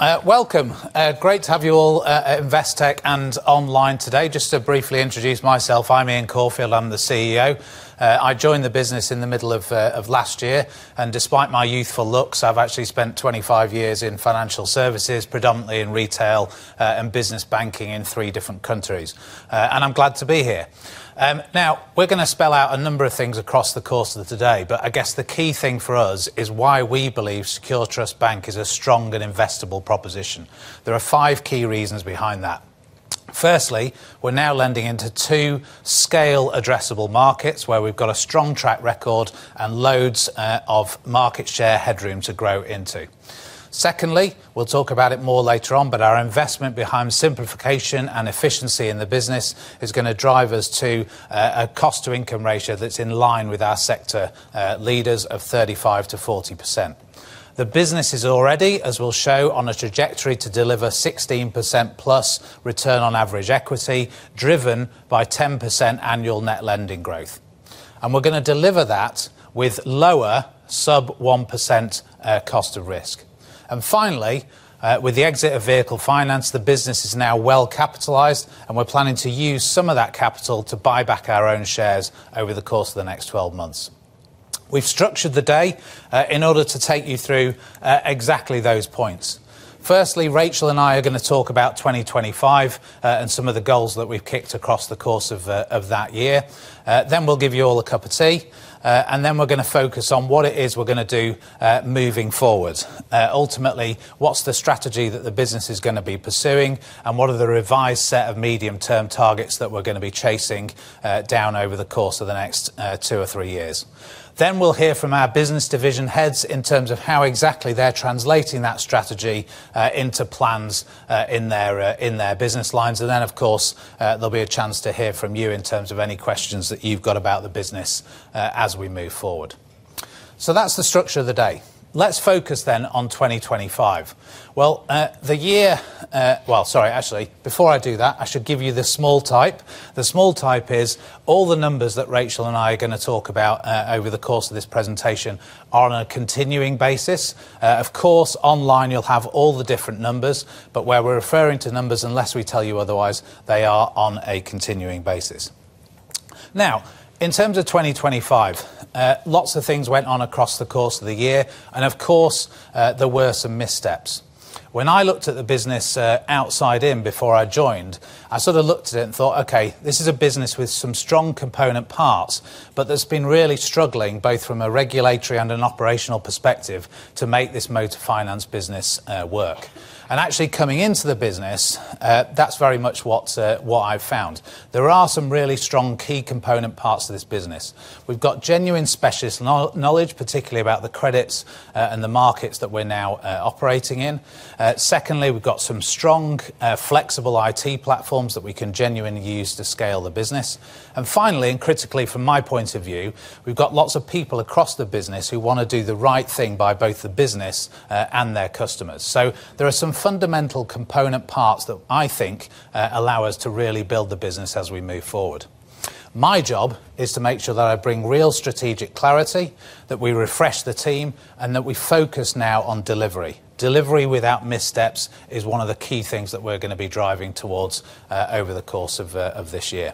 Welcome. Great to have you all at Investec and online today. Just to briefly introduce myself, I'm Ian Corfield. I'm the CEO. I joined the business in the middle of last year, and despite my youthful looks, I've actually spent 25 years in financial services, predominantly in retail and business banking in three different countries. I'm glad to be here. Now, we're gonna spell out a number of things across the course of today, but I guess the key thing for us is why we believe Secure Trust Bank is a strong and investable proposition. There are five key reasons behind that. Firstly, we're now lending into two scale addressable markets where we've got a strong track record and loads of market share headroom to grow into. Secondly, we'll talk about it more later on, but our investment behind simplification and efficiency in the business is gonna drive us to a cost to income ratio that's in line with our sector leaders of 35%-40%. The business is already, as we'll show, on a trajectory to deliver 16%+ return on average equity, driven by 10% annual net lending growth. We're gonna deliver that with lower sub-1% cost of risk. Finally, with the exit of Vehicle Finance, the business is now well capitalized, and we're planning to use some of that capital to buy back our own shares over the course of the next 12 months. We've structured the day in order to take you through exactly those points. Firstly, Rachel and I are gonna talk about 2025 and some of the goals that we've kicked across the course of of that year. We'll give you all a cup of tea. We're gonna focus on what it is we're gonna do moving forward. Ultimately, what's the strategy that the business is gonna be pursuing, and what are the revised set of medium-term targets that we're gonna be chasing down over the course of the next two or three years. We'll hear from our business division heads in terms of how exactly they're translating that strategy into plans in their business lines. Of course, there'll be a chance to hear from you in terms of any questions that you've got about the business as we move forward. That's the structure of the day. Let's focus then on 2025. Well, sorry, actually, before I do that, I should give you the small print. The small print is all the numbers that Rachel and I are gonna talk about over the course of this presentation are on a continuing basis. Of course, online, you'll have all the different numbers, but where we're referring to numbers, unless we tell you otherwise, they are on a continuing basis. Now, in terms of 2025, lots of things went on across the course of the year, and of course, there were some missteps. When I looked at the business, outside in before I joined, I sort of looked at it and thought, "Okay, this is a business with some strong component parts, but that's been really struggling, both from a regulatory and an operational perspective, to make this motor finance business work." Actually, coming into the business, that's very much what I've found. There are some really strong key component parts to this business. We've got genuine specialist knowledge, particularly about the credits and the markets that we're now operating in. Secondly, we've got some strong flexible IT platforms that we can genuinely use to scale the business. Finally, and critically from my point of view, we've got lots of people across the business who wanna do the right thing by both the business and their customers. There are some fundamental component parts that I think allow us to really build the business as we move forward. My job is to make sure that I bring real strategic clarity, that we refresh the team, and that we focus now on delivery. Delivery without missteps is one of the key things that we're gonna be driving towards over the course of this year.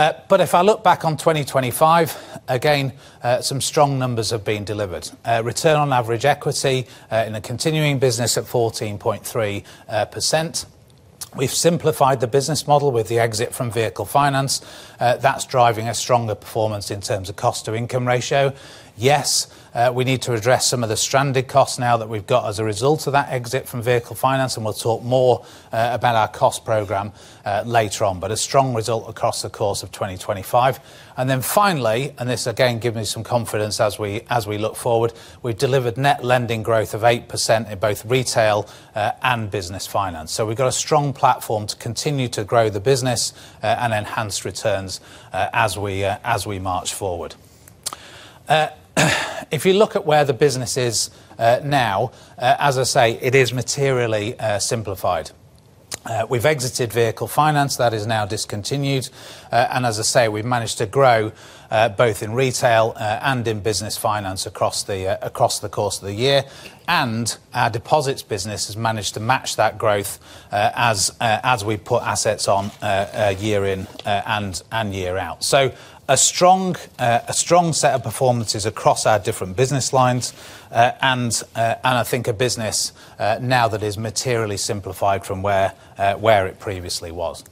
If I look back on 2025, again, some strong numbers have been delivered. Return on average equity in the continuing business at 14.3%. We've simplified the business model with the exit from Vehicle Finance. That's driving a stronger performance in terms of cost to income ratio. Yes, we need to address some of the stranded costs now that we've got as a result of that exit from Vehicle Finance, and we'll talk more about our cost program later on. A strong result across the course of 2025. Finally, and this again gives me some confidence as we look forward, we've delivered net lending growth of 8% in both retail and Business Finance. We've got a strong platform to continue to grow the business and enhance returns as we march forward. If you look at where the business is now, as I say, it is materially simplified. We've exited Vehicle Finance. That is now discontinued. As I say, we've managed to grow both in retail and in Business Finance across the course of the year. Our deposits business has managed to match that growth, as we put assets on year in and year out. A strong set of performances across our different business lines, and I think a business now that is materially simplified from where it previously was.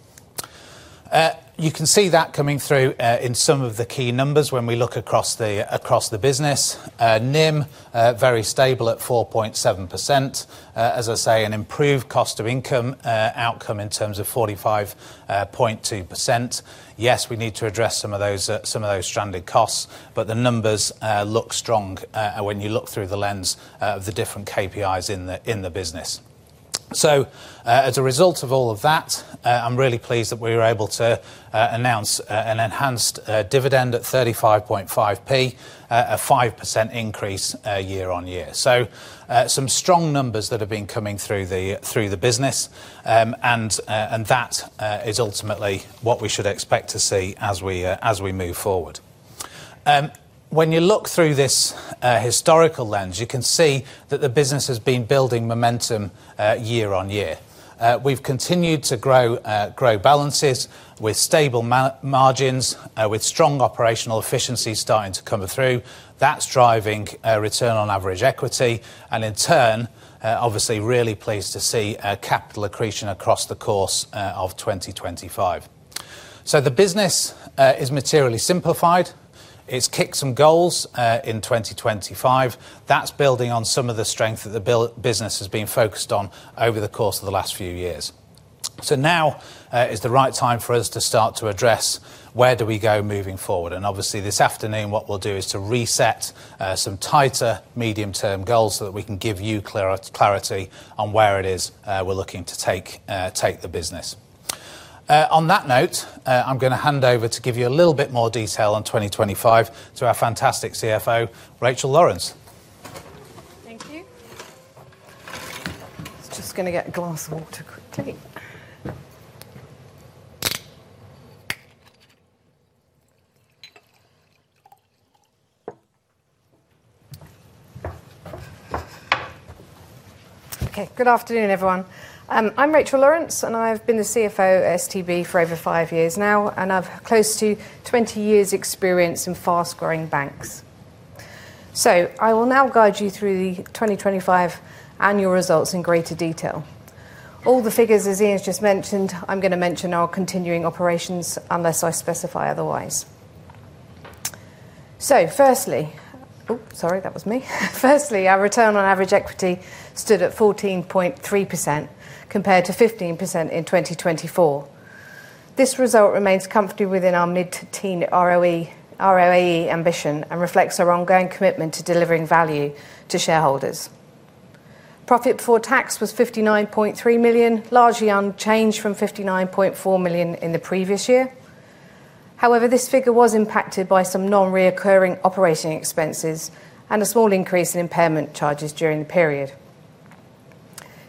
You can see that coming through in some of the key numbers when we look across the business. NIM very stable at 4.7%. As I say, an improved cost to income outcome in terms of 45.2%. Yes, we need to address some of those stranded costs, but the numbers look strong when you look through the lens of the different KPIs in the business. As a result of all of that, I'm really pleased that we were able to announce an enhanced dividend at 35.5, a 5% increase year-on-year. Some strong numbers have been coming through the business. That is ultimately what we should expect to see as we move forward. When you look through this historical lens, you can see that the business has been building momentum year-on-year. We've continued to grow balances with stable margins with strong operational efficiency starting to come through. That's driving a return on average equity and in turn, obviously really pleased to see capital accretion across the course of 2025. The business is materially simplified. It's kicked some goals in 2025. That's building on some of the strength that the business has been focused on over the course of the last few years. Now is the right time for us to start to address where do we go moving forward. Obviously this afternoon, what we'll do is to reset some tighter medium-term goals so that we can give you clarity on where it is we're looking to take the business. On that note, I'm gonna hand over to give you a little bit more detail on 2025 to our fantastic CFO, Rachel Lawrence. Thank you. Just gonna get a glass of water quickly. Okay. Good afternoon, everyone. I'm Rachel Lawrence, and I've been the CFO at STB for over five years now, and I've close to 20 years' experience in fast-growing banks. I will now guide you through the 2025 annual results in greater detail. All the figures, as Ian has just mentioned, I'm gonna mention our continuing operations unless I specify otherwise. Firstly, our return on average equity stood at 14.3% compared to 15% in 2024. This result remains comfortably within our mid-teen ROE, ROAE ambition and reflects our ongoing commitment to delivering value to shareholders. Profit before tax was 59.3 million, largely unchanged from 59.4 million in the previous year. However, this figure was impacted by some non-recurring operating expenses and a small increase in impairment charges during the period.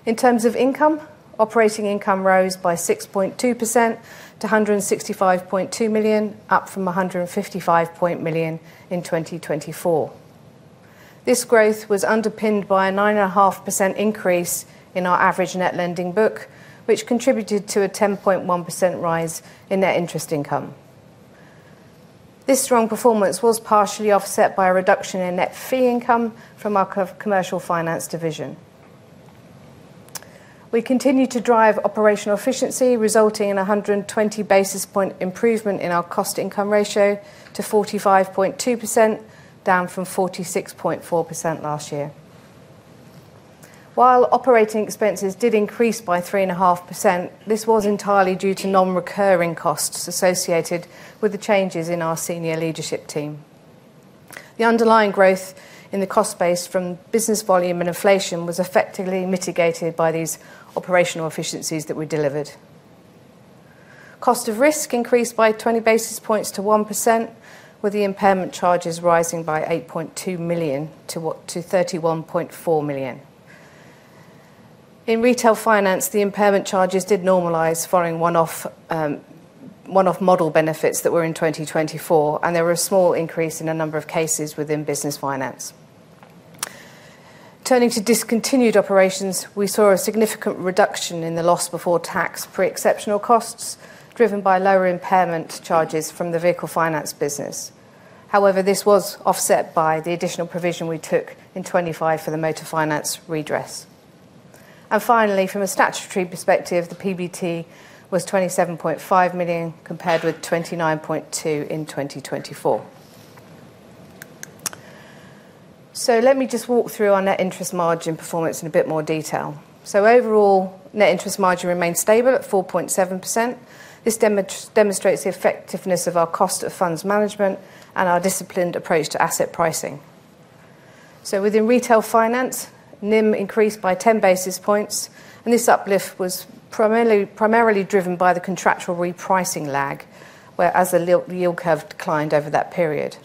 In terms of income, operating income rose by 6.2% to 165.2 million, up from 155.1 million in 2024. This growth was underpinned by a 9.5% increase in our average net lending book, which contributed to a 10.1% rise in net interest income. This strong performance was partially offset by a reduction in net fee income from our Commercial Finance division. We continued to drive operational efficiency, resulting in a 120 basis point improvement in our cost to income ratio to 45.2%, down from 46.4% last year. While operating expenses did increase by 3.5%, this was entirely due to non-recurring costs associated with the changes in our senior leadership team. The underlying growth in the cost base from business volume and inflation was effectively mitigated by these operational efficiencies that we delivered. Cost of risk increased by 20 basis points to 1%, with the impairment charges rising by 8.2 million to 31.4 million. In Retail Finance, the impairment charges did normalize following one-off model benefits that were in 2024, and there were a small increase in a number of cases within Business Finance. Turning to discontinued operations, we saw a significant reduction in the loss before tax pre exceptional costs, driven by lower impairment charges from the Vehicle Finance business. However, this was offset by the additional provision we took in 2025 for the motor finance redress. Finally, from a statutory perspective, the PBT was 27.5 million, compared with 29.2 million in 2024. Let me just walk through our net interest margin performance in a bit more detail. Overall, net interest margin remained stable at 4.7%. This demonstrates the effectiveness of our cost of funds management and our disciplined approach to asset pricing. Within Retail Finance, NIM increased by 10 basis points, and this uplift was primarily driven by the contractual repricing lag, whereas the yield curve declined over that period.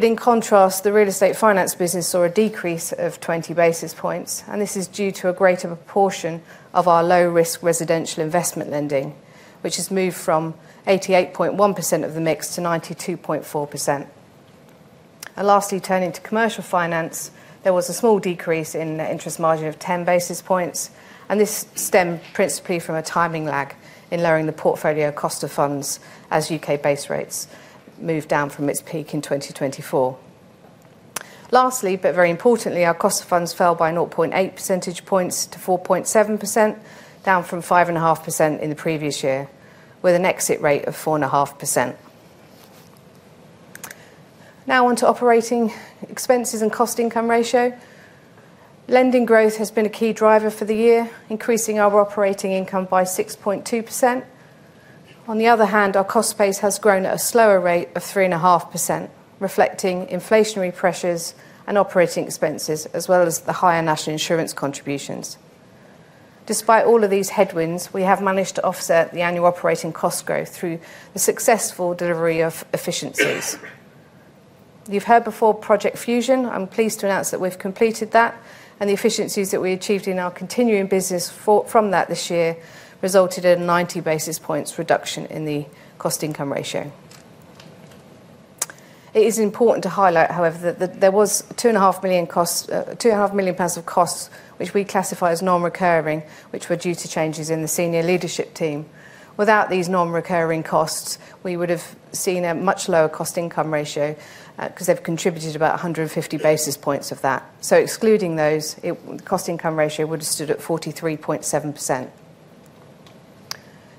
In contrast, the real estate finance business saw a decrease of 20 basis points, and this is due to a greater proportion of our low-risk residential investment lending, which has moved from 88.1% of the mix to 92.4%. Lastly, turning to commercial finance, there was a small decrease in net interest margin of 10 basis points, and this stemmed principally from a timing lag in lowering the portfolio cost of funds as U.K. base rates moved down from its peak in 2024. Lastly, but very importantly, our cost of funds fell by 0.8 percentage points to 4.7%, down from 5.5% in the previous year, with an exit rate of 4.5%. Now on to operating expenses and cost to income ratio. Lending growth has been a key driver for the year, increasing our operating income by 6.2%. On the other hand, our cost base has grown at a slower rate of 3.5%, reflecting inflationary pressures and operating expenses, as well as the higher national insurance contributions. Despite all of these headwinds, we have managed to offset the annual operating cost growth through the successful delivery of efficiencies. You've heard before Project Fusion. I'm pleased to announce that we've completed that, and the efficiencies that we achieved in our continuing business from that this year resulted in 90 basis points reduction in the cost to income ratio. It is important to highlight, however, that there was 2,500,000 pounds of costs which we classify as non-recurring, which were due to changes in the senior leadership team. Without these non-recurring costs, we would have seen a much lower cost-income ratio, 'cause they've contributed about 150 basis points of that. Excluding those, cost-income ratio would have stood at 43.7%.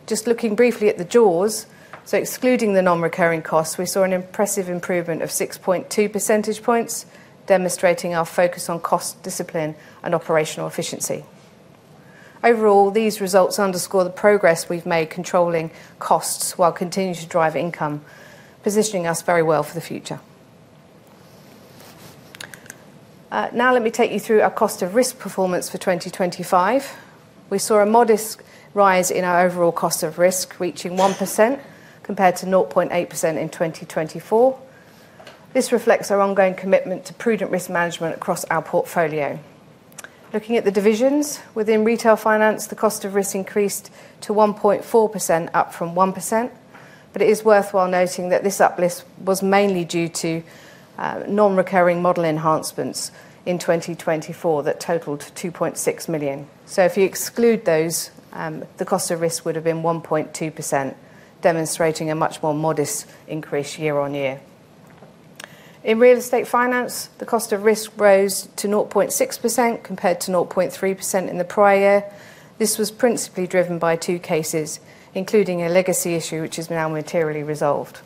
Just looking briefly at the jaws, excluding the non-recurring costs, we saw an impressive improvement of 6.2 percentage points, demonstrating our focus on cost discipline and operational efficiency. Overall, these results underscore the progress we've made controlling costs while continuing to drive income, positioning us very well for the future. Now let me take you through our cost of risk performance for 2025. We saw a modest rise in our overall cost of risk, reaching 1% compared to 0.8% in 2024. This reflects our ongoing commitment to prudent risk management across our portfolio. Looking at the divisions, within Retail Finance, the cost of risk increased to 1.4%, up from 1%. It is worthwhile noting that this uplift was mainly due to non-recurring model enhancements in 2024 that totaled 2.6 million. If you exclude those, the cost of risk would have been 1.2%, demonstrating a much more modest increase year-on-year. In Real Estate Finance, the cost of risk rose to 0.6% compared to 0.3% in the prior year. This was principally driven by two cases, including a legacy issue which is now materially resolved.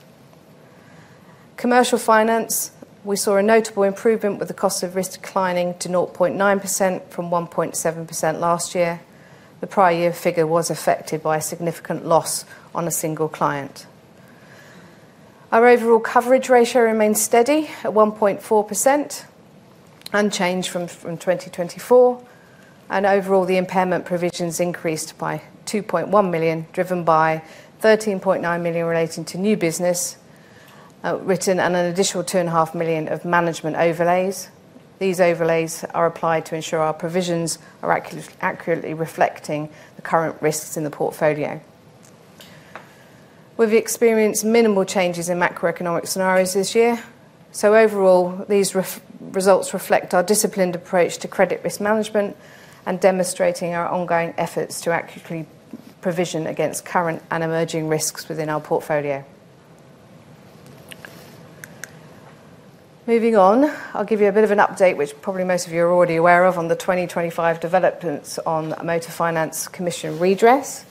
Commercial Finance, we saw a notable improvement with the cost of risk declining to 0.9% from 1.7% last year. The prior year figure was affected by a significant loss on a single client. Our overall coverage ratio remains steady at 1.4%, unchanged from 2024. Overall, the impairment provisions increased by 2.1 million, driven by 13.9 million relating to new business written and an additional 2.5 million of management overlays. These overlays are applied to ensure our provisions are accurately reflecting the current risks in the portfolio. We've experienced minimal changes in macroeconomic scenarios this year. Overall, these results reflect our disciplined approach to credit risk management and demonstrating our ongoing efforts to accurately provision against current and emerging risks within our portfolio. Moving on, I'll give you a bit of an update, which probably most of you are already aware of, on the 2025 developments on motor finance commission redress.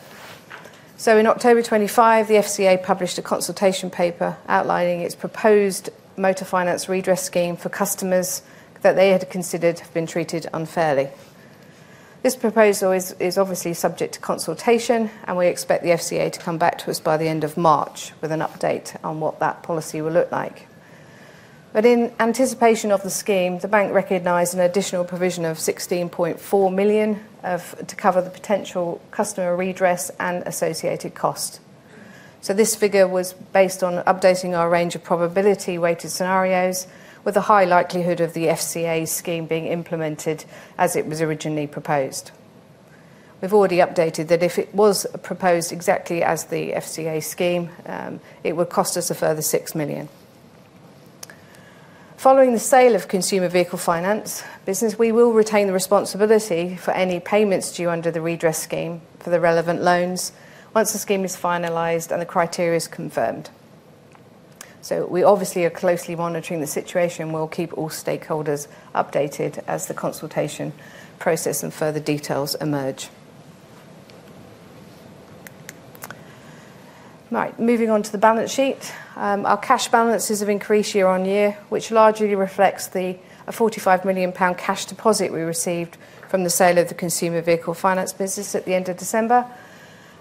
In October 2025, the FCA published a consultation paper outlining its proposed motor finance redress scheme for customers that they had considered have been treated unfairly. This proposal is obviously subject to consultation and we expect the FCA to come back to us by the end of March with an update on what that policy will look like. In anticipation of the scheme, the bank recognized an additional provision of 16.4 million to cover the potential customer redress and associated cost. This figure was based on updating our range of probability-weighted scenarios with a high likelihood of the FCA scheme being implemented as it was originally proposed. We've already updated that if it was proposed exactly as the FCA scheme, it would cost us a further 6 million. Following the sale of Consumer Vehicle Finance business, we will retain the responsibility for any payments due under the redress scheme for the relevant loans once the scheme is finalized and the criteria is confirmed. We obviously are closely monitoring the situation. We'll keep all stakeholders updated as the consultation process and further details emerge. Right, moving on to the balance sheet. Our cash balances have increased year-on-year, which largely reflects the 45 million pound cash deposit we received from the sale of the Consumer Vehicle Finance business at the end of December,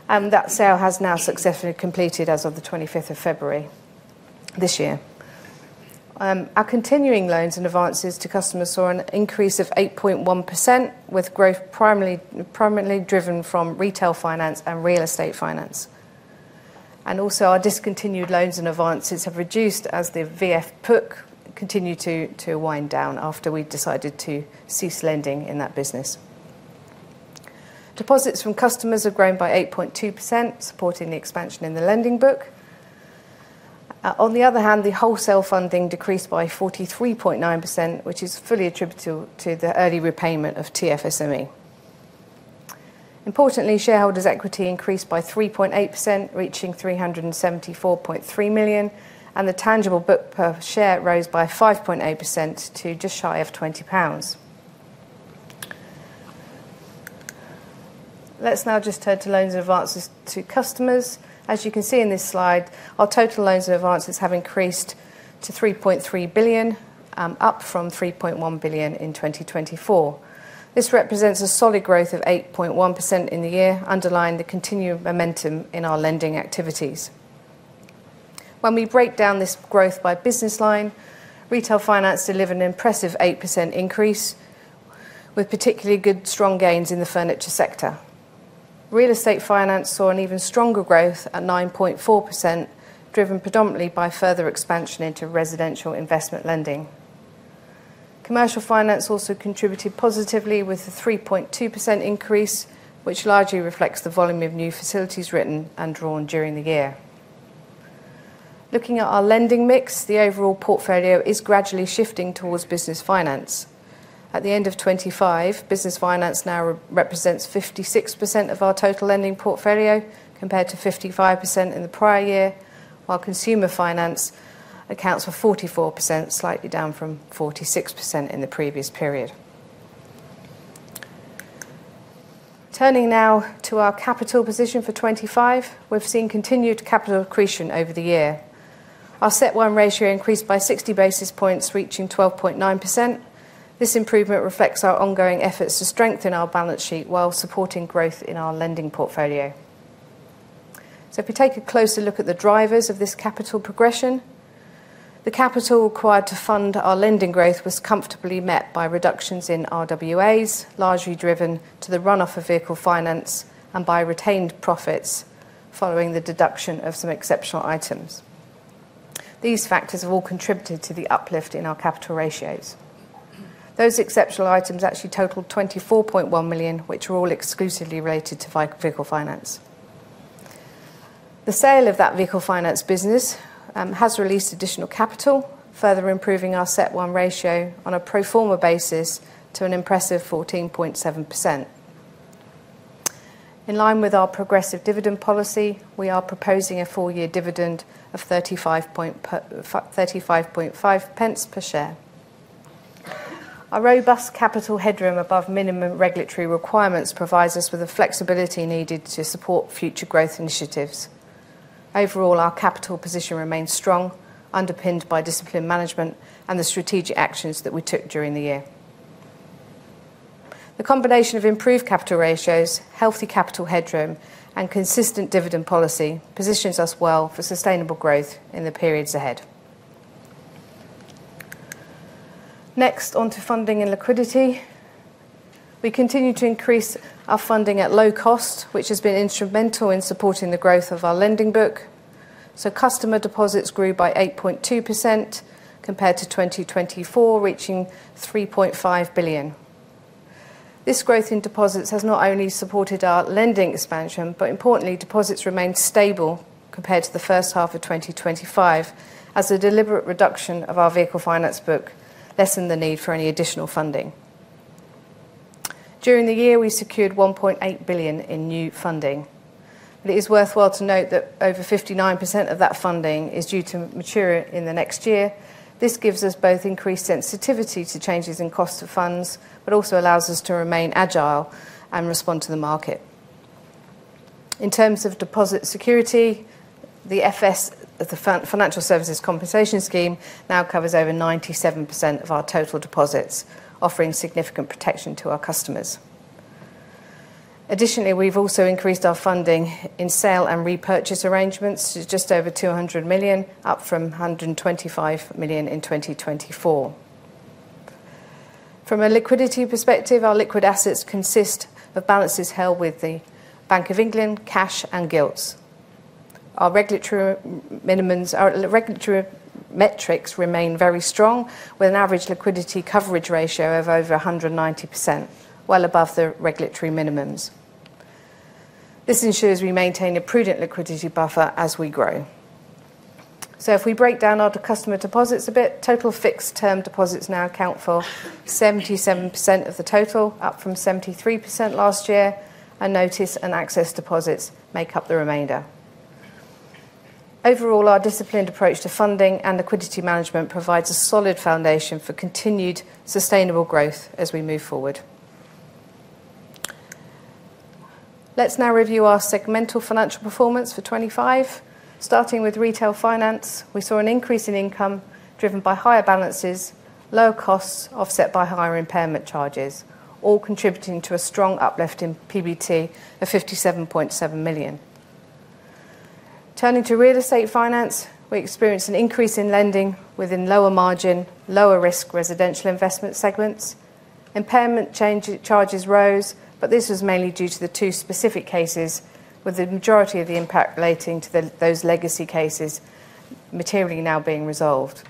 and that sale has now successfully completed as of the 25th of February this year. Our continuing loans and advances to customers saw an increase of 8.1%, with growth primarily driven from Retail Finance and Real Estate Finance. Our discontinued loans and advances have reduced as the VF book continued to wind down after we decided to cease lending in that business. Deposits from customers have grown by 8.2%, supporting the expansion in the lending book. On the other hand, the wholesale funding decreased by 43.9%, which is fully attributable to the early repayment of TFSME. Importantly, shareholders' equity increased by 3.8%, reaching 374.3 million, and the tangible book per share rose by 5.8% to just shy of 20 pounds. Let's now just turn to loans and advances to customers. As you can see in this slide, our total loans and advances have increased to 3.3 billion, up from 3.1 billion in 2024. This represents a solid growth of 8.1% in the year, underlying the continued momentum in our lending activities. When we break down this growth by business line, Retail Finance deliver an impressive 8% increase, with particularly good strong gains in the furniture sector. Real Estate Finance saw an even stronger growth at 9.4%, driven predominantly by further expansion into residential investment lending. Commercial Finance also contributed positively with a 3.2% increase, which largely reflects the volume of new facilities written and drawn during the year. Looking at our lending mix, the overall portfolio is gradually shifting towards Business Finance. At the end of 2025, Business Finance now represents 56% of our total lending portfolio, compared to 55% in the prior year, while Retail Finance accounts for 44%, slightly down from 46% in the previous period. Turning now to our capital position for 2025, we've seen continued capital accretion over the year. Our CET1 ratio increased by 60 basis points, reaching 12.9%. This improvement reflects our ongoing efforts to strengthen our balance sheet while supporting growth in our lending portfolio. If we take a closer look at the drivers of this capital progression, the capital required to fund our lending growth was comfortably met by reductions in RWAs, largely driven by the run-off of Vehicle Finance and by retained profits following the deduction of some exceptional items. These factors have all contributed to the uplift in our capital ratios. Those exceptional items actually totaled 24.1 million, which were all exclusively related to Vehicle Finance. The sale of that Vehicle Finance business has released additional capital, further improving our CET1 ratio on a pro forma basis to an impressive 14.7%. In line with our progressive dividend policy, we are proposing a full-year dividend of 35.5 per share. Our robust capital headroom above minimum regulatory requirements provides us with the flexibility needed to support future growth initiatives. Overall, our capital position remains strong, underpinned by disciplined management and the strategic actions that we took during the year. The combination of improved capital ratios, healthy capital headroom, and consistent dividend policy positions us well for sustainable growth in the periods ahead. Next, onto funding and liquidity. We continue to increase our funding at low cost, which has been instrumental in supporting the growth of our lending book. Customer deposits grew by 8.2% compared to 2024, reaching 3.5 billion. This growth in deposits has not only supported our lending expansion, but importantly, deposits remained stable compared to the first half of 2025, as a deliberate reduction of our Vehicle Finance book lessened the need for any additional funding. During the year, we secured 1.8 billion in new funding. It is worthwhile to note that over 59% of that funding is due to mature in the next year. This gives us both increased sensitivity to changes in cost of funds, but also allows us to remain agile and respond to the market. In terms of deposit security, the Financial Services Compensation Scheme now covers over 97% of our total deposits, offering significant protection to our customers. Additionally, we've also increased our funding in sale and repurchase arrangements to just over 200 million, up from 125 million in 2024. From a liquidity perspective, our liquid assets consist of balances held with the Bank of England, cash and gilts. Our regulatory minimums. Our regulatory metrics remain very strong, with an average liquidity coverage ratio of over 190%, well above the regulatory minimums. This ensures we maintain a prudent liquidity buffer as we grow. If we break down our customer deposits a bit, total fixed term deposits now account for 77% of the total, up from 73% last year, and notice and access deposits make up the remainder. Overall, our disciplined approach to funding and liquidity management provides a solid foundation for continued sustainable growth as we move forward. Let's now review our segmental financial performance for 2025. Starting with Retail Finance, we saw an increase in income driven by higher balances, lower costs offset by higher impairment charges, all contributing to a strong uplift in PBT of 57.7 million. Turning to Real Estate Finance, we experienced an increase in lending within lower margin, lower risk residential investment segments. Impairment charges rose, but this was mainly due to the two specific cases, with the majority of the impact relating to those legacy cases materially now being resolved.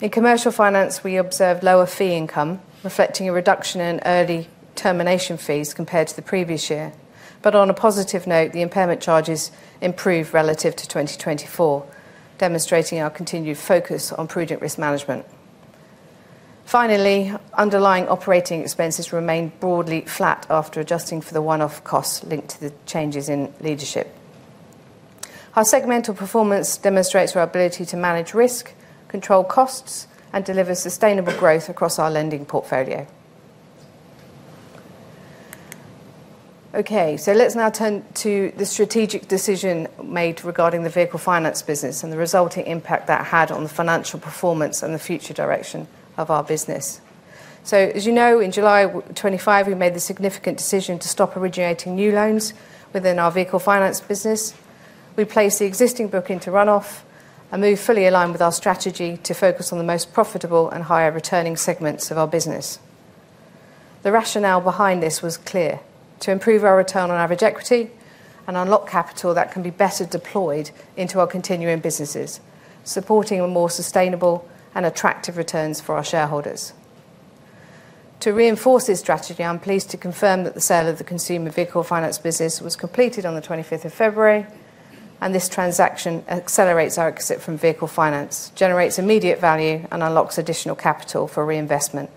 In Commercial Finance, we observed lower fee income, reflecting a reduction in early termination fees compared to the previous year. On a positive note, the impairment charges improved relative to 2024, demonstrating our continued focus on prudent risk management. Finally, underlying operating expenses remained broadly flat after adjusting for the one-off costs linked to the changes in leadership. Our segmental performance demonstrates our ability to manage risk, control costs, and deliver sustainable growth across our lending portfolio. Okay, let's now turn to the strategic decision made regarding the Vehicle Finance business and the resulting impact that had on the financial performance and the future direction of our business. As you know, in July 2025, we made the significant decision to stop originating new loans within our Vehicle Finance business. We placed the existing book to run off and move fully aligned with our strategy to focus on the most profitable and higher returning segments of our business. The rationale behind this was clear, to improve our return on average equity and unlock capital that can be better deployed into our continuing businesses, supporting a more sustainable and attractive returns for our shareholders. To reinforce this strategy, I'm pleased to confirm that the sale of the consumer Vehicle Finance business was completed on the 25th of February, and this transaction accelerates our exit from Vehicle Finance, generates immediate value, and unlocks additional capital for reinvestment.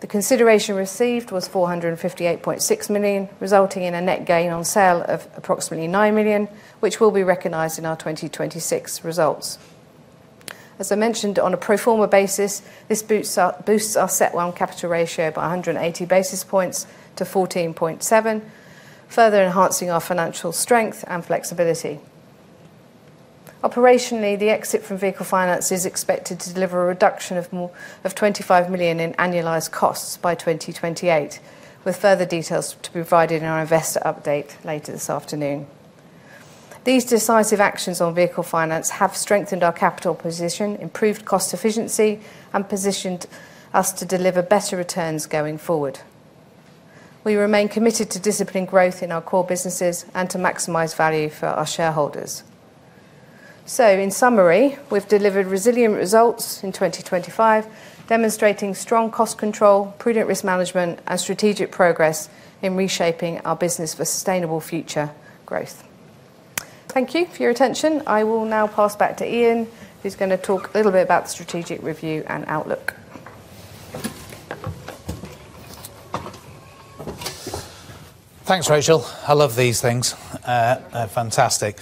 The consideration received was 458.6 million, resulting in a net gain on sale of approximately 9 million, which will be recognized in our 2026 results. As I mentioned on a pro forma basis, this boosts our CET1 capital ratio by 180 basis points to 14.7, further enhancing our financial strength and flexibility. Operationally, the exit from Vehicle Finance is expected to deliver a reduction of more than 25 million in annualized costs by 2028, with further details to be provided in our investor update later this afternoon. These decisive actions on Vehicle Finance have strengthened our capital position, improved cost efficiency, and positioned us to deliver better returns going forward. We remain committed to disciplining growth in our core businesses and to maximize value for our shareholders. In summary, we've delivered resilient results in 2025, demonstrating strong cost control, prudent risk management, and strategic progress in reshaping our business for sustainable future growth. Thank you for your attention. I will now pass back to Ian, who's going to talk a little bit about strategic review and outlook. Thanks, Rachel. I love these things. Fantastic.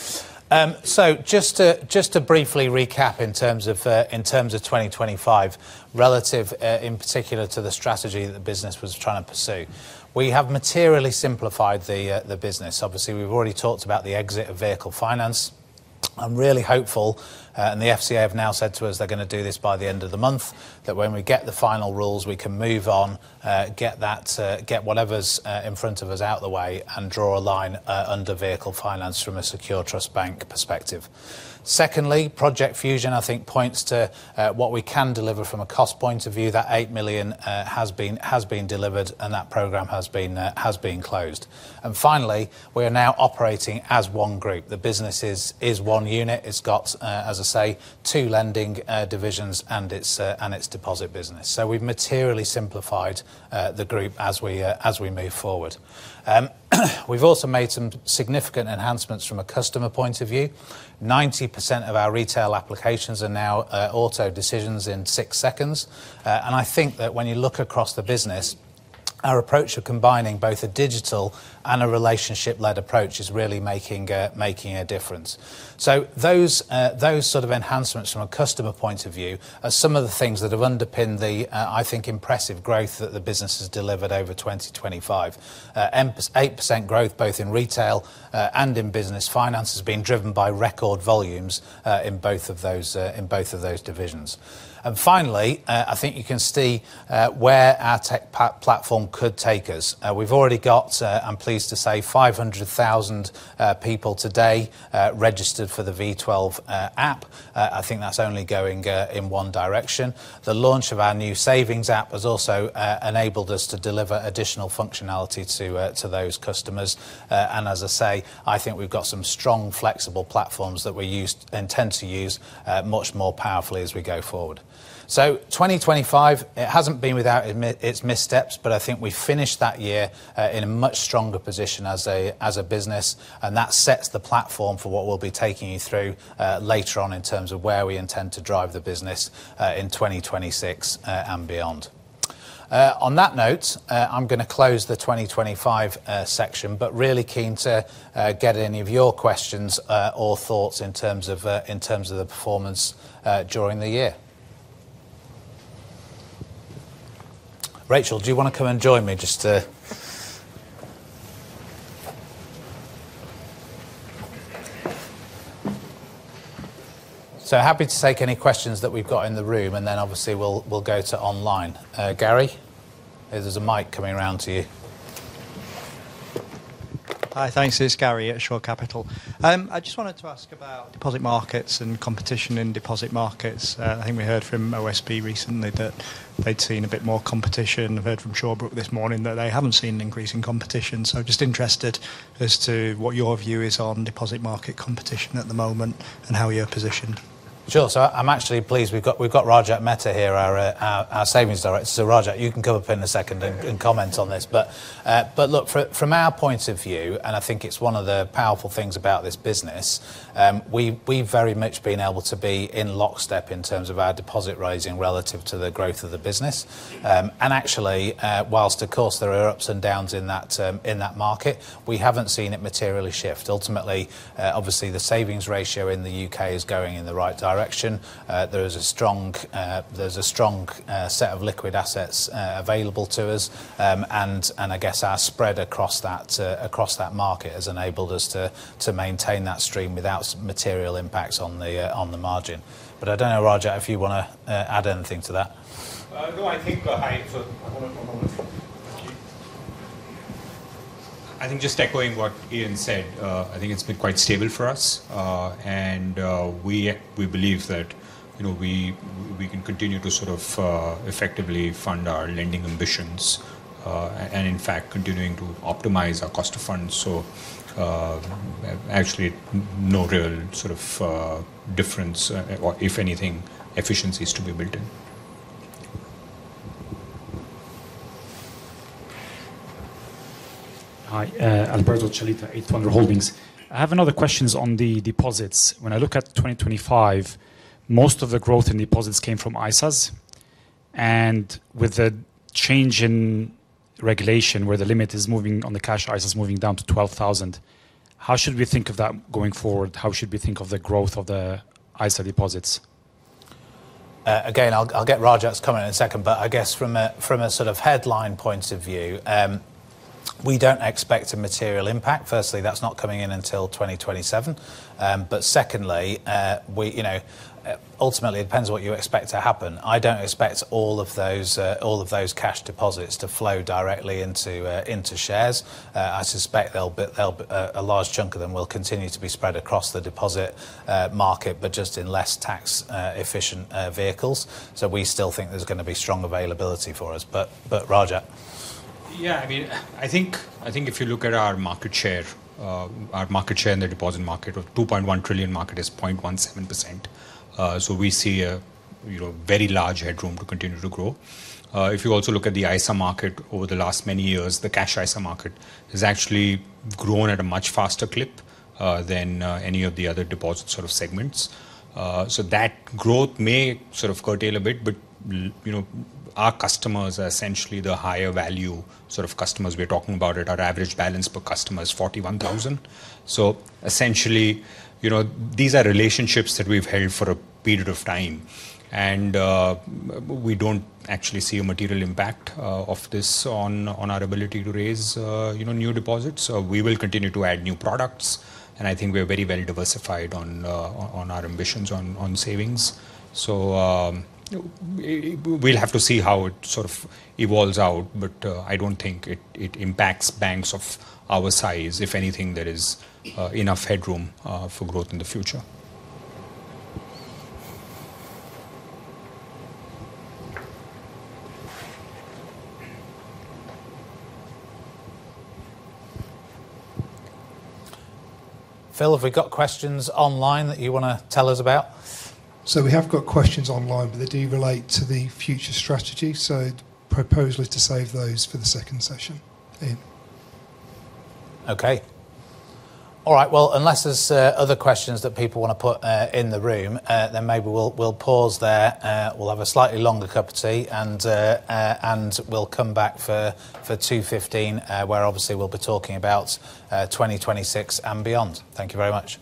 Just to briefly recap in terms of 2025, relative in particular to the strategy that the business was trying to pursue, we have materially simplified the business. Obviously, we've already talked about the exit of Vehicle Finance. I'm really hopeful, and the FCA have now said to us they're gonna do this by the end of the month, that when we get the final rules, we can move on, get whatever's in front of us out the way and draw a line under Vehicle Finance from a Secure Trust Bank perspective. Secondly, Project Fusion, I think, points to what we can deliver from a cost point of view. That 8 million has been delivered, and that program has been closed. Finally, we are now operating as one group. The business is one unit. It's got, as I say, two lending divisions and its deposit business. We've materially simplified the group as we move forward. We've also made some significant enhancements from a customer point of view. 90% of our retail applications are now auto decisions in six seconds. I think that when you look across the business, our approach of combining both a digital and a relationship-led approach is really making a difference. Those sort of enhancements from a customer point of view are some of the things that have underpinned the, I think, impressive growth that the business has delivered over 2025. 8% growth both in Retail and in Business Finance has been driven by record volumes in both of those divisions. Finally, I think you can see where our tech platform could take us. We've already got, I'm pleased to say, 500,000 people today registered for the V12 app. I think that's only going in one direction. The launch of our new savings app has also enabled us to deliver additional functionality to those customers. As I say, I think we've got some strong, flexible platforms that we use and tend to use much more powerfully as we go forward. 2025, it hasn't been without its missteps, but I think we finished that year in a much stronger position as a business, and that sets the platform for what we'll be taking you through later on in terms of where we intend to drive the business in 2026 and beyond. On that note, I'm gonna close the 2025 section, but really keen to get any of your questions or thoughts in terms of the performance during the year. Rachel, do you wanna come and join me just to... Happy to take any questions that we've got in the room, and then obviously we'll go to online. Gary, there's a mic coming around to you. Hi. Thanks. It's Gary at Shore Capital. I just wanted to ask about deposit markets and competition in deposit markets. I think we heard from OSB recently that they'd seen a bit more competition. I've heard from Shawbrook this morning that they haven't seen an increase in competition. Just interested as to what your view is on deposit market competition at the moment and how you're positioned. Sure. I'm actually pleased we've got Rajat Mehta here, our Savings Director. Rajat, you can come up in a second and comment on this. Look, from our point of view, and I think it's one of the powerful things about this business, we've very much been able to be in lockstep in terms of our deposit raising relative to the growth of the business. Actually, while of course there are ups and downs in that market, we haven't seen it materially shift. Ultimately, obviously the savings ratio in the U.K. is going in the right direction. There is a strong set of liquid assets available to us. I guess our spread across that market has enabled us to maintain that stream without material impacts on the margin. I don't know, Rajat, if you wanna add anything to that. One moment. I think just echoing what Ian said, I think it's been quite stable for us. We believe that, you know, we can continue to sort of effectively fund our lending ambitions, and in fact continuing to optimize our cost of funds. Actually no real sort of difference, or if anything, efficiencies to be built in. Hi, Alberto Challita, Eighth Wonder Holdings. I have another questions on the deposits. When I look at 2025, most of the growth in deposits came from ISAs, and with the change in regulation where the limit is moving on the cash ISAs moving down to 12,000, how should we think of that going forward? How should we think of the growth of the ISA deposits? Again, I'll get Rajat to comment in a second, but I guess from a sort of headline point of view, we don't expect a material impact. Firstly, that's not coming in until 2027. Secondly, you know, ultimately it depends on what you expect to happen. I don't expect all of those cash deposits to flow directly into shares. I suspect a large chunk of them will continue to be spread across the deposit market, but just in less tax efficient vehicles. We still think there's gonna be strong availability for us. Rajat. Yeah, I mean, I think if you look at our market share, our market share in the deposit market of 2.1 trillion market is 0.17%. So we see, you know, very large headroom to continue to grow. If you also look at the ISA market over the last many years, the cash ISA market has actually grown at a much faster clip than any of the other deposit sort of segments. So that growth may sort of curtail a bit, but, you know, our customers are essentially the higher value sort of customers we're talking about it. Our average balance per customer is 41,000. Essentially, you know, these are relationships that we've held for a period of time, and we don't actually see a material impact of this on our ability to raise, you know, new deposits. We will continue to add new products, and I think we're very well diversified on our ambitions on savings. We'll have to see how it sort of evolves out, but I don't think it impacts banks of our size. If anything, there is enough headroom for growth in the future. Phil, have we got questions online that you wanna tell us about? We have got questions online, but they do relate to the future strategy. Proposal is to save those for the second session. Ian. Okay. All right. Well, unless there's other questions that people wanna put in the room, then maybe we'll pause there. We'll have a slightly longer cup of tea and we'll come back for 2:15 P.M., where obviously we'll be talking about 2026 and beyond. Thank you very much.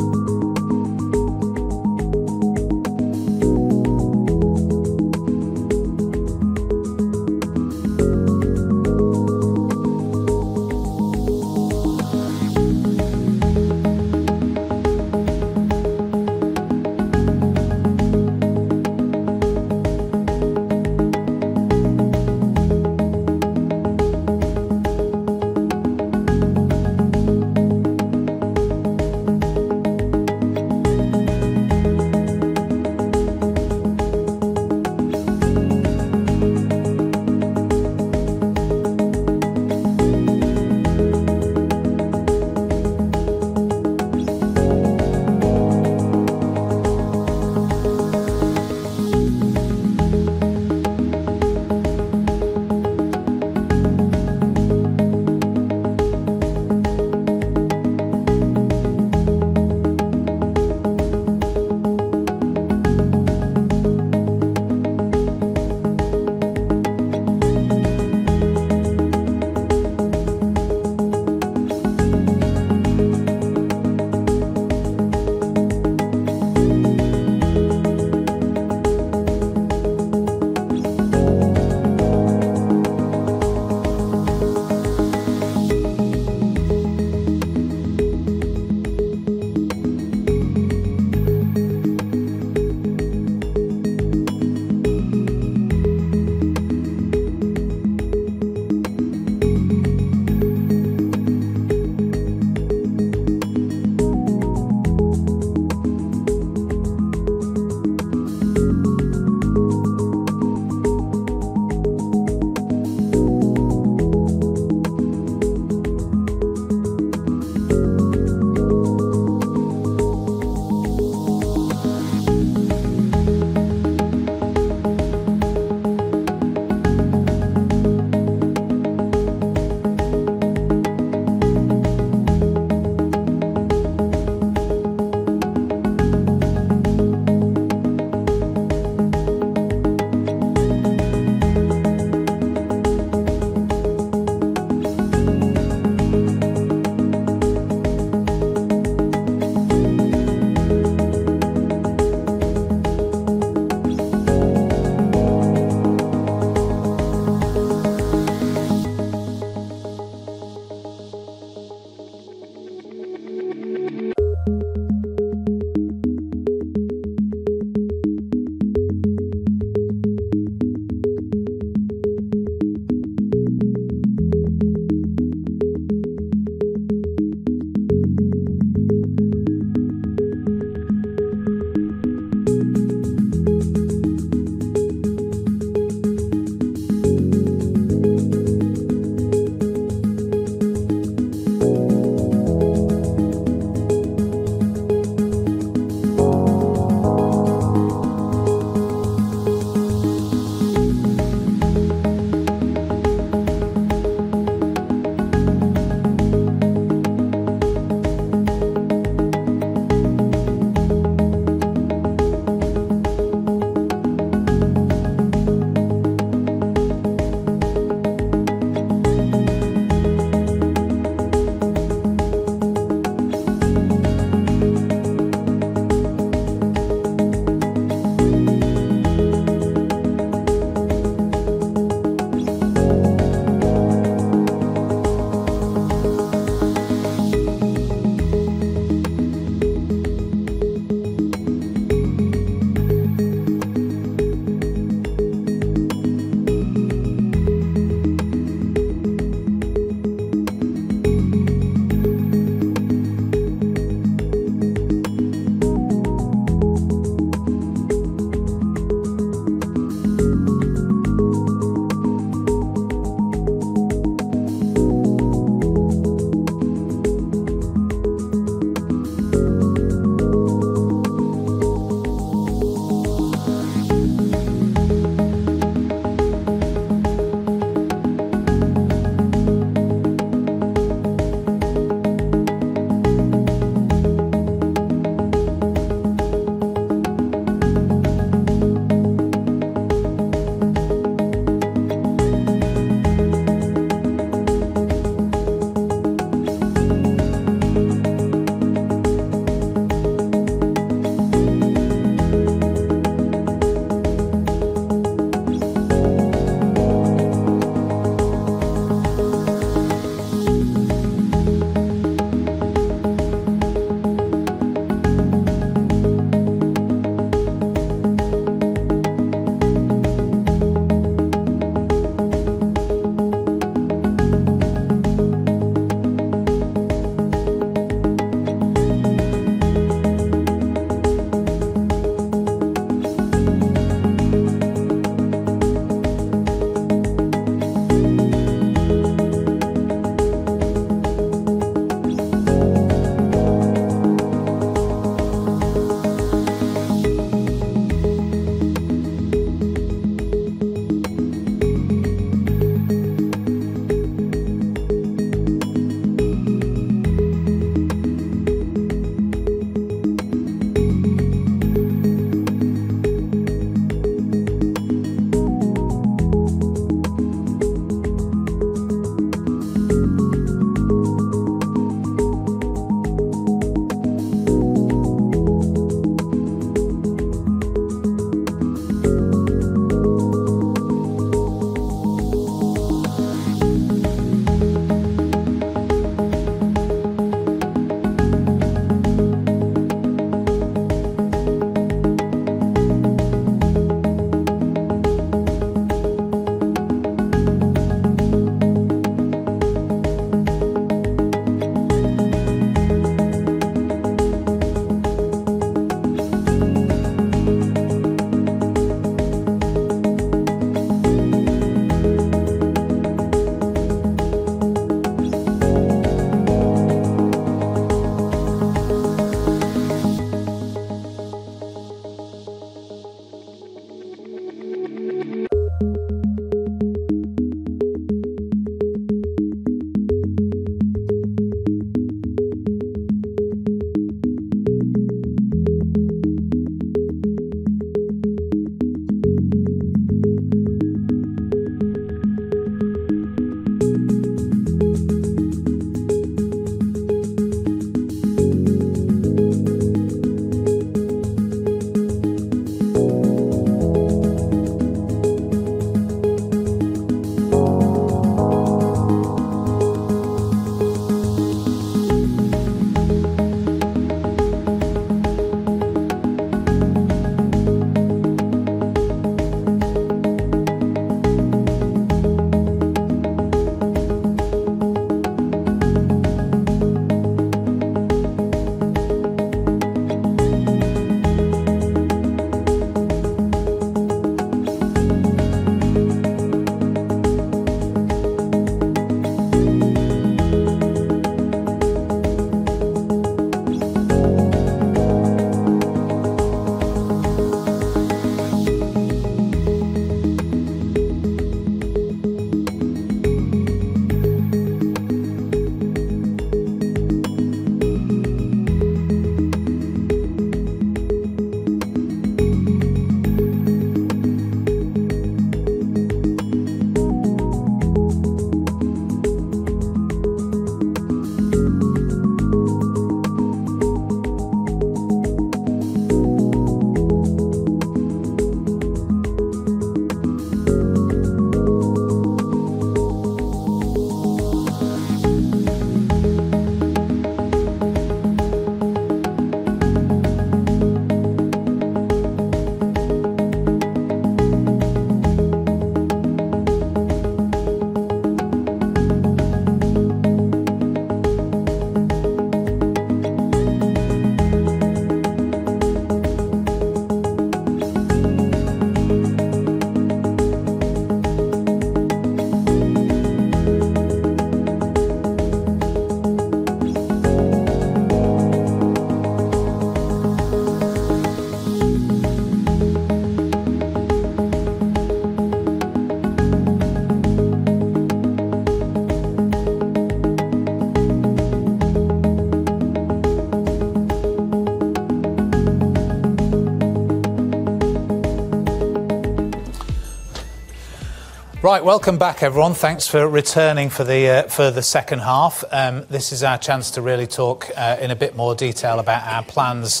Right. Welcome back, everyone. Thanks for returning for the second half. This is our chance to really talk in a bit more detail about our plans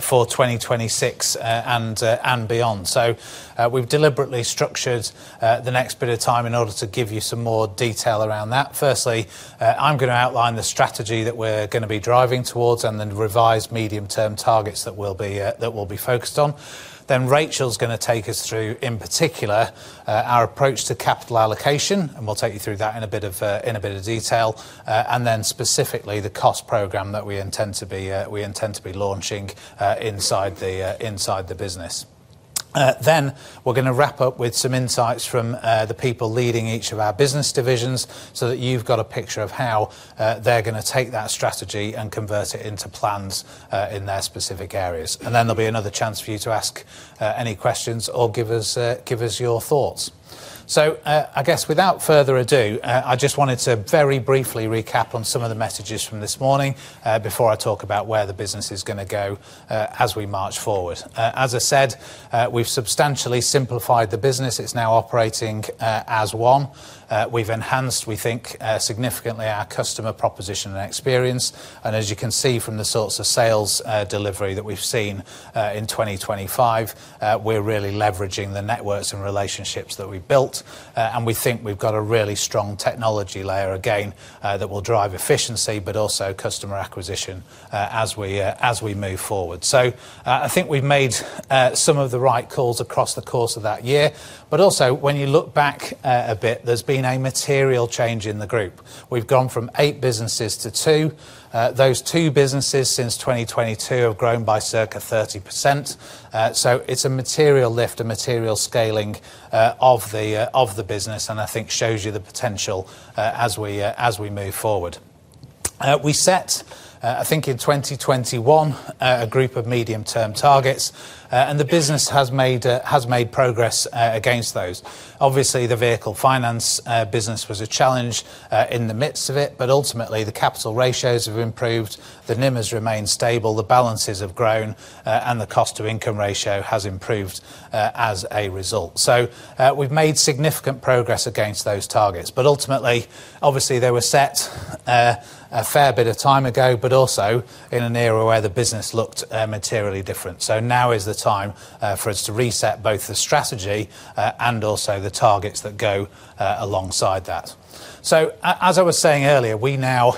for 2026 and beyond. We've deliberately structured the next bit of time in order to give you some more detail around that. Firstly, I'm gonna outline the strategy that we're gonna be driving towards and the revised medium-term targets that we'll be focused on. Rachel's gonna take us through, in particular, our approach to capital allocation, and we'll take you through that in a bit of detail, and then specifically the cost program that we intend to be launching inside the business. We're gonna wrap up with some insights from the people leading each of our business divisions so that you've got a picture of how they're gonna take that strategy and convert it into plans in their specific areas. There'll be another chance for you to ask any questions or give us your thoughts. I guess without further ado, I just wanted to very briefly recap on some of the messages from this morning before I talk about where the business is gonna go as we march forward. As I said, we've substantially simplified the business. It's now operating as one. We've enhanced, we think, significantly our customer proposition and experience. As you can see from the sorts of sales delivery that we've seen in 2025, we're really leveraging the networks and relationships that we've built. We think we've got a really strong technology layer again that will drive efficiency but also customer acquisition as we move forward. I think we've made some of the right calls across the course of that year. Also when you look back, a bit, there's been a material change in the group. We've gone from eight businesses to two. Those two businesses since 2022 have grown by circa 30%. It's a material lift, a material scaling, of the business and I think shows you the potential, as we move forward. We set, I think in 2021, a group of medium-term targets, and the business has made progress against those. Obviously, the Vehicle Finance business was a challenge in the midst of it, but ultimately, the capital ratios have improved, the NIM has remained stable, the balances have grown, and the cost to income ratio has improved as a result. We've made significant progress against those targets. Ultimately, obviously, they were set a fair bit of time ago, but also in an era where the business looked materially different. Now is the time for us to reset both the strategy and also the targets that go alongside that. As I was saying earlier, we now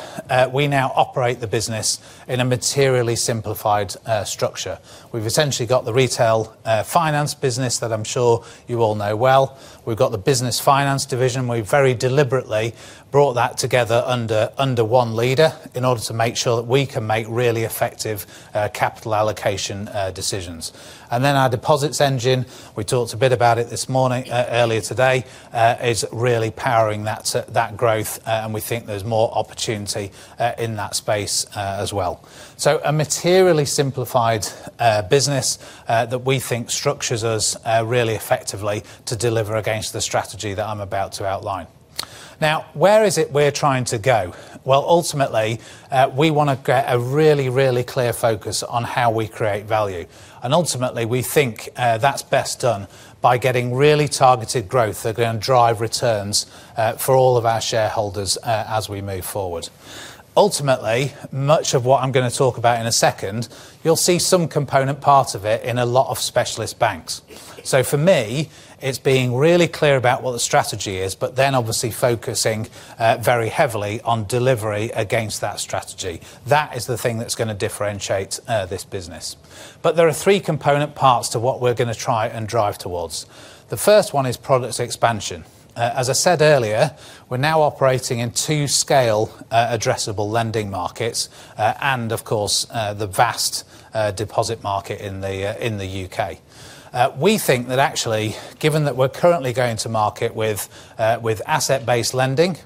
operate the business in a materially simplified structure. We've essentially got the Retail Finance business that I'm sure you all know well. We've got the Business Finance division. We've very deliberately brought that together under one leader in order to make sure that we can make really effective capital allocation decisions. Our deposits engine, we talked a bit about it this morning, earlier today, is really powering that growth, and we think there's more opportunity in that space, as well. A materially simplified business that we think structures us really effectively to deliver against the strategy that I'm about to outline. Now, where is it we're trying to go? Well, ultimately, we wanna get a really clear focus on how we create value. Ultimately, we think that's best done by getting really targeted growth that are gonna drive returns for all of our shareholders as we move forward. Ultimately, much of what I'm gonna talk about in a second, you'll see some component parts of it in a lot of specialist banks. For me, it's being really clear about what the strategy is, but then obviously focusing very heavily on delivery against that strategy. That is the thing that's gonna differentiate this business. There are three component parts to what we're gonna try and drive towards. The first one is product expansion. As I said earlier, we're now operating in two scalable addressable lending markets, and of course, the vast deposit market in the U.K. We think that actually, given that we're currently going to market with asset-based lending,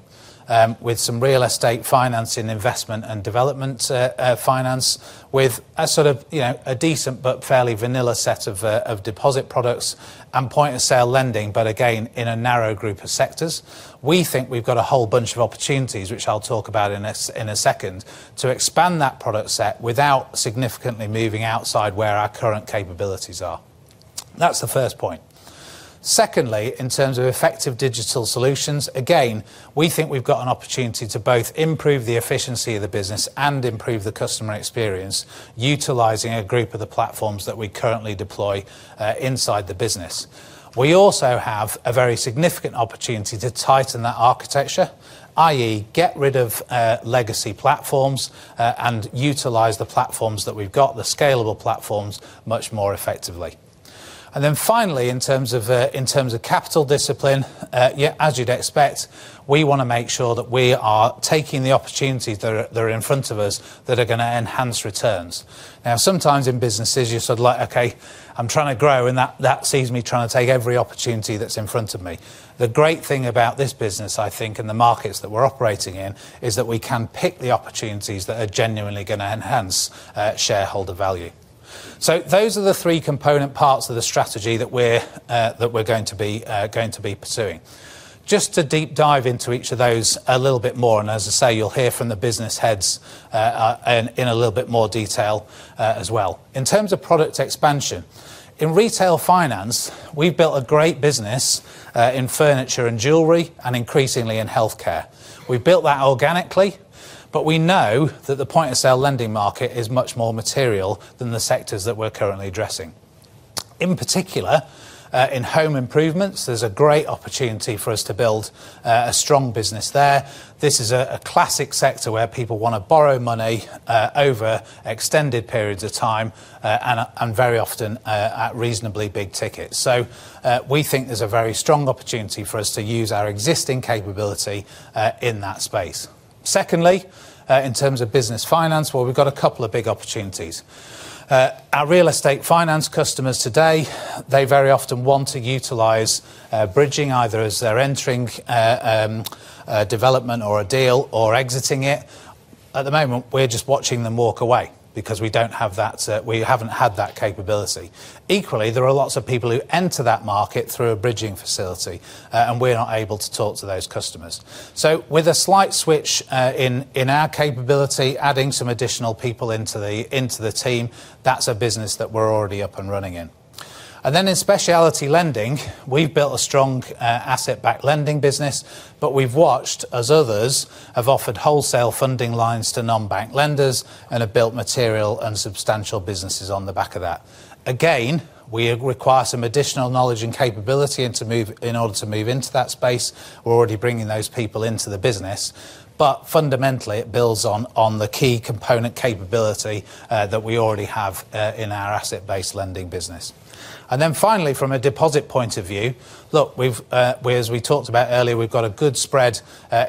with some real estate financing, investment and development finance, with a sort of, you know, a decent but fairly vanilla set of deposit products and point-of-sale lending, but again, in a narrow group of sectors, we think we've got a whole bunch of opportunities, which I'll talk about in a second, to expand that product set without significantly moving outside where our current capabilities are. That's the first point. Secondly, in terms of effective digital solutions, again, we think we've got an opportunity to both improve the efficiency of the business and improve the customer experience utilizing a group of the platforms that we currently deploy inside the business. We also have a very significant opportunity to tighten that architecture, i.e. Get rid of legacy platforms and utilize the platforms that we've got, the scalable platforms, much more effectively. Then finally, in terms of capital discipline, yeah, as you'd expect, we wanna make sure that we are taking the opportunities that are in front of us that are gonna enhance returns. Now, sometimes in businesses, you're sort of like, "Okay, I'm trying to grow," and that sees me trying to take every opportunity that's in front of me. The great thing about this business, I think, and the markets that we're operating in, is that we can pick the opportunities that are genuinely gonna enhance shareholder value. So those are the three component parts of the strategy that we're going to be pursuing. Just to deep dive into each of those a little bit more, and as I say, you'll hear from the business heads, in a little bit more detail, as well. In terms of product expansion, in Retail Finance, we've built a great business, in furniture and jewelry, and increasingly in healthcare. We've built that organically, but we know that the point-of-sale lending market is much more material than the sectors that we're currently addressing. In particular, in home improvements, there's a great opportunity for us to build a strong business there. This is a classic sector where people wanna borrow money, over extended periods of time, and very often, at reasonably big tickets. We think there's a very strong opportunity for us to use our existing capability, in that space. Secondly, in terms of Business Finance, well, we've got a couple of big opportunities. Our Real Estate Finance customers today, they very often want to utilize bridging either as they're entering a development or a deal or exiting it. At the moment, we're just watching them walk away because we don't have that, we haven't had that capability. Equally, there are lots of people who enter that market through a bridging facility, and we're not able to talk to those customers. With a slight switch in our capability, adding some additional people into the team, that's a business that we're already up and running in. In specialty lending, we've built a strong asset-backed lending business, but we've watched as others have offered wholesale funding lines to non-bank lenders and have built material and substantial businesses on the back of that. Again, we require some additional knowledge and capability in order to move into that space. We're already bringing those people into the business. But fundamentally, it builds on the key component capability that we already have in our asset-based lending business. Finally, from a deposit point of view, look, as we talked about earlier, we've got a good spread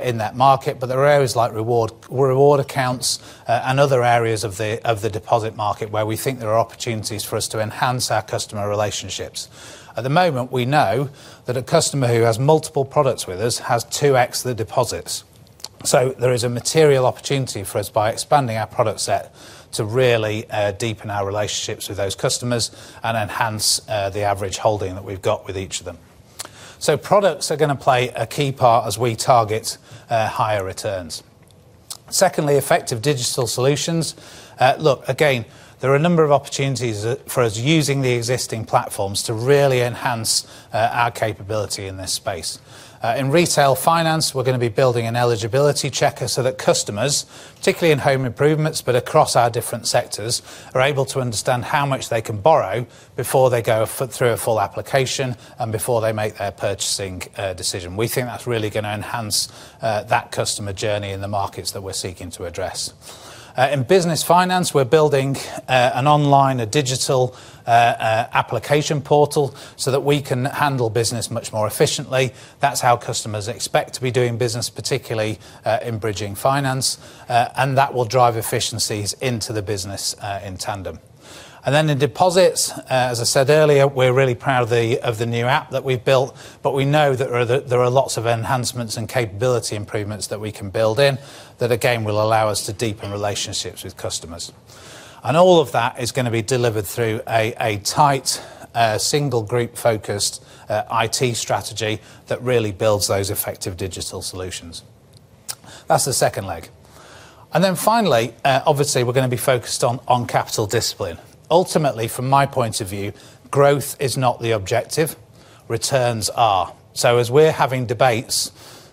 in that market, but there are areas like reward accounts and other areas of the deposit market where we think there are opportunities for us to enhance our customer relationships. At the moment, we know that a customer who has multiple products with us has two times the deposits. There is a material opportunity for us by expanding our product set to really deepen our relationships with those customers and enhance the average holding that we've got with each of them. Products are gonna play a key part as we target higher returns. Secondly, effective digital solutions. Look, again, there are a number of opportunities for us using the existing platforms to really enhance our capability in this space. In Retail Finance, we're gonna be building an eligibility checker so that customers, particularly in home improvements, but across our different sectors, are able to understand how much they can borrow before they go through a full application and before they make their purchasing decision. We think that's really gonna enhance that customer journey in the markets that we're seeking to address. In Business Finance, we're building an online digital application portal so that we can handle business much more efficiently. That's how customers expect to be doing business, particularly in bridging finance, and that will drive efficiencies into the business in tandem. Then in deposits, as I said earlier, we're really proud of the new app that we've built, but we know that there are lots of enhancements and capability improvements that we can build in that again will allow us to deepen relationships with customers. All of that is gonna be delivered through a tight single group-focused IT strategy that really builds those effective digital solutions. That's the second leg. Finally, obviously we're gonna be focused on capital discipline. Ultimately, from my point of view, growth is not the objective, returns are. As we're having debates,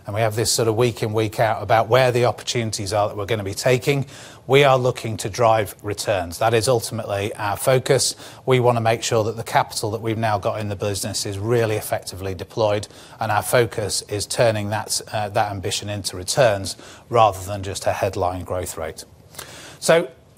and we have this sort of week in, week out about where the opportunities are that we're gonna be taking, we are looking to drive returns. That is ultimately our focus. We wanna make sure that the capital that we've now got in the business is really effectively deployed, and our focus is turning that ambition into returns rather than just a headline growth rate.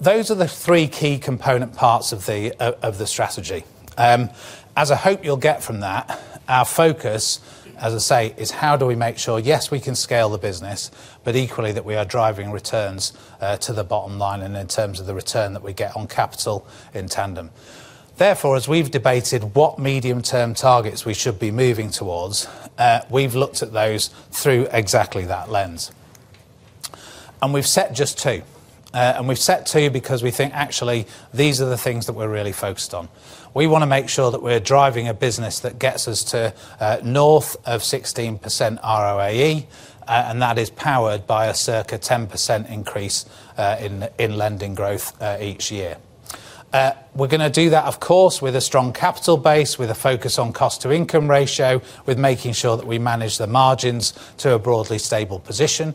Those are the three key component parts of the strategy. As I hope you'll get from that, our focus, as I say, is how do we make sure, yes, we can scale the business, but equally that we are driving returns to the bottom line and in terms of the return that we get on capital in tandem. Therefore, as we've debated what medium-term targets we should be moving towards, we've looked at those through exactly that lens. We've set just two. We've set two because we think actually these are the things that we're really focused on. We wanna make sure that we're driving a business that gets us to north of 16% ROAE, and that is powered by a circa 10% increase in lending growth each year. We're gonna do that, of course, with a strong capital base, with a focus on cost to income ratio, with making sure that we manage the margins to a broadly stable position.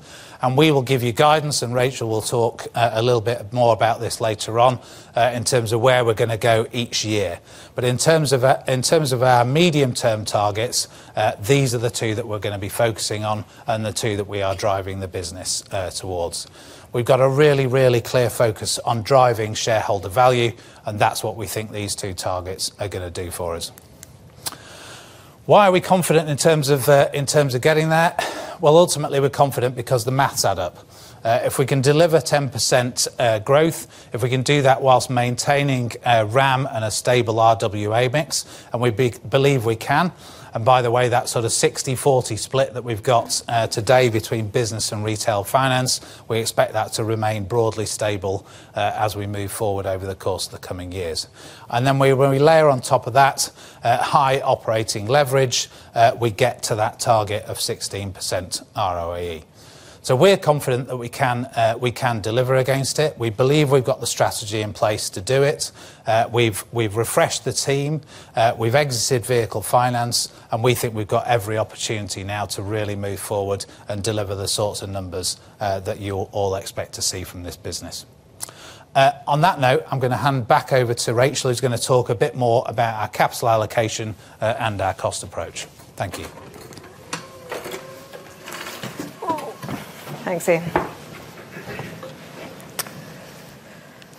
We will give you guidance, and Rachel will talk a little bit more about this later on, in terms of where we're gonna go each year. In terms of our medium-term targets, these are the two that we're gonna be focusing on and the two that we are driving the business towards. We've got a really clear focus on driving shareholder value, and that's what we think these two targets are gonna do for us. Why are we confident in terms of getting there? Well, ultimately, we're confident because the math adds up. If we can deliver 10% growth, if we can do that while maintaining a NIM and a stable RWA mix, and we believe we can, and by the way, that sort of 60/40 split that we've got today between business and Retail Finance, we expect that to remain broadly stable as we move forward over the course of the coming years. Then, when we layer on top of that high operating leverage, we get to that target of 16% ROAE. We're confident that we can deliver against it. We believe we've got the strategy in place to do it. We've refreshed the team. We've exited Vehicle Finance, and we think we've got every opportunity now to really move forward and deliver the sorts of numbers, that you all expect to see from this business. On that note, I'm gonna hand back over to Rachel, who's gonna talk a bit more about our capital allocation, and our cost approach. Thank you. Thanks, Ian.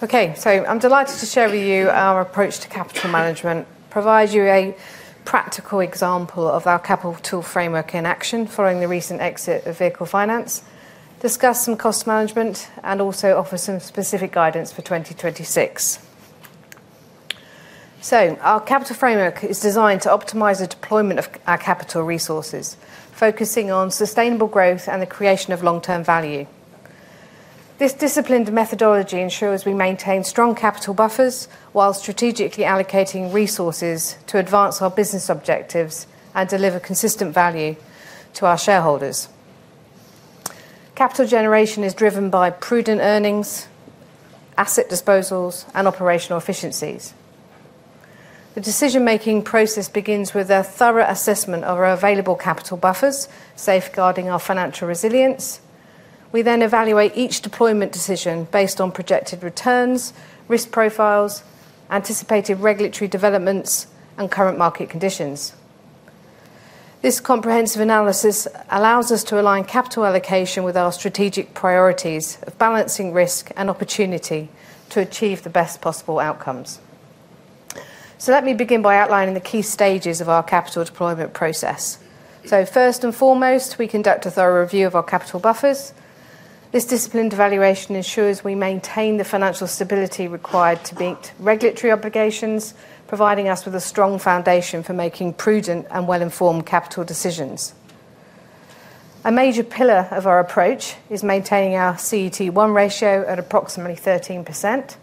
Okay. I'm delighted to share with you our approach to capital management, provide you a practical example of our capital framework in action following the recent exit of Vehicle Finance, discuss some cost management, and also offer some specific guidance for 2026. Our capital framework is designed to optimize the deployment of our capital resources, focusing on sustainable growth and the creation of long-term value. This disciplined methodology ensures we maintain strong capital buffers while strategically allocating resources to advance our business objectives and deliver consistent value to our shareholders. Capital generation is driven by prudent earnings, asset disposals, and operational efficiencies. The decision-making process begins with a thorough assessment of our available capital buffers, safeguarding our financial resilience. We then evaluate each deployment decision based on projected returns, risk profiles, anticipated regulatory developments, and current market conditions. This comprehensive analysis allows us to align capital allocation with our strategic priorities of balancing risk and opportunity to achieve the best possible outcomes. Let me begin by outlining the key stages of our capital deployment process. First and foremost, we conduct a thorough review of our capital buffers. This disciplined valuation ensures we maintain the financial stability required to meet regulatory obligations, providing us with a strong foundation for making prudent and well-informed capital decisions. A major pillar of our approach is maintaining our CET1 ratio at approximately 13%.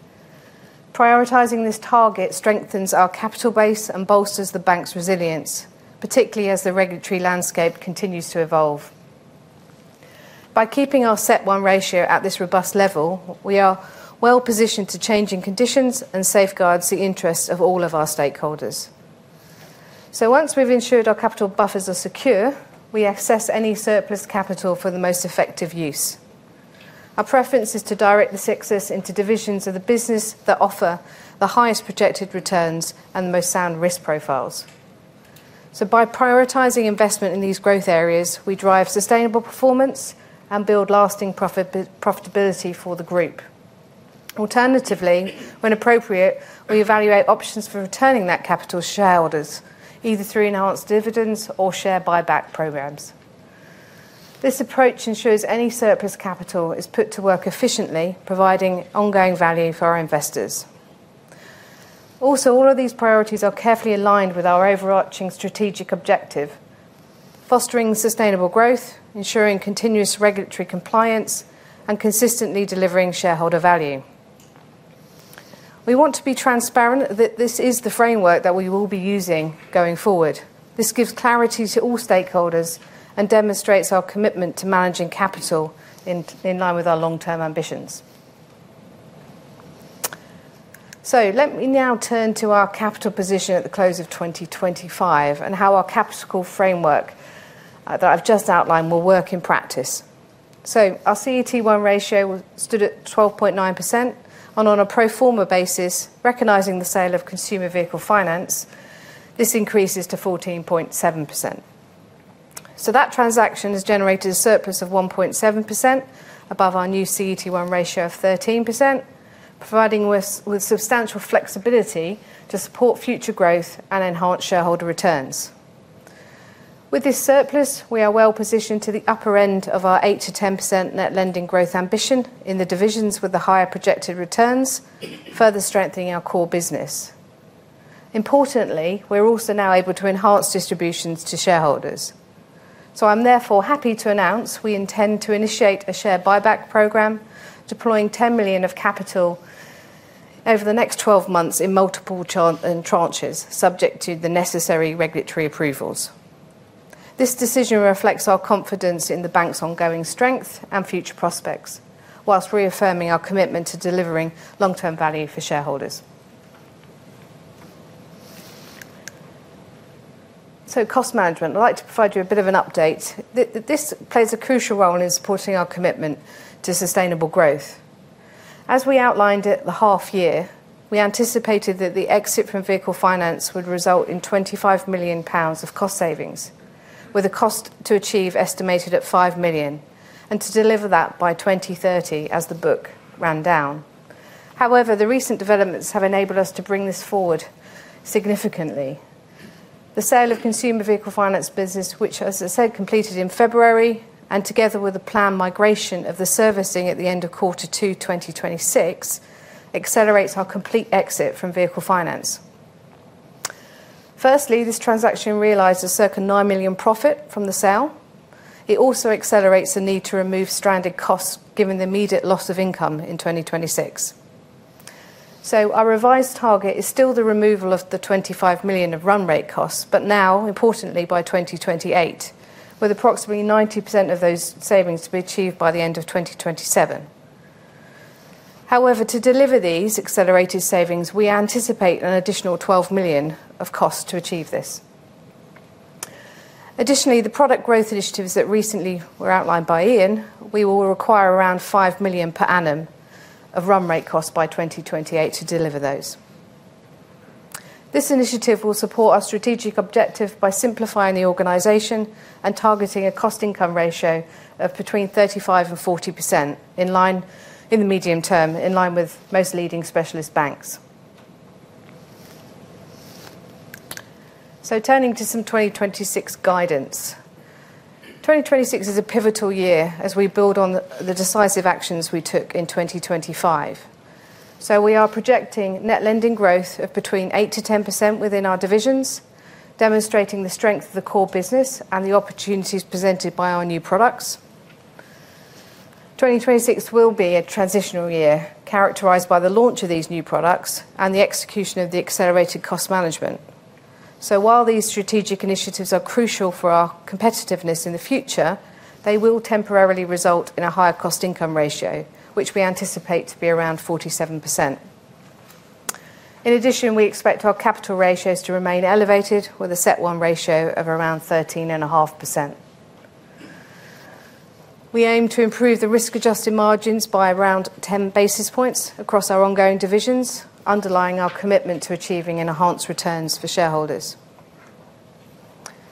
Prioritizing this target strengthens our capital base and bolsters the bank's resilience, particularly as the regulatory landscape continues to evolve. By keeping our CET1 ratio at this robust level, we are well-positioned to changing conditions and safeguards the interests of all of our stakeholders. Once we've ensured our capital buffers are secure, we assess any surplus capital for the most effective use. Our preference is to direct the success into divisions of the business that offer the highest projected returns and the most sound risk profiles. By prioritizing investment in these growth areas, we drive sustainable performance and build lasting profitability for the group. Alternatively, when appropriate, we evaluate options for returning that capital to shareholders, either through enhanced dividends or share buyback programs. This approach ensures any surplus capital is put to work efficiently, providing ongoing value for our investors. Also, all of these priorities are carefully aligned with our overarching strategic objective, fostering sustainable growth, ensuring continuous regulatory compliance, and consistently delivering shareholder value. We want to be transparent that this is the framework that we will be using going forward. This gives clarity to all stakeholders and demonstrates our commitment to managing capital in line with our long-term ambitions. Let me now turn to our capital position at the close of 2025 and how our capital framework that I've just outlined will work in practice. Our CET1 ratio stood at 12.9% and on a pro forma basis, recognizing the sale of Consumer Vehicle Finance, this increases to 14.7%. That transaction has generated a surplus of 1.7% above our new CET1 ratio of 13%, providing us with substantial flexibility to support future growth and enhance shareholder returns. With this surplus, we are well positioned to the upper end of our 8%-10% net lending growth ambition in the divisions with the higher projected returns, further strengthening our core business. Importantly, we're also now able to enhance distributions to shareholders. I'm therefore happy to announce we intend to initiate a share buyback program, deploying 10 million of capital over the next 12 months in multiple tranches, subject to the necessary regulatory approvals. This decision reflects our confidence in the bank's ongoing strength and future prospects, while reaffirming our commitment to delivering long-term value for shareholders. Cost management. I'd like to provide you a bit of an update. This plays a crucial role in supporting our commitment to sustainable growth. As we outlined at the half year, we anticipated that the exit from Vehicle Finance would result in 25 million pounds of cost savings, with a cost to achieve estimated at 5 million, and to deliver that by 2030 as the book ran down. However, the recent developments have enabled us to bring this forward significantly. The sale of Consumer Vehicle Finance business, which as I said, completed in February, and together with the planned migration of the servicing at the end of Q2 2026, accelerates our complete exit from Vehicle Finance. Firstly, this transaction realized a circa 9 million profit from the sale. It also accelerates the need to remove stranded costs, given the immediate loss of income in 2026. Our revised target is still the removal of 25 million of run rate costs, but now importantly by 2028, with approximately 90% of those savings to be achieved by the end of 2027. However, to deliver these accelerated savings, we anticipate an additional 12 million of cost to achieve this. Additionally, the product growth initiatives that recently were outlined by Ian, we will require around 5 million per annum of run rate cost by 2028 to deliver those. This initiative will support our strategic objective by simplifying the organization and targeting a cost to income ratio of between 35% and 40% in the medium term, in line with most leading specialist banks. Turning to some 2026 guidance. 2026 is a pivotal year as we build on the decisive actions we took in 2025. We are projecting net lending growth of between 8%-10% within our divisions, demonstrating the strength of the core business and the opportunities presented by our new products. 2026 will be a transitional year, characterized by the launch of these new products and the execution of the accelerated cost management. While these strategic initiatives are crucial for our competitiveness in the future, they will temporarily result in a higher cost to income ratio, which we anticipate to be around 47%. In addition, we expect our capital ratios to remain elevated with a CET1 ratio of around 13.5%. We aim to improve the risk-adjusted margins by around 10 basis points across our ongoing divisions, underlying our commitment to achieving enhanced returns for shareholders.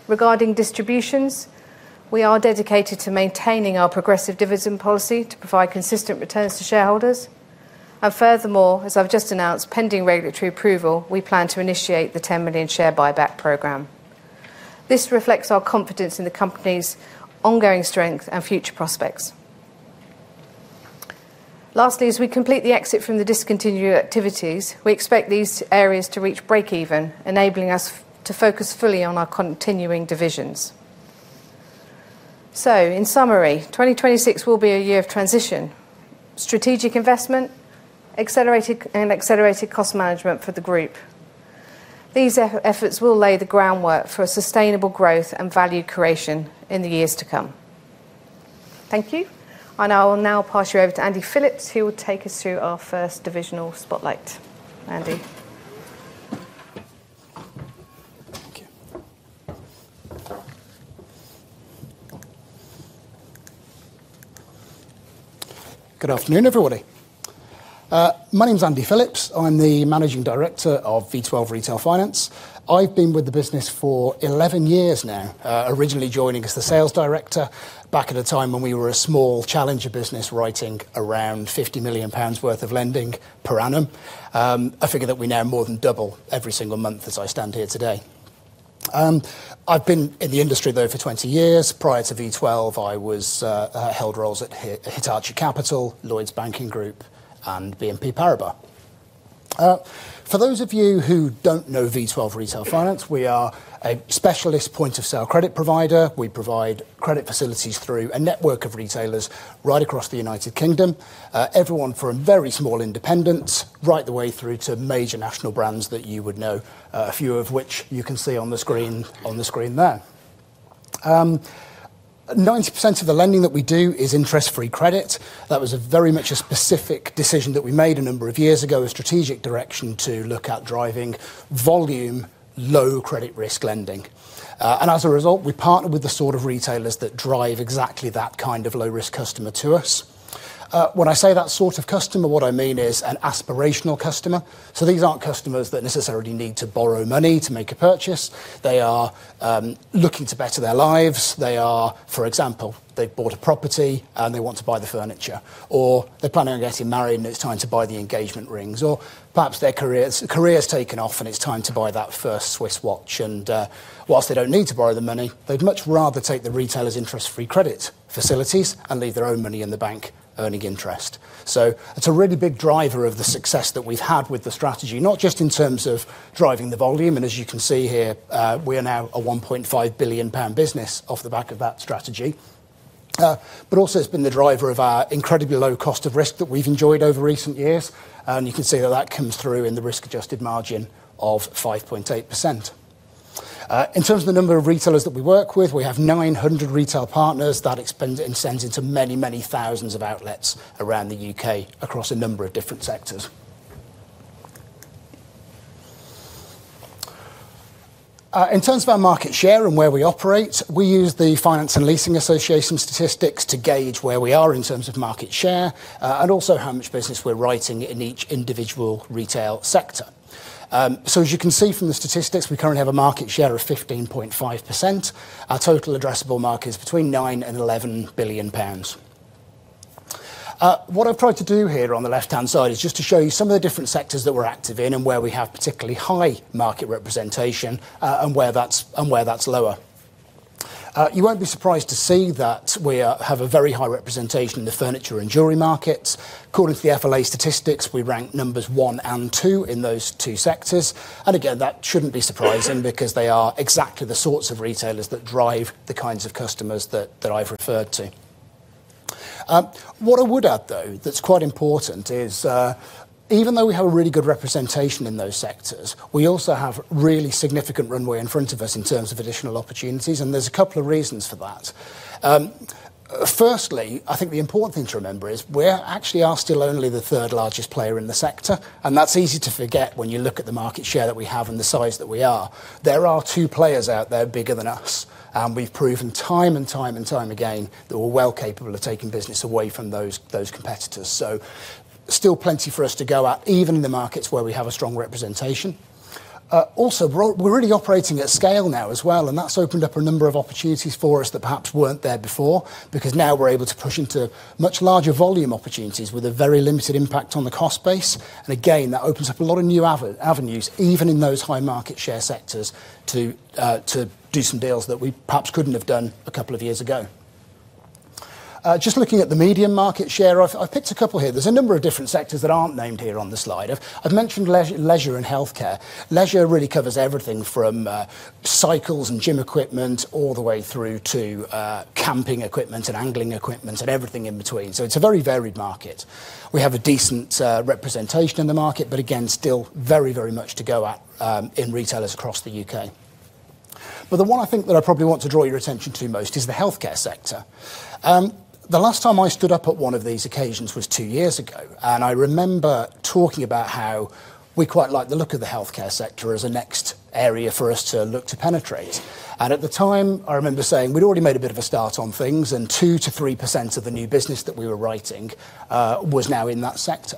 Regarding distributions, we are dedicated to maintaining our progressive dividend policy to provide consistent returns to shareholders. Furthermore, as I've just announced, pending regulatory approval, we plan to initiate the 10,000,000 share buyback program. This reflects our confidence in the company's ongoing strength and future prospects. Lastly, as we complete the exit from the discontinued activities, we expect these areas to reach break even, enabling us to focus fully on our continuing divisions. In summary, 2026 will be a year of transition, strategic investment, accelerated cost management for the group. These efforts will lay the groundwork for a sustainable growth and value creation in the years to come. Thank you. I will now pass you over to Andy Phillips, who will take us through our first divisional spotlight. Andy. Thank you. Good afternoon, everybody. My name is Andy Phillips. I'm the Managing Director of V12 Retail Finance. I've been with the business for 11 years now. Originally joining as the sales director back at a time when we were a small challenger business, writing around 50 million pounds worth of lending per annum. A figure that we now more than double every single month as I stand here today. I've been in the industry, though, for 20 years. Prior to V12, I held roles at Hitachi Capital, Lloyds Banking Group, and BNP Paribas. For those of you who don't know V12 Retail Finance, we are a specialist point of sale credit provider. We provide credit facilities through a network of retailers right across the United Kingdom. Everyone from very small independents right the way through to major national brands that you would know, a few of which you can see on the screen there. 90% of the lending that we do is interest-free credit. That was very much a specific decision that we made a number of years ago, a strategic direction to look at driving volume, low credit risk lending. As a result, we partnered with the sort of retailers that drive exactly that kind of low-risk customer to us. When I say that sort of customer, what I mean is an aspirational customer. These aren't customers that necessarily need to borrow money to make a purchase. They are looking to better their lives. They are, for example, they've bought a property and they want to buy the furniture, or they're planning on getting married and it's time to buy the engagement rings, or perhaps their career has taken off and it's time to buy that first Swiss watch. While they don't need to borrow the money, they'd much rather take the retailer's interest-free credit facilities and leave their own money in the bank earning interest. It's a really big driver of the success that we've had with the strategy, not just in terms of driving the volume, and as you can see here, we are now a 1.5 billion pound business off the back of that strategy. Also it's been the driver of our incredibly low cost of risk that we've enjoyed over recent years, and you can see that comes through in the risk-adjusted margin of 5.8%. In terms of the number of retailers that we work with, we have 900 retail partners that extends into many, many thousands of outlets around the U.K. across a number of different sectors. In terms of our market share and where we operate, we use the Finance & Leasing Association statistics to gauge where we are in terms of market share, and also how much business we're writing in each individual retail sector. As you can see from the statistics, we currently have a market share of 15.5%. Our total addressable market is between 9 billion and 11 billion pounds. What I've tried to do here on the left-hand side is just to show you some of the different sectors that we're active in and where we have particularly high market representation, and where that's lower. You won't be surprised to see that we have a very high representation in the furniture and jewelry markets. According to the FLA statistics, we rank numbers one and two in those two sectors. Again, that shouldn't be surprising because they are exactly the sorts of retailers that drive the kinds of customers that I've referred to. What I would add, though, that's quite important is, even though we have a really good representation in those sectors, we also have really significant runway in front of us in terms of additional opportunities, and there's a couple of reasons for that. First, I think the important thing to remember is we're actually still only the third largest player in the sector, and that's easy to forget when you look at the market share that we have and the size that we are. There are two players out there bigger than us, and we've proven time and time and time again that we're well capable of taking business away from those competitors. Still plenty for us to go at, even in the markets where we have a strong representation. Also, we're really operating at scale now as well, and that's opened up a number of opportunities for us that perhaps weren't there before because now we're able to push into much larger volume opportunities with a very limited impact on the cost base. Again, that opens up a lot of new avenues, even in those high market share sectors to do some deals that we perhaps couldn't have done a couple of years ago. Just looking at the medium market share, I've picked a couple here. There's a number of different sectors that aren't named here on the slide. I've mentioned leisure and healthcare. Leisure really covers everything from cycles and gym equipment all the way through to camping equipment and angling equipment and everything in between, so it's a very varied market. We have a decent representation in the market, but again, still very much to go at in retailers across the U.K. The one I think that I probably want to draw your attention to most is the healthcare sector. The last time I stood up at one of these occasions was two years ago, and I remember talking about how we quite like the look of the healthcare sector as a next area for us to look to penetrate. At the time, I remember saying we'd already made a bit of a start on things, and 2%-3% of the new business that we were writing was now in that sector.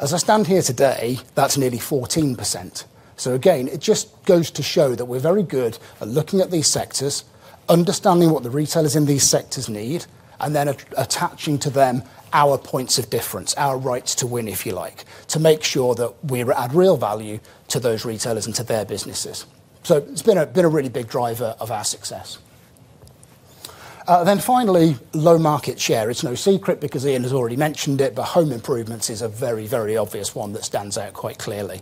As I stand here today, that's nearly 14%. Again, it just goes to show that we're very good at looking at these sectors. Understanding what the retailers in these sectors need and then attaching to them our points of difference, our rights to win, if you like, to make sure that we add real value to those retailers and to their businesses. It's been a really big driver of our success. Finally, low market share. It's no secret because Ian has already mentioned it, but home improvements is a very, very obvious one that stands out quite clearly.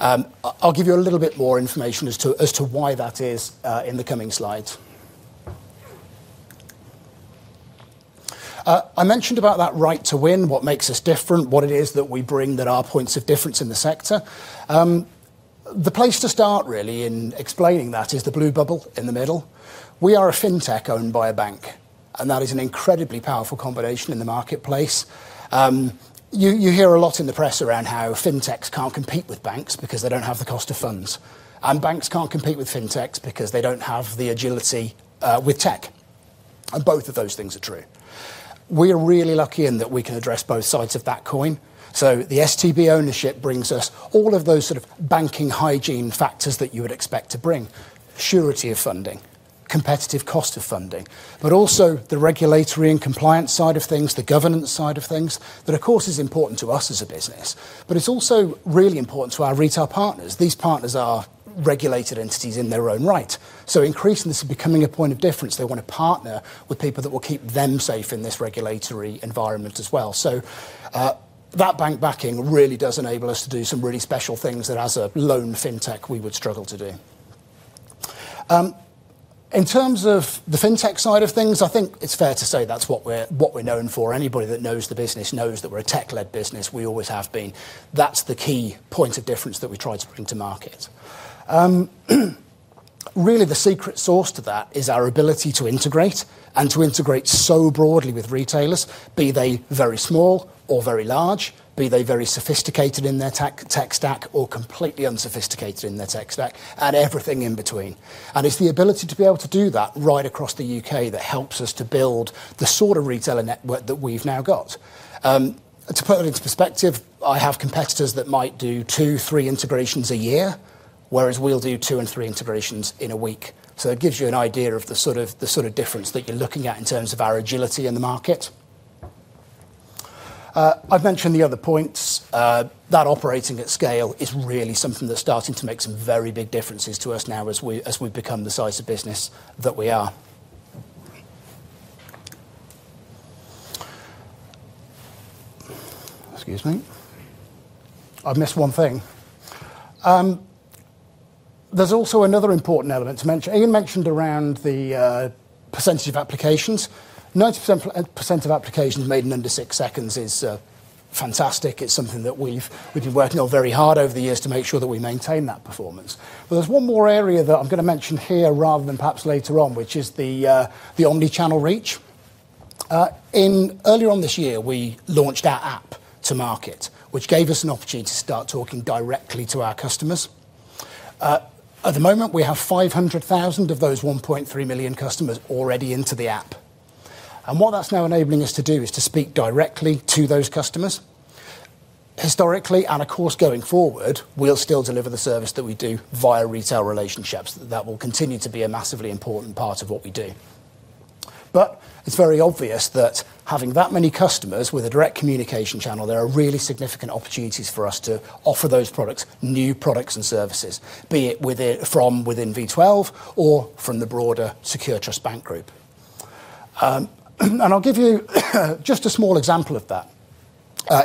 I'll give you a little bit more information as to why that is in the coming slides. I mentioned about that right to win, what makes us different, what it is that we bring that are points of difference in the sector. The place to start really in explaining that is the blue bubble in the middle. We are a fintech owned by a bank, and that is an incredibly powerful combination in the marketplace. You hear a lot in the press around how fintechs can't compete with banks because they don't have the cost of funds, and banks can't compete with fintechs because they don't have the agility with tech. Both of those things are true. We are really lucky in that we can address both sides of that coin. The STB ownership brings us all of those sort of banking hygiene factors that you would expect to bring. Surety of funding, competitive cost of funding, but also the regulatory and compliance side of things, the governance side of things. That, of course, is important to us as a business, but it's also really important to our retail partners. These partners are regulated entities in their own right. Increasingly, this is becoming a point of difference. They want to partner with people that will keep them safe in this regulatory environment as well. That bank backing really does enable us to do some really special things that as a loan fintech, we would struggle to do. In terms of the fintech side of things, I think it's fair to say that's what we're known for. Anybody that knows the business knows that we're a tech-led business. We always have been. That's the key point of difference that we try to bring to market. Really the secret sauce to that is our ability to integrate so broadly with retailers, be they very small or very large, be they very sophisticated in their tech stack or completely unsophisticated in their tech stack and everything in between. It's the ability to be able to do that right across the U.K. that helps us to build the sort of retailer network that we've now got. To put it into perspective, I have competitors that might do two, three integrations a year, whereas we'll do two and three integrations in a week. It gives you an idea of the sort of difference that you're looking at in terms of our agility in the market. I've mentioned the other points. That operating at scale is really something that's starting to make some very big differences to us now as we've become the size of business that we are. Excuse me. I've missed one thing. There's also another important element to mention. Ian mentioned around the percentage of applications. 90% of applications made in under six seconds is fantastic. It's something that we've been working on very hard over the years to make sure that we maintain that performance. There's one more area that I'm going to mention here rather than perhaps later on, which is the omnichannel reach. Earlier on this year, we launched our app to market, which gave us an opportunity to start talking directly to our customers. At the moment, we have 500,000 of those 1,300,000 customers already into the app. What that's now enabling us to do is to speak directly to those customers. Historically, and of course, going forward, we'll still deliver the service that we do via retail relationships. That will continue to be a massively important part of what we do. It's very obvious that having that many customers with a direct communication channel, there are really significant opportunities for us to offer those products, new products and services, be it from within V12 or from the broader Secure Trust Bank group. I'll give you just a small example of that.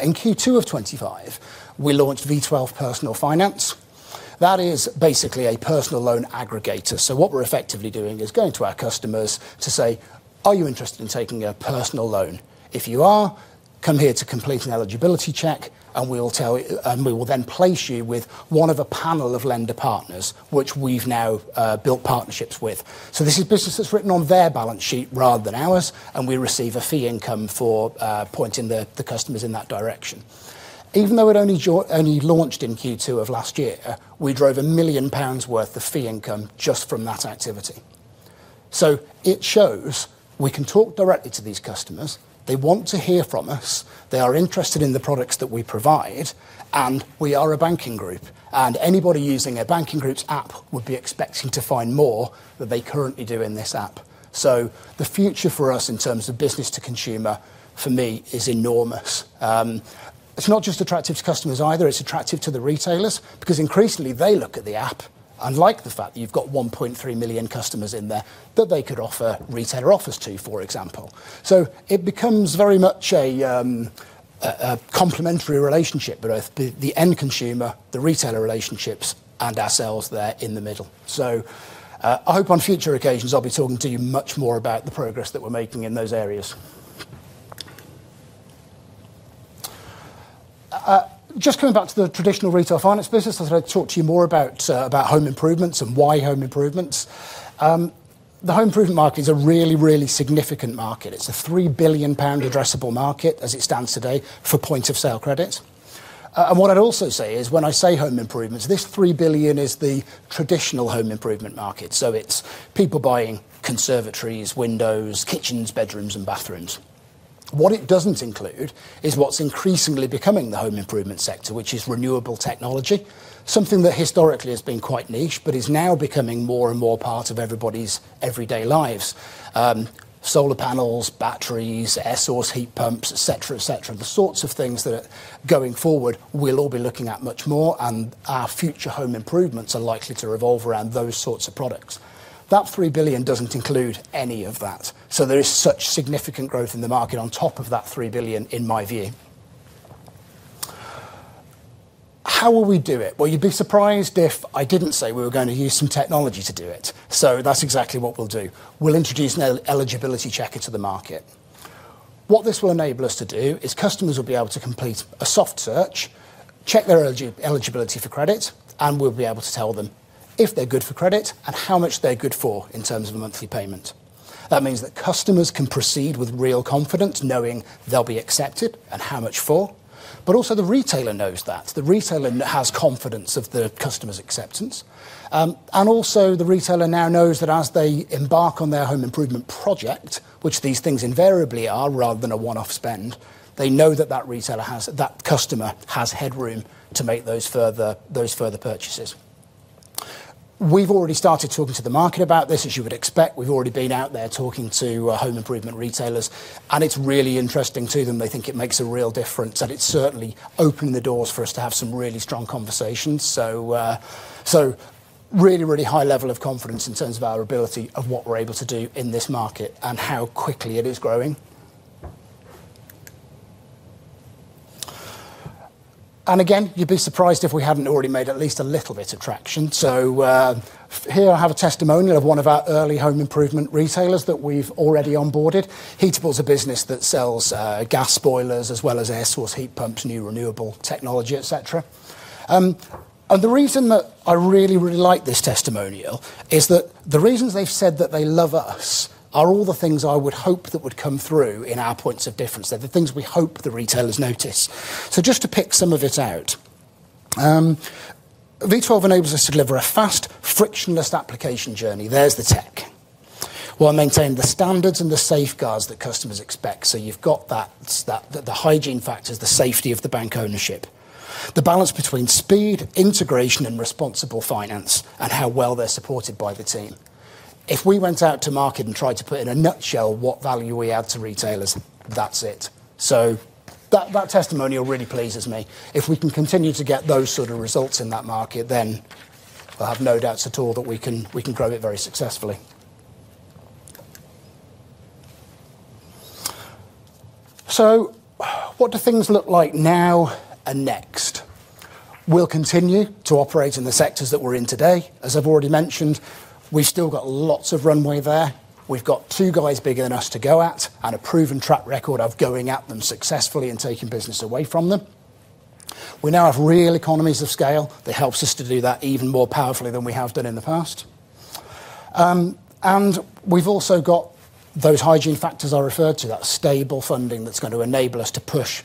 In Q2 of 2025, we launched V12 Personal Finance. That is basically a personal loan aggregator. So what we're effectively doing is going to our customers to say, "Are you interested in taking a personal loan? If you are, come here to complete an eligibility check, and we will tell you and we will then place you with one of a panel of lender partners, which we've now built partnerships with. This is business that's written on their balance sheet rather than ours, and we receive a fee income for pointing the customers in that direction. Even though it only launched in Q2 of last year, we drove 1 million pounds worth of fee income just from that activity. It shows we can talk directly to these customers. They want to hear from us. They are interested in the products that we provide, and we are a banking group, and anybody using a banking group's app would be expecting to find more than they currently do in this app. The future for us in terms of business to consumer, for me, is enormous. It's not just attractive to customers either, it's attractive to the retailers because increasingly they look at the app and like the fact that you've got 1,300,000 customers in there that they could offer retailer offers to, for example. It becomes very much a complementary relationship with both the end consumer, the retailer relationships and ourselves there in the middle. I hope on future occasions I'll be talking to you much more about the progress that we're making in those areas. Just coming back to the traditional Retail Finance business, as I talk to you more about home improvements and why home improvements. The home improvement market is a really significant market. It's a 3 billion pound addressable market as it stands today for point of sale credit. What I'd also say is when I say home improvements, this 3 billion is the traditional home improvement market. It's people buying conservatories, windows, kitchens, bedrooms and bathrooms. What it doesn't include is what's increasingly becoming the home improvement sector, which is renewable technology. Something that historically has been quite niche, but is now becoming more and more part of everybody's everyday lives. Solar panels, batteries, air source, heat pumps, et cetera. The sorts of things that going forward, we'll all be looking at much more, and our future home improvements are likely to revolve around those sorts of products. That 3 billion doesn't include any of that. There is such significant growth in the market on top of that 3 billion, in my view. How will we do it? Well, you'd be surprised if I didn't say we were going to use some technology to do it. That's exactly what we'll do. We'll introduce an eligibility checker to the market. What this will enable us to do is customers will be able to complete a soft search, check their eligibility for credit, and we'll be able to tell them if they're good for credit and how much they're good for in terms of a monthly payment. That means that customers can proceed with real confidence, knowing they'll be accepted and how much for. Also the retailer knows that. The retailer has confidence of the customer's acceptance. Also the retailer now knows that as they embark on their home improvement project, which these things invariably are, rather than a one-off spend, they know that that customer has headroom to make those further purchases. We've already started talking to the market about this. As you would expect, we've already been out there talking to home improvement retailers, and it's really interesting to them. They think it makes a real difference, and it's certainly opened the doors for us to have some really strong conversations. Really high level of confidence in terms of our ability of what we're able to do in this market and how quickly it is growing. You'd be surprised if we hadn't already made at least a little bit of traction. Here I have a testimonial of one of our early home improvement retailers that we've already onboarded. Heatable's a business that sells, gas boilers as well as air source heat pumps, new renewable technology, et cetera. The reason that I really, really like this testimonial is that the reasons they've said that they love us are all the things I would hope that would come through in our points of difference. They're the things we hope the retailers notice. Just to pick some of it out. V12 enables us to deliver a fast, frictionless application journey. There's the tech, while maintaining the standards and the safeguards that customers expect. You've got that, the hygiene factors, the safety of the bank ownership, the balance between speed, integration and responsible finance and how well they're supported by the team. If we went out to market and tried to put in a nutshell what value we add to retailers, that's it. That, that testimonial really pleases me. If we can continue to get those sort of results in that market, then I have no doubts at all that we can, we can grow it very successfully. What do things look like now and next? We'll continue to operate in the sectors that we're in today. As I've already mentioned, we still got lots of runway there. We've got two guys bigger than us to go at and a proven track record of going at them successfully and taking business away from them. We now have real economies of scale that helps us to do that even more powerfully than we have done in the past. We've also got those hygiene factors I referred to, that stable funding that's going to enable us to push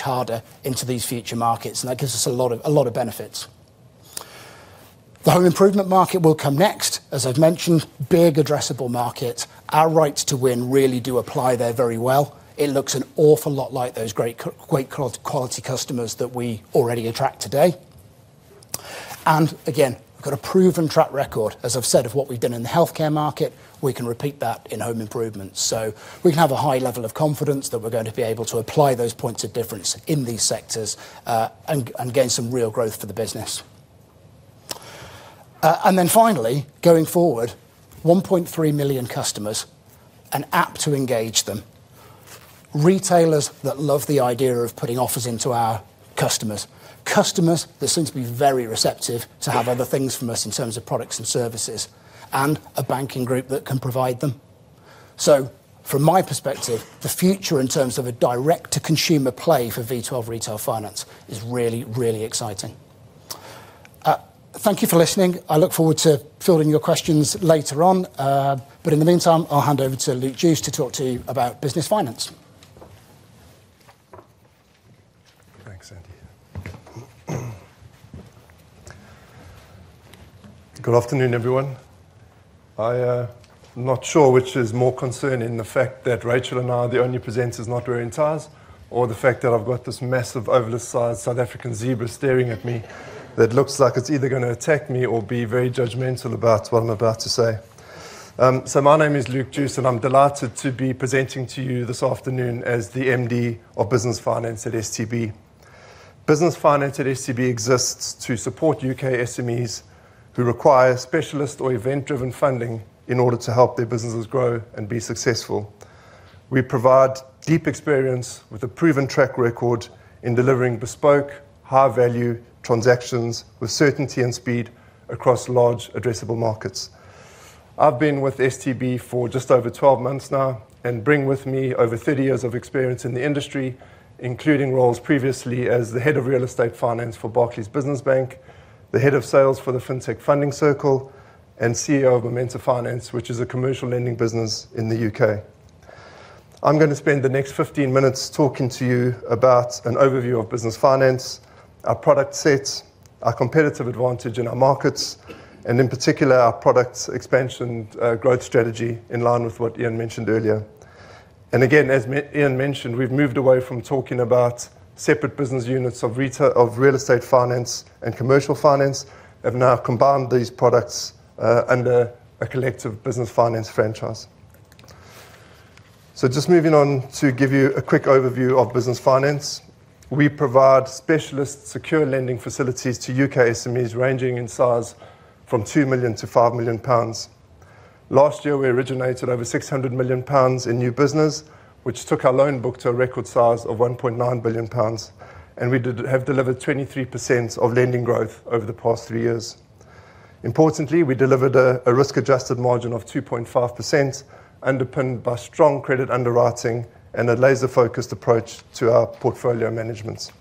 harder into these future markets, and that gives us a lot of benefits. The home improvement market will come next. As I've mentioned, big addressable market. Our right to win really do apply there very well. It looks an awful lot like those great quality customers that we already attract today. Again, we've got a proven track record, as I've said, of what we've done in the healthcare market. We can repeat that in home improvements. We can have a high level of confidence that we're going to be able to apply those points of difference in these sectors, and gain some real growth for the business. Finally, going forward, 1,300,000 customers, an app to engage them. Retailers that love the idea of putting offers into our customers. Customers that seem to be very receptive to have other things from us in terms of products and services and a banking group that can provide them. From my perspective, the future in terms of a direct to consumer play for V12 Retail Finance is really, really exciting. Thank you for listening. I look forward to fielding your questions later on. In the meantime, I'll hand over to Luke Jooste to talk to you about Business Finance. Thanks, Andy. Good afternoon, everyone. I am not sure which is more concerning, the fact that Rachel and I are the only presenters not wearing ties or the fact that I've got this massive, oversized South African zebra staring at me that looks like it's either gonna attack me or be very judgmental about what I'm about to say. My name is Luke Jooste, and I'm delighted to be presenting to you this afternoon as the MD of Business Finance at STB. Business Finance at STB exists to support U.K. SMEs who require specialist or event-driven funding in order to help their businesses grow and be successful. We provide deep experience with a proven track record in delivering bespoke, high value transactions with certainty and speed across large addressable markets. I've been with STB for just over 12 months now and bring with me over 30 years of experience in the industry, including roles previously as the head of real estate finance for Barclays Business Bank, the head of sales for the FinTech Funding Circle, and CEO of Momenta Finance, which is a commercial lending business in the U.K. I'm gonna spend the next 15 minutes talking to you about an overview of Business Finance, our product set. Our competitive advantage in our markets, and in particular our products expansion, growth strategy in line with what Ian mentioned earlier. Again, as Ian mentioned, we've moved away from talking about separate business units of real estate finance and commercial finance, have now combined these products under a collective Business Finance franchise. Just moving on to give you a quick overview of Business Finance. We provide specialist secure lending facilities to U.K. SMEs ranging in size from 2 million-5 million pounds. Last year, we originated over 600 million pounds in new business, which took our loan book to a record size of 1.9 billion pounds, and we have delivered 23% lending growth over the past three years. Importantly, we delivered a risk-adjusted margin of 2.5%, underpinned by strong credit underwriting and a laser-focused approach to our portfolio management.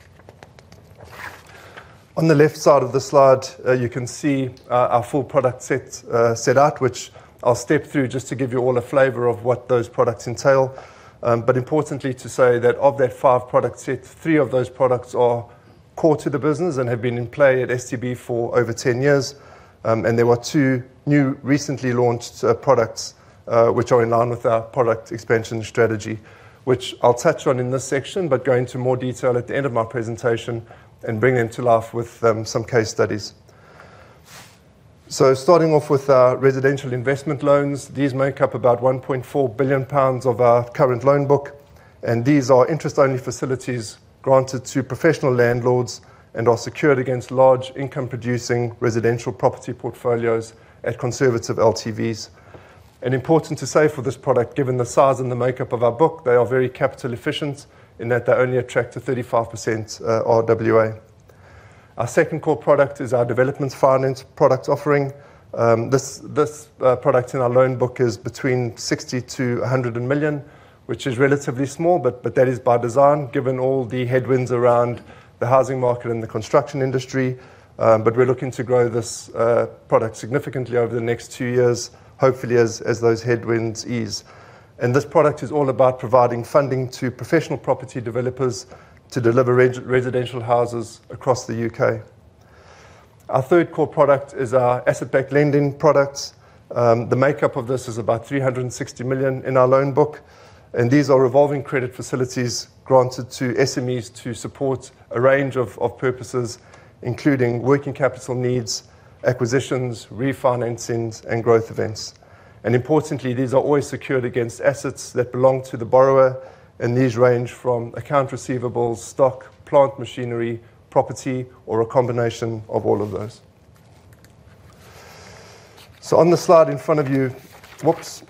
On the left side of the slide, you can see our full product set set out, which I'll step through just to give you all a flavor of what those products entail. Importantly, to say that of that five product set, three of those products are core to the business and have been in play at STB for over 10 years. There are two new recently launched products, which are in line with our product expansion strategy, which I'll touch on in this section, but go into more detail at the end of my presentation and bring them to life with some case studies. Starting off with our residential investment loans. These make up about 1.4 billion pounds of our current loan book, and these are interest-only facilities granted to professional landlords and are secured against large income-producing residential property portfolios at conservative LTVs. Important to say for this product, given the size and the makeup of our book, they are very capital efficient in that they only attract a 35%, RWA. Our second core product is our development finance product offering. This product in our loan book is between 60 million- 100 million, which is relatively small, but that is by design, given all the headwinds around the housing market and the construction industry. But we're looking to grow this product significantly over the next two years, hopefully as those headwinds ease. This product is all about providing funding to professional property developers to deliver residential houses across the U.K. Our third core product is our asset-backed lending products. The makeup of this is about 360 million in our loan book, and these are revolving credit facilities granted to SMEs to support a range of purposes, including working capital needs, acquisitions, refinancings, and growth events. Importantly, these are always secured against assets that belong to the borrower, and these range from accounts receivable, stock, plant machinery, property, or a combination of all of those. On the slide in front of you. Whoops.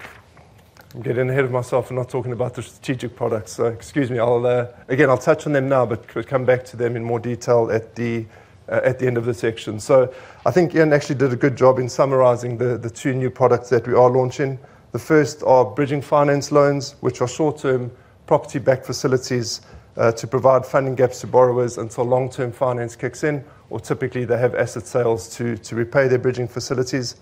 I'm getting ahead of myself and not talking about the strategic products. Excuse me. I'll again touch on them now, but we'll come back to them in more detail at the end of the section. I think Ian actually did a good job in summarizing the two new products that we are launching. The first are bridging finance loans, which are short-term property backed facilities to provide funding gaps to borrowers until long-term finance kicks in, or typically, they have asset sales to repay their bridging facilities.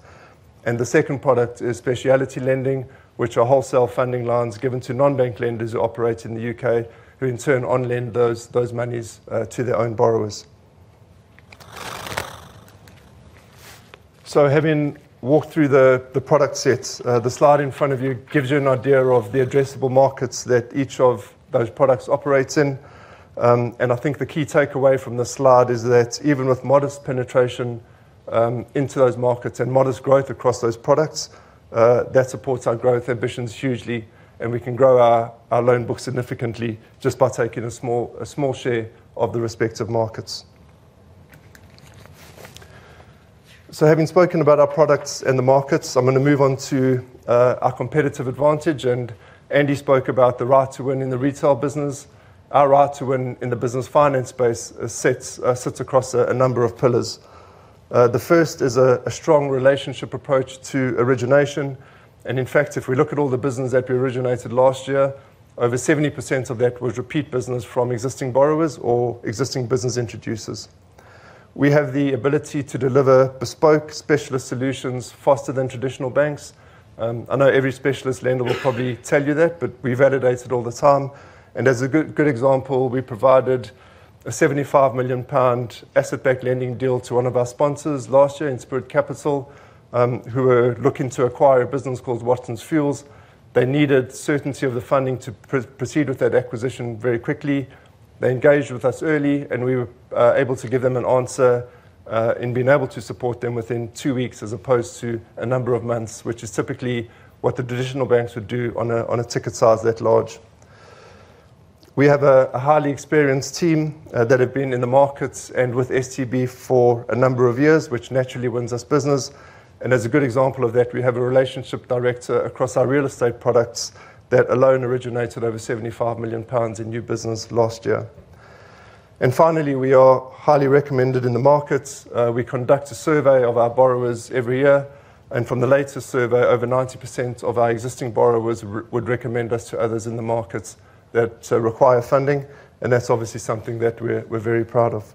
The second product is speciality lending, which are wholesale funding loans given to non-bank lenders who operate in the U.K., who in turn on-lend those monies to their own borrowers. Having walked through the product sets, the slide in front of you gives you an idea of the addressable markets that each of those products operates in. I think the key takeaway from this slide is that even with modest penetration into those markets and modest growth across those products, that supports our growth ambitions hugely, and we can grow our loan book significantly just by taking a small share of the respective markets. Having spoken about our products and the markets, I'm gonna move on to our competitive advantage. Andy spoke about the right to win in the retail business. Our right to win in the Business Finance space sits across a number of pillars. The first is a strong relationship approach to origination, and in fact, if we look at all the business that we originated last year, over 70% of that was repeat business from existing borrowers or existing business introducers. We have the ability to deliver bespoke specialist solutions faster than traditional banks. I know every specialist lender will probably tell you that, but we validate it all the time. As a good example, we provided a 75 million pound asset backed lending deal to one of our sponsors last year Inspirit Capital, who were looking to acquire a business called Watson Fuels. They needed certainty of the funding to proceed with that acquisition very quickly. They engaged with us early, and we were able to give them an answer in being able to support them within two weeks as opposed to a number of months, which is typically what the traditional banks would do on a ticket size that large. We have a highly experienced team that have been in the markets and with STB for a number of years, which naturally wins us business. As a good example of that, we have a relationship director across our real estate products that alone originated over 75 million pounds in new business last year. Finally, we are highly recommended in the markets. We conduct a survey of our borrowers every year, and from the latest survey, over 90% of our existing borrowers would recommend us to others in the markets that require funding, and that's obviously something that we're very proud of.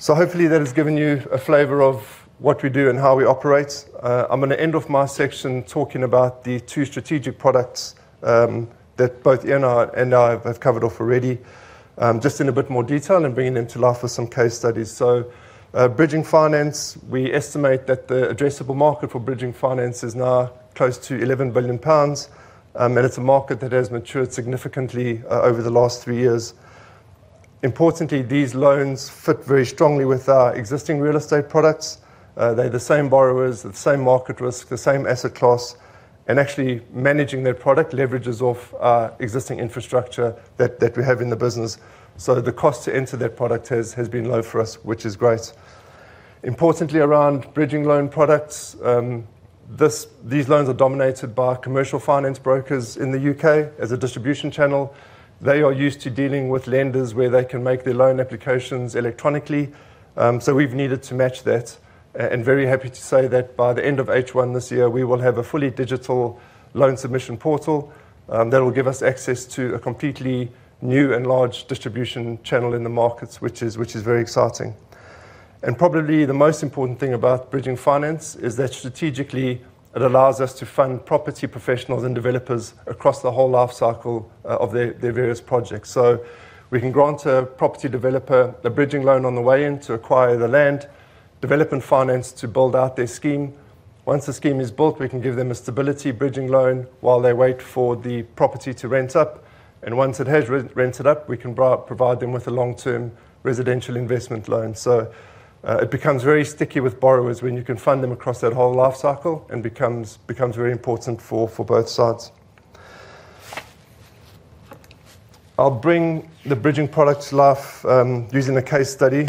Hopefully that has given you a flavor of what we do and how we operate. I'm gonna end off my section talking about the two strategic products that both Ian and I have covered off already just in a bit more detail and bringing them to life with some case studies. Bridging finance, we estimate that the addressable market for bridging finance is now close to 11 billion pounds and it's a market that has matured significantly over the last three years. Importantly, these loans fit very strongly with our existing real estate products. They're the same borrowers, the same market risk, the same asset class, and actually managing their product leverages off our existing infrastructure that we have in the business. The cost to enter that product has been low for us, which is great. Importantly, around bridging loan products, these loans are dominated by commercial finance brokers in the U.K. as a distribution channel. They are used to dealing with lenders where they can make their loan applications electronically, so we've needed to match that. Very happy to say that by the end of H1 this year, we will have a fully digital loan submission portal, that will give us access to a completely new and large distribution channel in the markets, which is very exciting. Probably the most important thing about bridging finance is that strategically it allows us to fund property professionals and developers across the whole life cycle, of their various projects. We can grant a property developer a bridging loan on the way in to acquire the land, development finance to build out their scheme. Once the scheme is built, we can give them a stability bridging loan while they wait for the property to rent up. Once it has re-rented up, we can provide them with a long-term residential investment loan. It becomes very sticky with borrowers when you can fund them across that whole life cycle and becomes very important for both sides. I'll bring the bridging products to life using a case study.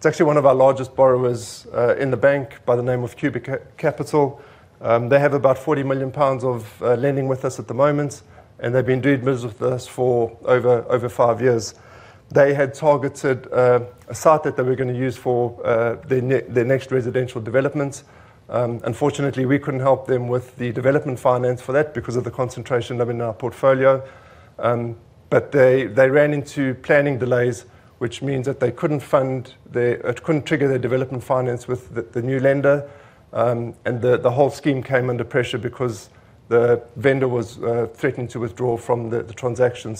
It's actually one of our largest borrowers in the bank by the name of Cubica Capital. They have about 40 million pounds of lending with us at the moment, and they've been doing business with us for over five years. They had targeted a site that they were gonna use for their next residential development. Unfortunately, we couldn't help them with the development finance for that because of the concentration limit in our portfolio. They ran into planning delays, which means that they couldn't trigger their development finance with the new lender, and the whole scheme came under pressure because the vendor was threatening to withdraw from the transaction.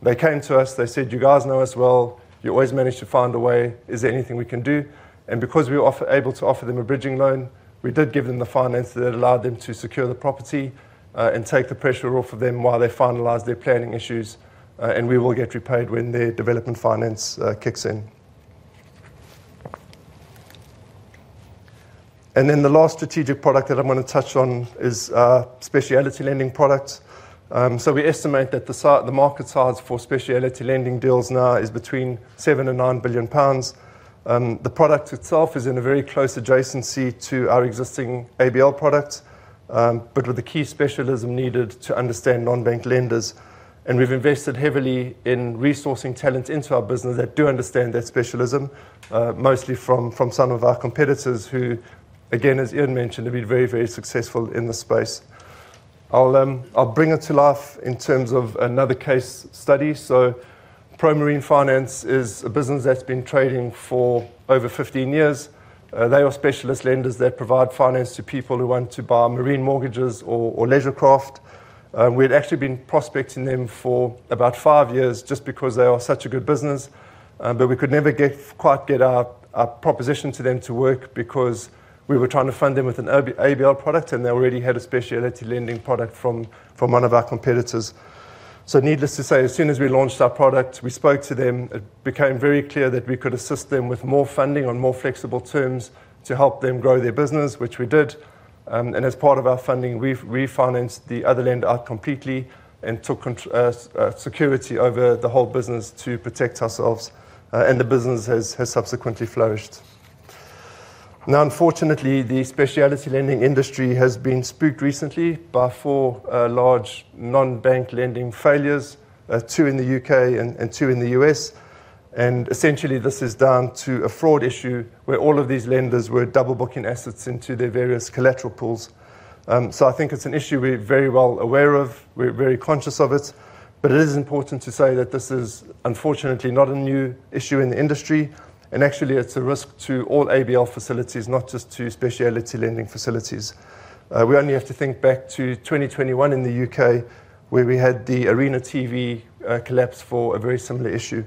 They came to us, they said, "You guys know us well. You always manage to find a way. Is there anything we can do?" Because we were able to offer them a bridging loan, we did give them the finance that allowed them to secure the property, and take the pressure off of them while they finalized their planning issues, and we will get repaid when their development finance kicks in. The last strategic product that I'm gonna touch on is our specialty lending product. We estimate that the market size for specialty lending deals now is between 7 billion and 9 billion pounds. The product itself is in a very close adjacency to our existing ABL product, but with the key specialism needed to understand non-bank lenders. We've invested heavily in resourcing talent into our business that do understand that specialism, mostly from some of our competitors who, again, as Ian mentioned, have been very, very successful in this space. I'll bring it to life in terms of another case study. Promarine Finance is a business that's been trading for over 15 years. They are specialist lenders that provide finance to people who want to buy marine mortgages or leisure craft. We'd actually been prospecting them for about five years just because they are such a good business, but we could never quite get our proposition to them to work because we were trying to fund them with an ABL product, and they already had a speciality lending product from one of our competitors. Needless to say, as soon as we launched our product, we spoke to them. It became very clear that we could assist them with more funding on more flexible terms to help them grow their business, which we did. As part of our funding, we've refinanced the other lender out completely and took security over the whole business to protect ourselves, and the business has subsequently flourished. Now, unfortunately, the speciality lending industry has been spooked recently by four large non-bank lending failures, two in the U.K. and two in the U.S. Essentially, this is down to a fraud issue where all of these lenders were double booking assets into their various collateral pools. So I think it's an issue we're very well aware of. We're very conscious of it. It is important to say that this is unfortunately not a new issue in the industry, and actually, it's a risk to all ABL facilities, not just to speciality lending facilities. We only have to think back to 2021 in the U.K., where we had the Arena TV collapse for a very similar issue.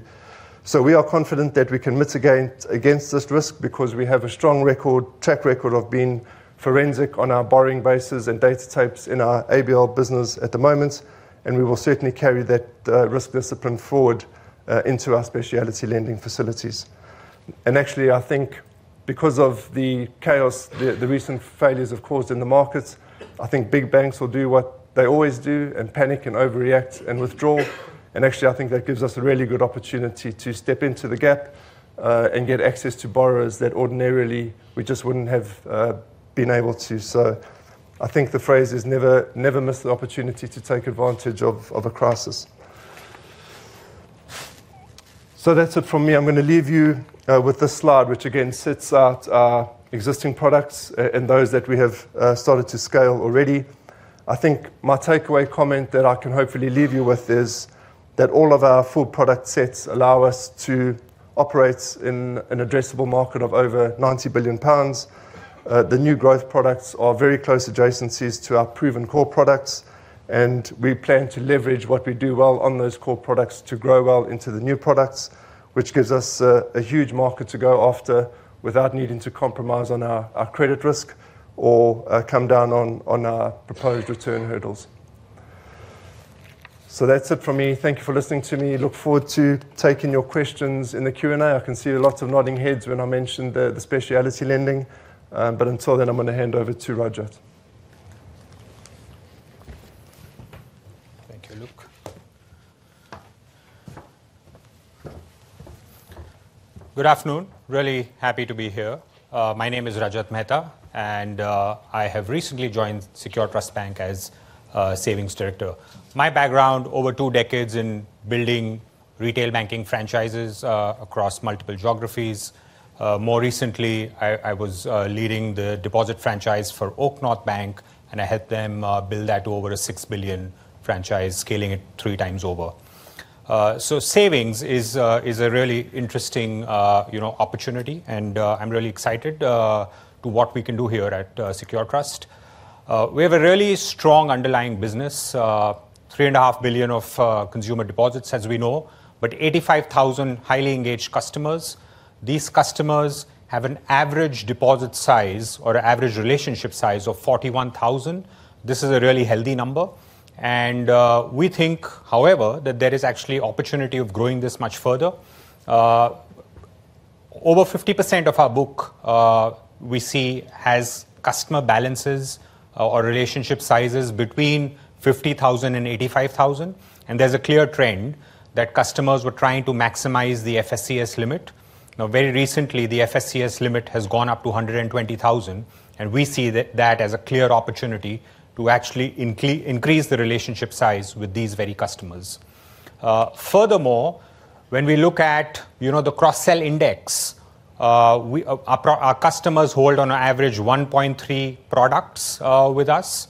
We are confident that we can mitigate against this risk because we have a strong record, track record of being forensic on our borrowing bases and data types in our ABL business at the moment, and we will certainly carry that risk discipline forward into our speciality lending facilities. Actually, I think because of the chaos the recent failures have caused in the markets, I think big banks will do what they always do and panic and overreact and withdraw. Actually, I think that gives us a really good opportunity to step into the gap and get access to borrowers that ordinarily we just wouldn't have been able to. I think the phrase is never miss the opportunity to take advantage of a crisis. That's it from me. I'm gonna leave you with this slide, which again sets out our existing products and those that we have started to scale already. I think my takeaway comment that I can hopefully leave you with is that all of our full product sets allow us to operate in an addressable market of over 90 billion pounds. The new growth products are very close adjacencies to our proven core products, and we plan to leverage what we do well on those core products to grow well into the new products, which gives us a huge market to go after without needing to compromise on our credit risk or come down on our proposed return hurdles. That's it from me. Thank you for listening to me. Look forward to taking your questions in the Q&A. I can see lots of nodding heads when I mentioned the speciality lending. Until then, I'm gonna hand over to Rajat. Thank you, Luke. Good afternoon. Really happy to be here. My name is Rajat Mehta, and I have recently joined Secure Trust Bank as Savings Director. My background, over two decades in building retail banking franchises across multiple geographies. More recently, I was leading the deposit franchise for OakNorth Bank, and I helped them build that to over a 6 billion franchise, scaling it three times over. Savings is a really interesting you know opportunity and I'm really excited to what we can do here at Secure Trust. We have a really strong underlying business, 3.5 billion of consumer deposits, as we know, but 85,000 highly engaged customers. These customers have an average deposit size or average relationship size of 41,000. This is a really healthy number. We think, however, that there is actually opportunity of growing this much further. Over 50% of our book, we see has customer balances or relationship sizes between 50,000 and 85,000, and there's a clear trend that customers were trying to maximize the FSCS limit. Now, very recently, the FSCS limit has gone up to 120,000, and we see that as a clear opportunity to actually increase the relationship size with these very customers. Furthermore, when we look at, you know, the cross-sell index, our customers hold on average 1.3 products with us.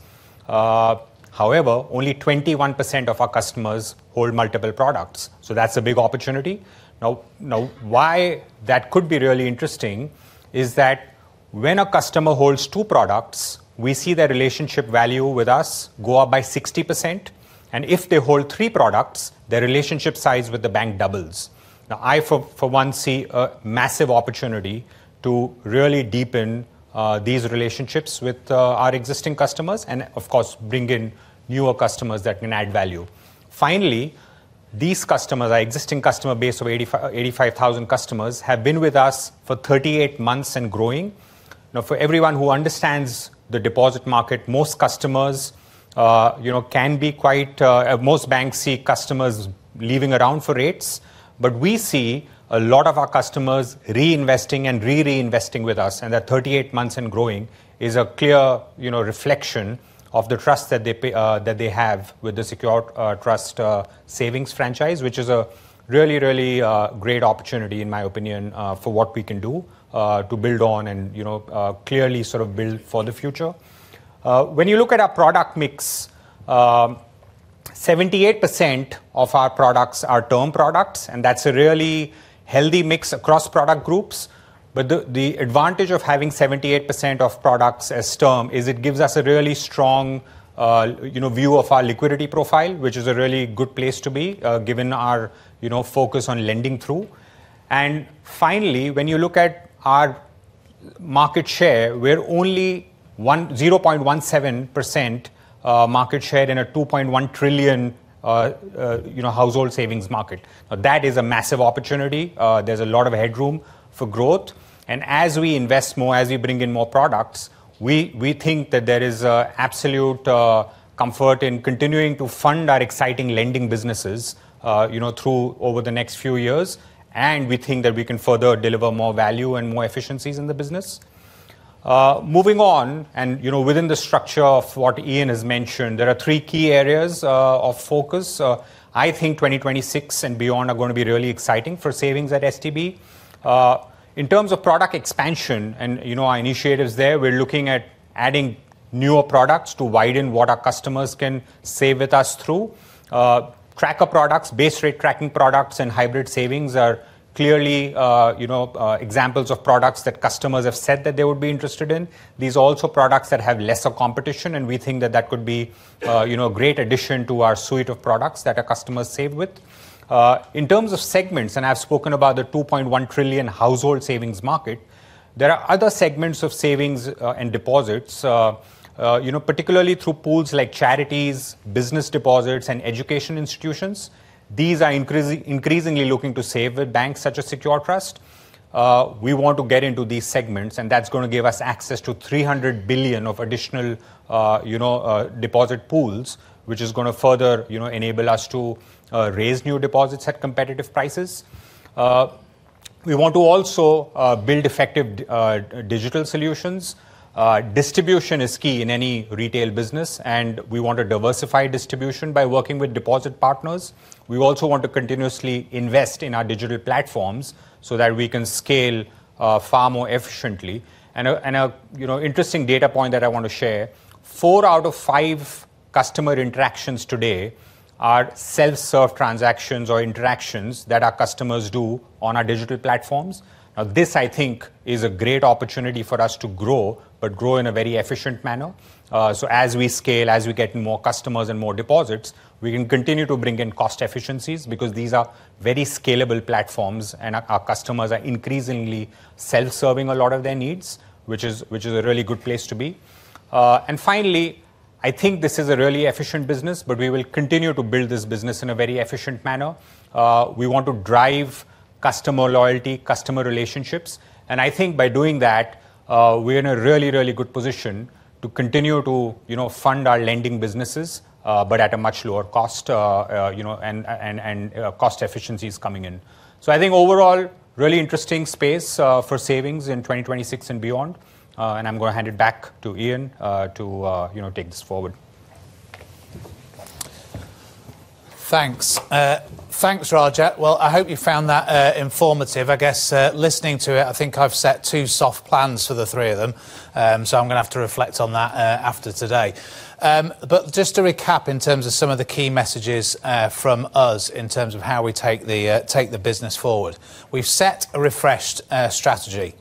However, only 21% of our customers hold multiple products, so that's a big opportunity. Now, why that could be really interesting is that when a customer holds two products, we see their relationship value with us go up by 60%, and if they hold three products, their relationship size with the bank doubles. Now, I for one see a massive opportunity to really deepen these relationships with our existing customers and of course, bring in newer customers that can add value. Finally, these customers, our existing customer base of 85,000 customers, have been with us for 38 months and growing. Now, for everyone who understands the deposit market, most customers can be quite. Most banks see customers leaving around for rates. We see a lot of our customers reinvesting and reinvesting with us, and at thirty-eight months and growing is a clear, you know, reflection of the trust that they have with the Secure Trust savings franchise, which is a really great opportunity, in my opinion, for what we can do to build on and, you know, clearly sort of build for the future. When you look at our product mix, 78% of our products are term products, and that's a really healthy mix across product groups. The advantage of having 78% of products as term is it gives us a really strong, you know, view of our liquidity profile, which is a really good place to be, given our, you know, focus on lending through. Finally, when you look at our market share, we're only 0.17% market share in a 2.1 trillion household savings market. Now, that is a massive opportunity. There's a lot of headroom for growth. As we invest more, as we bring in more products, we think that there is absolute comfort in continuing to fund our exciting lending businesses, you know, through over the next few years. We think that we can further deliver more value and more efficiencies in the business. Moving on, you know, within the structure of what Ian has mentioned, there are three key areas of focus. I think 2026 and beyond are gonna be really exciting for savings at STB. In terms of product expansion and, you know, our initiatives there, we're looking at adding newer products to widen what our customers can save with us through. Tracker products, base rate tracking products, and hybrid savings are clearly, you know, examples of products that customers have said that they would be interested in. These are also products that have lesser competition, and we think that that could be, you know, a great addition to our suite of products that our customers save with. In terms of segments, and I've spoken about the 2.1 trillion household savings market, there are other segments of savings, and deposits, you know, particularly through pools like charities, business deposits, and education institutions. These are increasingly looking to save with banks such as Secure Trust. We want to get into these segments, and that's gonna give us access to 300 billion of additional, you know, deposit pools, which is gonna further, you know, enable us to raise new deposits at competitive prices. We want to also build effective digital solutions. Distribution is key in any retail business, and we want to diversify distribution by working with deposit partners. We also want to continuously invest in our digital platforms so that we can scale far more efficiently. An interesting data point that I want to share, four out of five customer interactions today are self-serve transactions or interactions that our customers do on our digital platforms. Now, this, I think, is a great opportunity for us to grow, but grow in a very efficient manner. As we scale, as we get more customers and more deposits, we can continue to bring in cost efficiencies because these are very scalable platforms, and our customers are increasingly self-serving a lot of their needs, which is a really good place to be. Finally, I think this is a really efficient business, but we will continue to build this business in a very efficient manner. We want to drive customer loyalty, customer relationships, and I think by doing that, we're in a really good position to continue to, you know, fund our lending businesses, but at a much lower cost, you know, and cost efficiencies coming in. I think overall, really interesting space for savings in 2026 and beyond. I'm gonna hand it back to Ian, you know, to take this forward. Thanks. Thanks, Rajat. Well, I hope you found that informative. I guess listening to it, I think I've set two soft plans for the three of them. I'm gonna have to reflect on that after today. Just to recap in terms of some of the key messages from us in terms of how we take the business forward. We've set a refreshed strategy.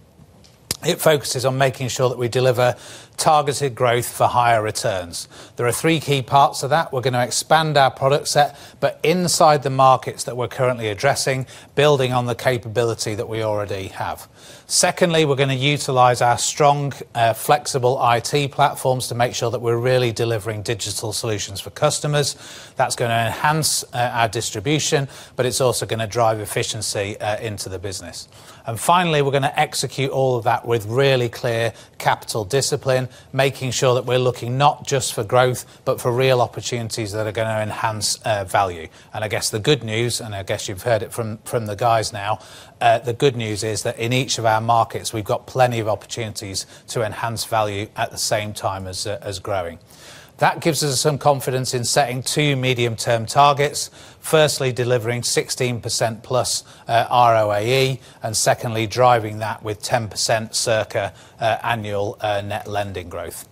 It focuses on making sure that we deliver targeted growth for higher returns. There are three key parts to that. We're gonna expand our product set, but inside the markets that we're currently addressing, building on the capability that we already have. Secondly, we're gonna utilize our strong flexible IT platforms to make sure that we're really delivering digital solutions for customers. That's gonna enhance our distribution, but it's also gonna drive efficiency into the business. Finally, we're gonna execute all of that with really clear capital discipline, making sure that we're looking not just for growth, but for real opportunities that are gonna enhance value. I guess the good news, and I guess you've heard it from the guys now, the good news is that in each of our markets, we've got plenty of opportunities to enhance value at the same time as growing. That gives us some confidence in setting two medium-term targets. Firstly, delivering 16%+ ROAE, and secondly, driving that with circa 10% annual net lending growth.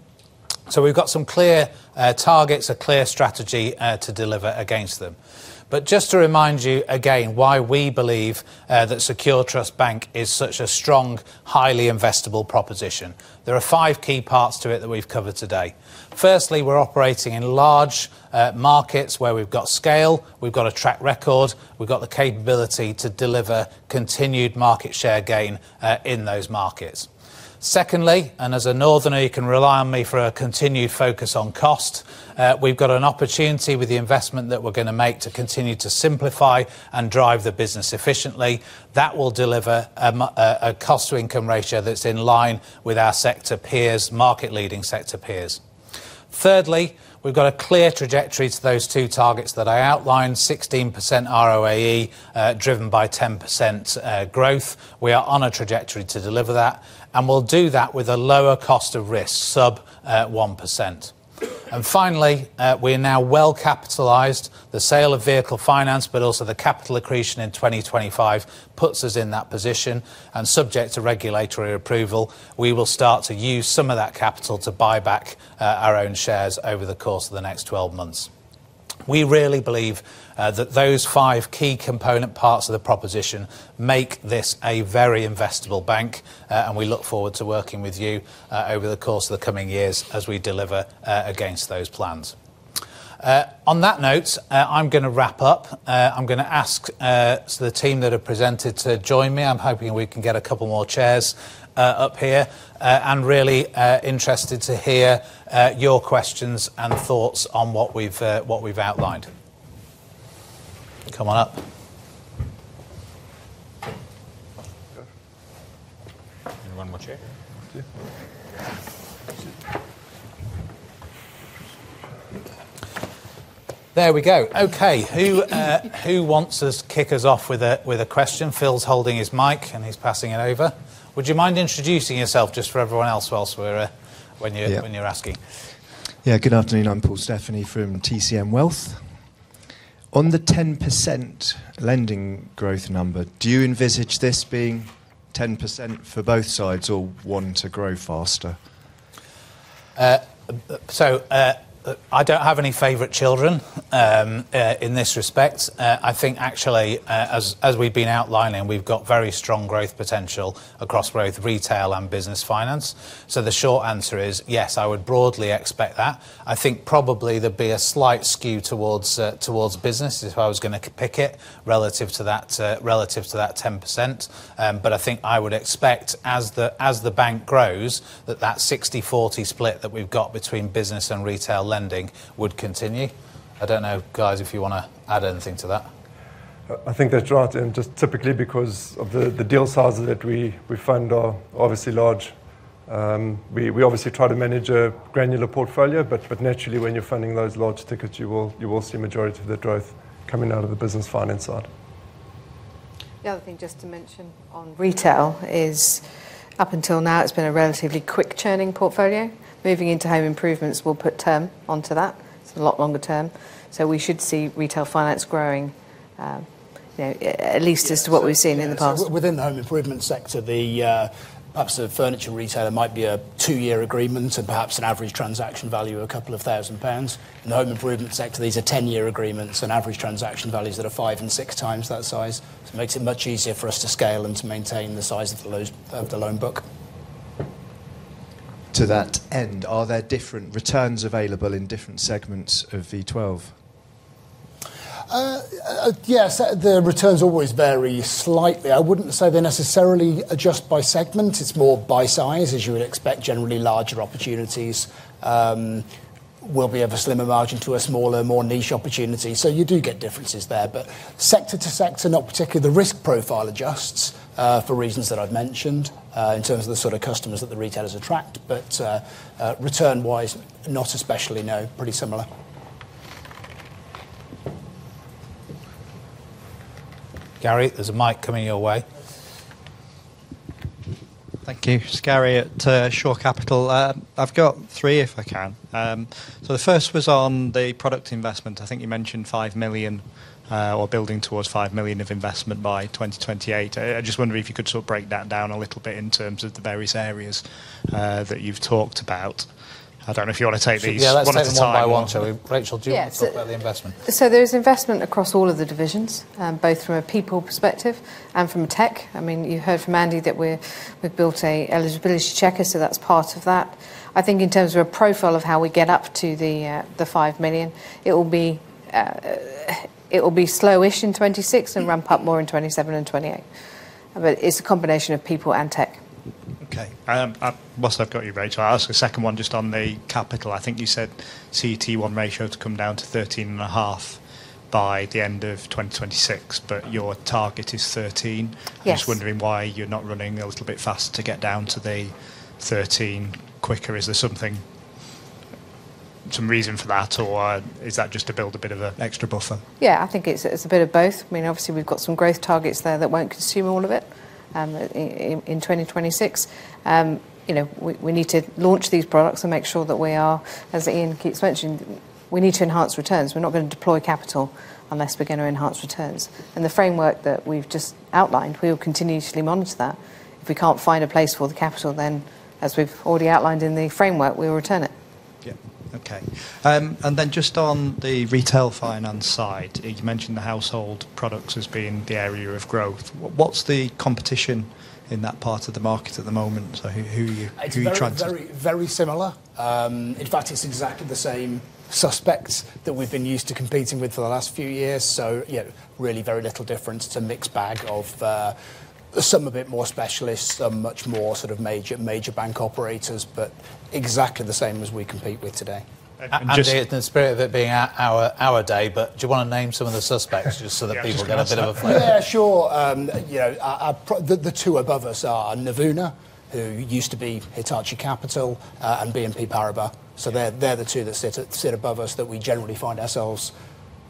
We've got some clear targets, a clear strategy to deliver against them. Just to remind you again why we believe that Secure Trust Bank is such a strong, highly investable proposition. There are five key parts to it that we've covered today. Firstly, we're operating in large markets where we've got scale, we've got a track record, we've got the capability to deliver continued market share gain in those markets. Secondly, and as a northerner, you can rely on me for a continued focus on cost. We've got an opportunity with the investment that we're gonna make to continue to simplify and drive the business efficiently. That will deliver a cost to income ratio that's in line with our sector peers, market leading sector peers. Thirdly, we've got a clear trajectory to those two targets that I outlined, 16% ROAE driven by 10% growth. We are on a trajectory to deliver that, and we'll do that with a lower cost of risk, sub 1%. Finally, we're now well capitalized. The sale of Vehicle Finance, but also the capital accretion in 2025 puts us in that position, and subject to regulatory approval, we will start to use some of that capital to buy back our own shares over the course of the next 12 months. We really believe that those five key component parts of the proposition make this a very investable bank, and we look forward to working with you over the course of the coming years as we deliver against those plans. On that note, I'm gonna wrap up. I'm gonna ask the team that have presented to join me. I'm hoping we can get a couple more chairs up here. I'm really interested to hear your questions and thoughts on what we've outlined. Come on up. One more chair. There we go. Okay. Who wants to kick us off with a question? Phil's holding his mic and he's passing it over. Would you mind introducing yourself just for everyone else when you're asking? Yeah. Good afternoon. I'm Paul Stephany from TCM Wealth. On the 10% lending growth number, do you envisage this being 10% for both sides or one to grow faster? I don't have any favorite children in this respect. I think actually, as we've been outlining, we've got very strong growth potential across both retail and Business Finance. The short answer is, yes, I would broadly expect that. I think probably there'd be a slight skew towards business if I was gonna pick it relative to that 10%. I think I would expect as the bank grows, that 60/40 split that we've got between business and retail lending would continue. I don't know, guys, if you wanna add anything to that. I think that's right. Just typically because of the deal sizes that we fund are obviously large. We obviously try to manage a granular portfolio, but naturally when you're funding those large tickets, you will see majority of the growth coming out of the Business Finance side. The other thing just to mention on Retail is up until now, it's been a relatively quick churning portfolio. Moving into home improvements will put term onto that. It's a lot longer term. We should see Retail Finance growing. You know, at least as fast as what we've seen in the past. Within the home improvement sector, perhaps the furniture retailer might be a two year agreement and perhaps an average transaction value of a couple of thousand GBP. In the home improvement sector, these are 10 year agreements and average transaction values that are 5x and 6x that size. It makes it much easier for us to scale and to maintain the size of the loan book. To that end, are there different returns available in different segments of V12? Yes, the returns always vary slightly. I wouldn't say they're necessarily just by segment. It's more by size, as you would expect. Generally larger opportunities will be of a slimmer margin to a smaller, more niche opportunity. So you do get differences there, but sector to sector, not particularly. The risk profile adjusts for reasons that I've mentioned in terms of the sort of customers that the retailers attract. Return-wise, not especially, no. Pretty similar. Gary, there's a mic coming your way. Thank you. It's Gary at Shore Capital. I've got three, if I can. The first was on the product investment. I think you mentioned 5 million or building towards 5 million of investment by 2028. I just wonder if you could sort of break that down a little bit in terms of the various areas that you've talked about. I don't know if you want to take these one at a time. Yeah, let's take them one by one, shall we? Rachel, do you want to talk about the investment? Yes. There's investment across all of the divisions, both from a people perspective and from tech. I mean, you heard from Andy that we've built a eligibility checker, so that's part of that. I think in terms of a profile of how we get up to the 5,000,000, it will be slowish in 2026 and ramp up more in 2027 and 2028. It's a combination of people and tech. Okay. While I've got you, Rachel, I'll ask a second one just on the capital. I think you said CET1 ratio to come down to 13.5% by the end of 2026, but your target is 13%. Yes. Just wondering why you're not running a little bit faster to get down to the 13% quicker. Is there something, some reason for that, or is that just to build a bit of an extra buffer? Yeah, I think it's a bit of both. I mean, obviously we've got some growth targets there that won't consume all of it, in 2026. You know, we need to launch these products and make sure that we are, as Ian keeps mentioning, we need to enhance returns. We're not going to deploy capital unless we're going to enhance returns. The framework that we've just outlined, we will continuously monitor that. If we can't find a place for the capital, then as we've already outlined in the framework, we will return it. Yeah. Okay. Just on the Retail Finance side, you mentioned the household products as being the area of growth. What's the competition in that part of the market at the moment? Who are you trying to- It's very similar. In fact, it's exactly the same suspects that we've been used to competing with for the last few years. Yeah, really very little difference. It's a mixed bag of some a bit more specialists, some much more sort of major bank operators. Exactly the same as we compete with today. Just in the spirit of it being our day, but do you want to name some of the suspects just so that people get a bit of a flavor? Yeah, sure. You know, the two above us are Novuna, who used to be Hitachi Capital, and BNP Paribas. They're the two that sit above us that we generally find ourselves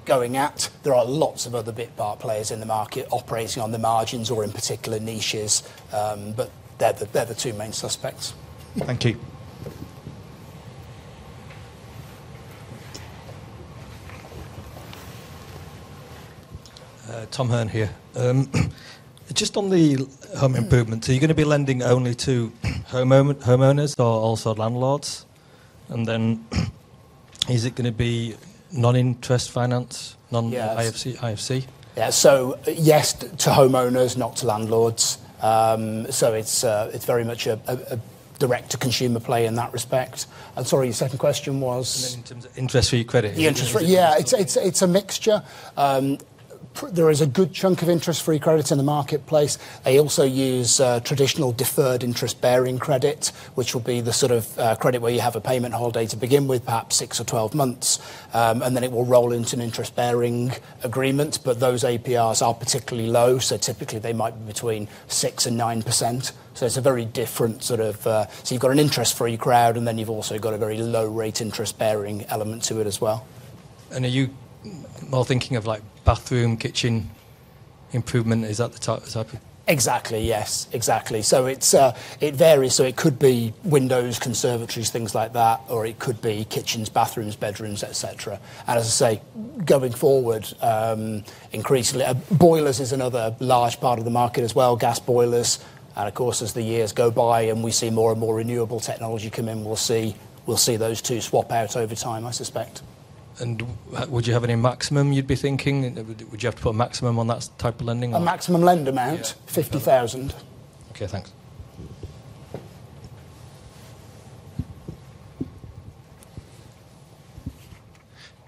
going at. There are lots of other bit part players in the market operating on the margins or in particular niches, but they're the two main suspects. Thank you. Tom Hearn here. Just on the home improvement, are you gonna be lending only to homeowners or also landlords? Is it gonna be non-interest finance? Yes IFC? Yeah. Yes to homeowners, not to landlords. It's very much a direct to consumer play in that respect. Sorry, your second question was? In terms of interest-free credit. The interest rate. Yeah, it's a mixture. There is a good chunk of interest-free credit in the marketplace. They also use traditional deferred interest-bearing credit, which will be the sort of credit where you have a payment holiday to begin with, perhaps six or 12 months. It will roll into an interest-bearing agreement. Those APRs are particularly low, so typically they might be between 6% and 9%. It's a very different sort of, so you've got an interest-free crowd, and then you've also got a very low rate interest-bearing element to it as well. Are you more thinking of like bathroom, kitchen improvement? Is that the type of- Exactly, yes. Exactly. It's, it varies. It could be windows, conservatories, things like that, or it could be kitchens, bathrooms, bedrooms, et cetera. As I say, going forward, increasingly. Boilers is another large part of the market as well, gas boilers. Of course, as the years go by and we see more and more renewable technology come in, we'll see those two swap out over time, I suspect. Would you have any maximum you'd be thinking? Would you have to put a maximum on that type of lending or? A maximum lend amount? Yeah. 50,000. Okay, thanks.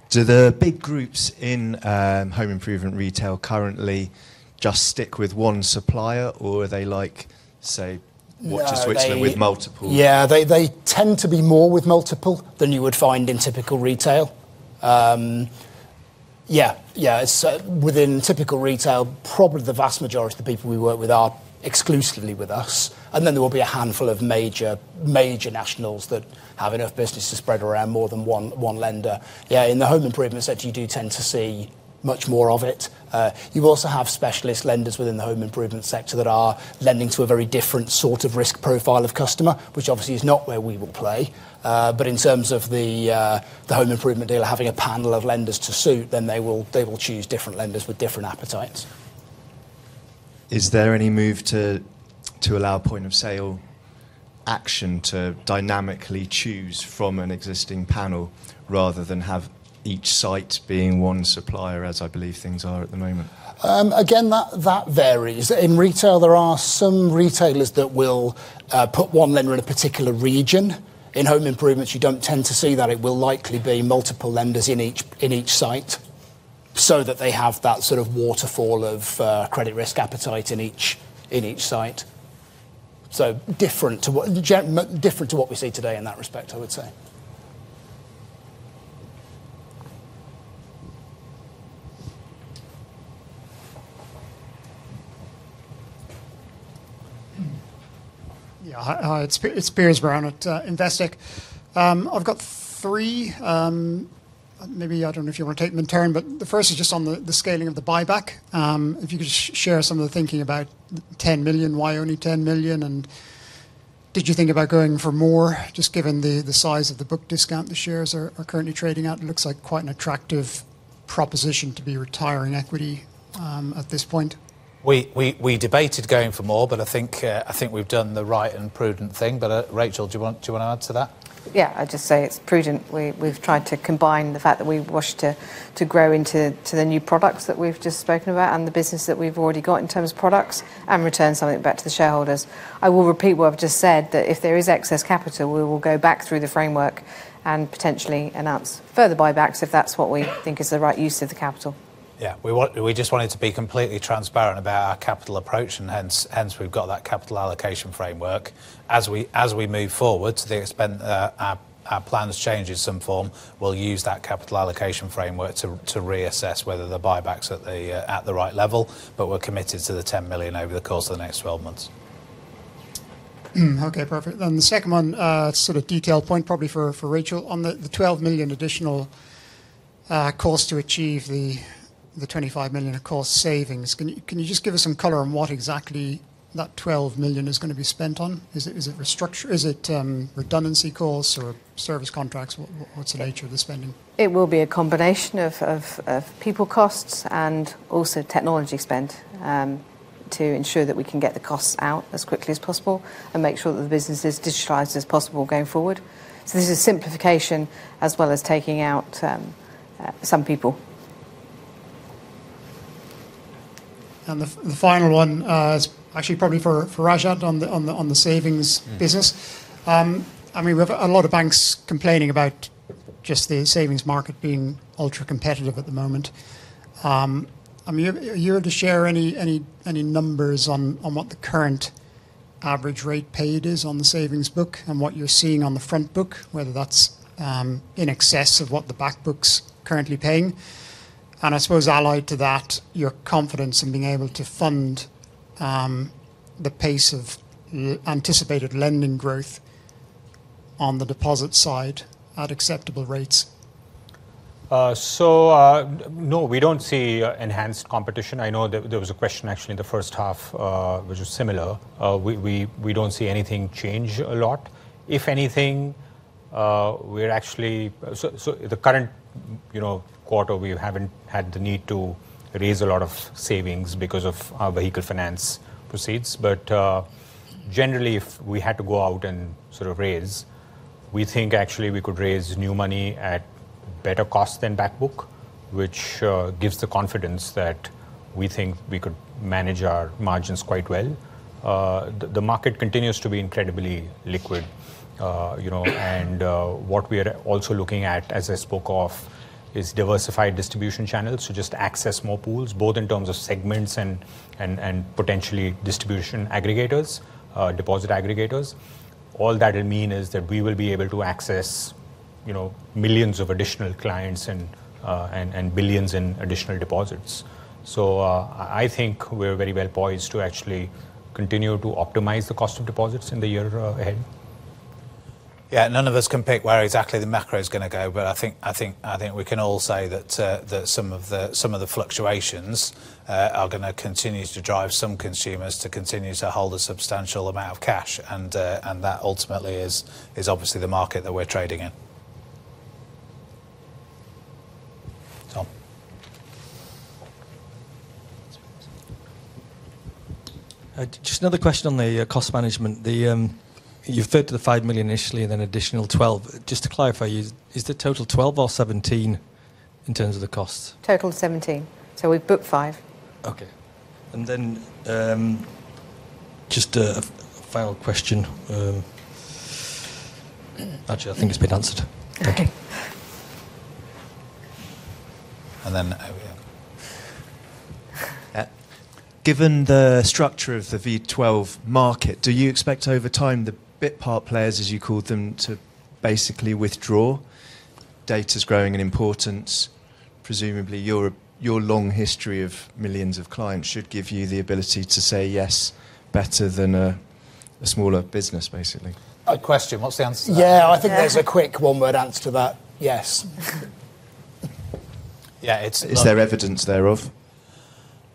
Do the big groups in home improvement retail currently just stick with one supplier or are they like, say, watch and switch? No, Them with multiple? Yeah, they tend to be more with multiple than you would find in typical retail. Yeah. Within typical retail, probably the vast majority of the people we work with are exclusively with us, and then there will be a handful of major nationals that have enough business to spread around more than one lender. Yeah, in the home improvement sector, you do tend to see much more of it. You also have specialist lenders within the home improvement sector that are lending to a very different sort of risk profile of customer, which obviously is not where we will play. In terms of the home improvement dealer having a panel of lenders to suit, then they will choose different lenders with different appetites. Is there any move to allow point of sale action to dynamically choose from an existing panel rather than have each site being one supplier, as I believe things are at the moment? Again, that varies. In retail, there are some retailers that will put one lender in a particular region. In home improvements, you don't tend to see that. It will likely be multiple lenders in each site so that they have that sort of waterfall of credit risk appetite in each site. Different to what we see today in that respect, I would say. Yeah. Hi. It's Piers Brown at Investec. I've got three, maybe I don't know if you wanna take them in turn, but the first is just on the scaling of the buyback. If you could share some of the thinking about 10 million. Why only 10 million, and did you think about going for more just given the size of the book discount the shares are currently trading at? It looks like quite an attractive proposition to be retiring equity at this point. We debated going for more, but I think we've done the right and prudent thing. Rachel, do you wanna add to that? Yeah. I'd just say it's prudent. We've tried to combine the fact that we wish to grow into the new products that we've just spoken about and the business that we've already got in terms of products, and return something back to the shareholders. I will repeat what I've just said, that if there is excess capital, we will go back through the framework and potentially announce further buybacks if that's what we think is the right use of the capital. Yeah. We just wanted to be completely transparent about our capital approach and hence we've got that capital allocation framework. As we move forward to the extent our plans change in some form, we'll use that capital allocation framework to reassess whether the buyback's at the right level. We're committed to the 10 million over the course of the next 12 months. Okay. Perfect. The second one, sort of detailed point probably for Rachel. On the 12 million additional cost to achieve the 25 million of cost savings. Can you just give us some color on what exactly that 12 million is gonna be spent on? Is it restructure? Is it redundancy costs or service contracts? What's the nature of the spending? It will be a combination of people costs and also technology spend to ensure that we can get the costs out as quickly as possible and make sure that the business is digitalized as possible going forward. This is simplification as well as taking out some people. The final one is actually probably for Rajat on the savings business. I mean, we have a lot of banks complaining about just the savings market being ultra-competitive at the moment. I mean, are you able to share any numbers on what the current average rate paid is on the savings book and what you're seeing on the front book, whether that's in excess of what the back book's currently paying? I suppose allied to that, your confidence in being able to fund the pace of anticipated lending growth on the deposit side at acceptable rates. No, we don't see enhanced competition. I know there was a question actually in the first half, which was similar. We don't see anything change a lot. If anything, the current, you know, quarter, we haven't had the need to raise a lot of savings because of our Vehicle Finance proceeds. Generally, if we had to go out and sort of raise, we think actually we could raise new money at better cost than back book, which gives the confidence that we think we could manage our margins quite well. The market continues to be incredibly liquid. You know, what we are also looking at, as I spoke of, is diversified distribution channels. Just access more pools, both in terms of segments and potentially distribution aggregators, deposit aggregators. All that it mean is that we will be able to access, you know, millions of additional clients and billions in additional deposits. I think we're very well poised to actually continue to optimize the cost of deposits in the year ahead. Yeah. None of us can pick where exactly the macro is gonna go, but I think we can all say that some of the fluctuations are gonna continue to drive some consumers to continue to hold a substantial amount of cash. That ultimately is obviously the market that we're trading in. Tom. Just another question on the cost management. You referred to the 5 million initially and then additional 12 million. Just to clarify, is the total 12 million or 17 million in terms of the costs? Total is 17. We've booked five. Okay. Just a final question. Actually I think it's been answered. Okay. Over here. Given the structure of the V12 market, do you expect over time the bit part players, as you called them, to basically withdraw? Data's growing in importance. Presumably your long history of millions of clients should give you the ability to say yes better than a smaller business, basically. Good question. What's the answer to that? Yeah. I think there's a quick one word answer to that. Yes. Yeah, it's-. Is there evidence thereof?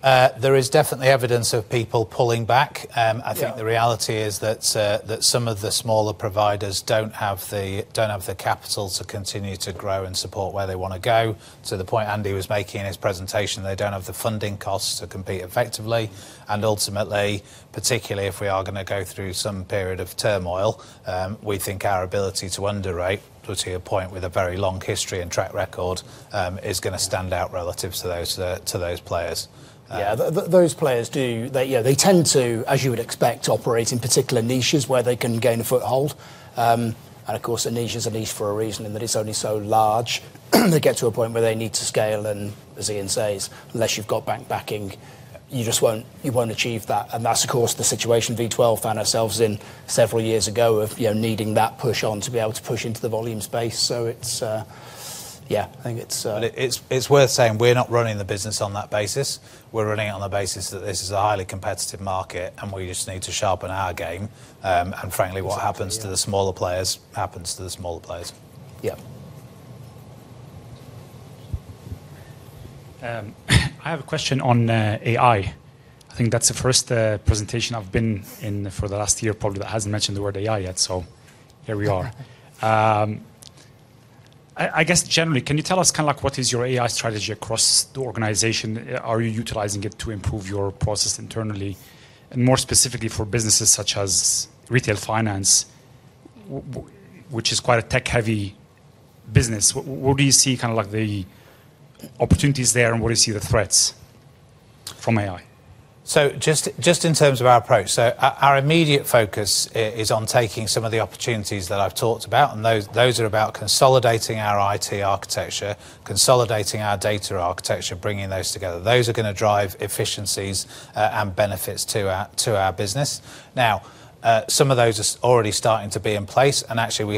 There is definitely evidence of people pulling back. Yeah. I think the reality is that some of the smaller providers don't have the capital to continue to grow and support where they wanna go. To the point Andy was making in his presentation, they don't have the funding costs to compete effectively and ultimately, particularly if we are gonna go through some period of turmoil, we think our ability to underwrite, to your point, with a very long history and track record, is gonna stand out relative to those players. Yeah. Those players do. They tend to, as you would expect, operate in particular niches where they can gain a foothold. Of course, a niche is a niche for a reason, and that it's only so large. They get to a point where they need to scale and, as Ian says, unless you've got bank backing, you just won't achieve that. That's, of course, the situation V12 found ourselves in several years ago, you know, needing that push on to be able to push into the volume space. It's, yeah. I think it's. It's worth saying we're not running the business on that basis. We're running it on the basis that this is a highly competitive market, and we just need to sharpen our game. Frankly, what happens to the smaller players happens to the smaller players. Yeah. I have a question on AI. I think that's the first presentation I've been in for the last year probably that hasn't mentioned the word AI yet. Here we are. I guess generally, can you tell us kinda like what is your AI strategy across the organization? Are you utilizing it to improve your process internally? More specifically for businesses such as Retail Finance, which is quite a tech heavy business, what do you see kinda like the opportunities there, and what do you see the threats from AI? Just in terms of our approach. Our immediate focus is on taking some of the opportunities that I've talked about, and those are about consolidating our IT architecture, consolidating our data architecture, bringing those together. Those are gonna drive efficiencies, and benefits to our business. Now, some of those are already starting to be in place, and actually we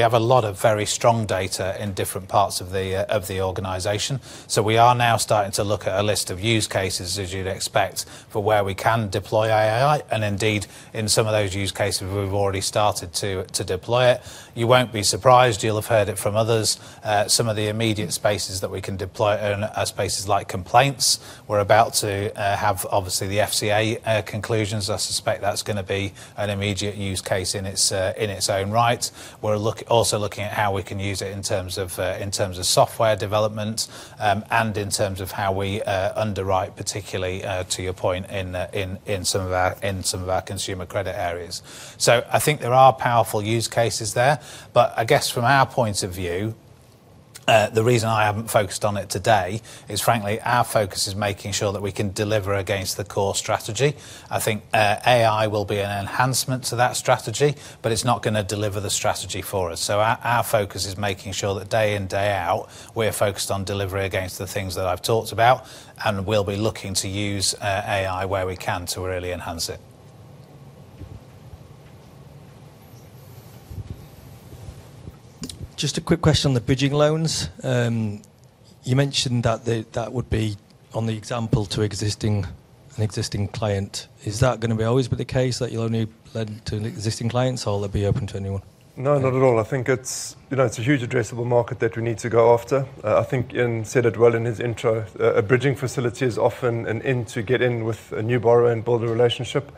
have a lot of very strong data in different parts of the organization. We are now starting to look at a list of use cases, as you'd expect, for where we can deploy AI. Indeed, in some of those use cases, we've already started to deploy it. You won't be surprised, you'll have heard it from others, some of the immediate spaces that we can deploy are spaces like complaints. We're about to have obviously the FCA conclusions. I suspect that's gonna be an immediate use case in its own right. We're also looking at how we can use it in terms of software development, and in terms of how we underwrite, particularly to your point in some of our consumer credit areas. I think there are powerful use cases there. I guess from our point of view, the reason I haven't focused on it today is frankly, our focus is making sure that we can deliver against the core strategy. I think AI will be an enhancement to that strategy, but it's not gonna deliver the strategy for us. Our focus is making sure that day in, day out, we're focused on delivery against the things that I've talked about, and we'll be looking to use AI where we can to really enhance it. Just a quick question on the bridging loans. You mentioned that that would be an example for an existing client. Is that gonna always be the case that you'll only lend to an existing client, or will it be open to anyone? No, not at all. I think it's, you know, it's a huge addressable market that we need to go after. I think Ian said it well in his intro. A bridging facility is often an in to get in with a new borrower and build a relationship,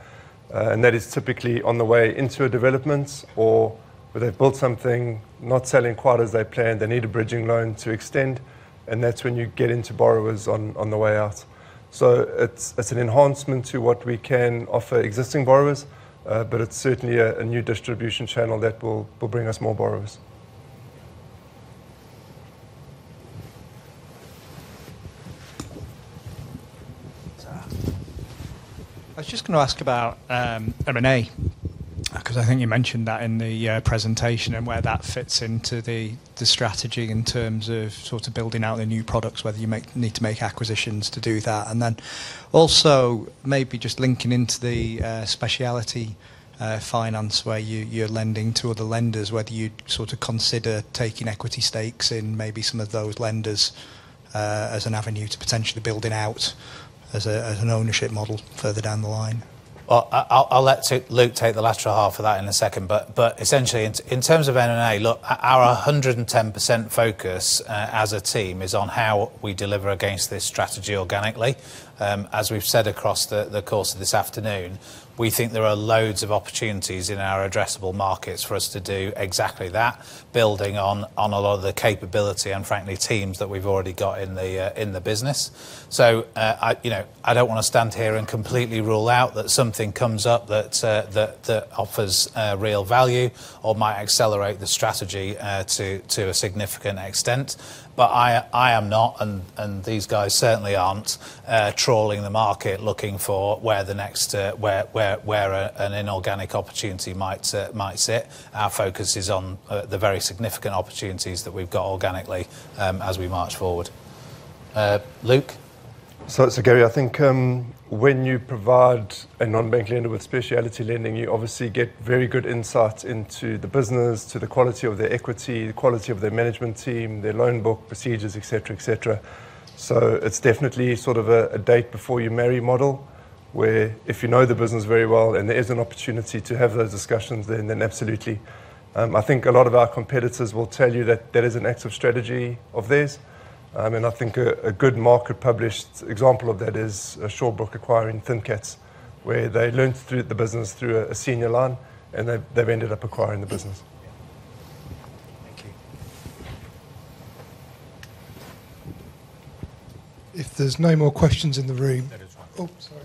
and that is typically on the way into a development or where they've built something not selling quite as they planned, they need a bridging loan to extend, and that's when you get into borrowers on the way out. It's an enhancement to what we can offer existing borrowers, but it's certainly a new distribution channel that will bring us more borrowers. I was just gonna ask about M&A, 'cause I think you mentioned that in the presentation and where that fits into the strategy in terms of sort of building out the new products, whether you need to make acquisitions to do that. Then also maybe just linking into the specialty finance, where you're lending to other lenders, whether you'd sort of consider taking equity stakes in maybe some of those lenders, as an avenue to potentially building out as an ownership model further down the line. Well, I'll let Luke take the latter half of that in a second. Essentially in terms of M&A, look, our 110% focus as a team is on how we deliver against this strategy organically. As we've said across the course of this afternoon, we think there are loads of opportunities in our addressable markets for us to do exactly that, building on a lot of the capability and frankly, teams that we've already got in the business. I you know don't wanna stand here and completely rule out that something comes up that offers real value or might accelerate the strategy to a significant extent. I am not and these guys certainly aren't trawling the market looking for where the next inorganic opportunity might sit. Our focus is on the very significant opportunities that we've got organically as we march forward. Luke. Gary, I think when you provide a non-bank lender with speciality lending, you obviously get very good insight into the business, to the quality of their equity, the quality of their management team, their loan book procedures, et cetera, et cetera. It's definitely sort of a date before you marry model. If you know the business very well, and there is an opportunity to have those discussions, then absolutely. I think a lot of our competitors will tell you that is an active strategy of theirs. I think a good market published example of that is Shawbrook acquiring ThinCats, where they lent to the business through a senior line, and they've ended up acquiring the business. Yeah. Thank you. If there's no more questions in the room? There is one. Oh, sorry.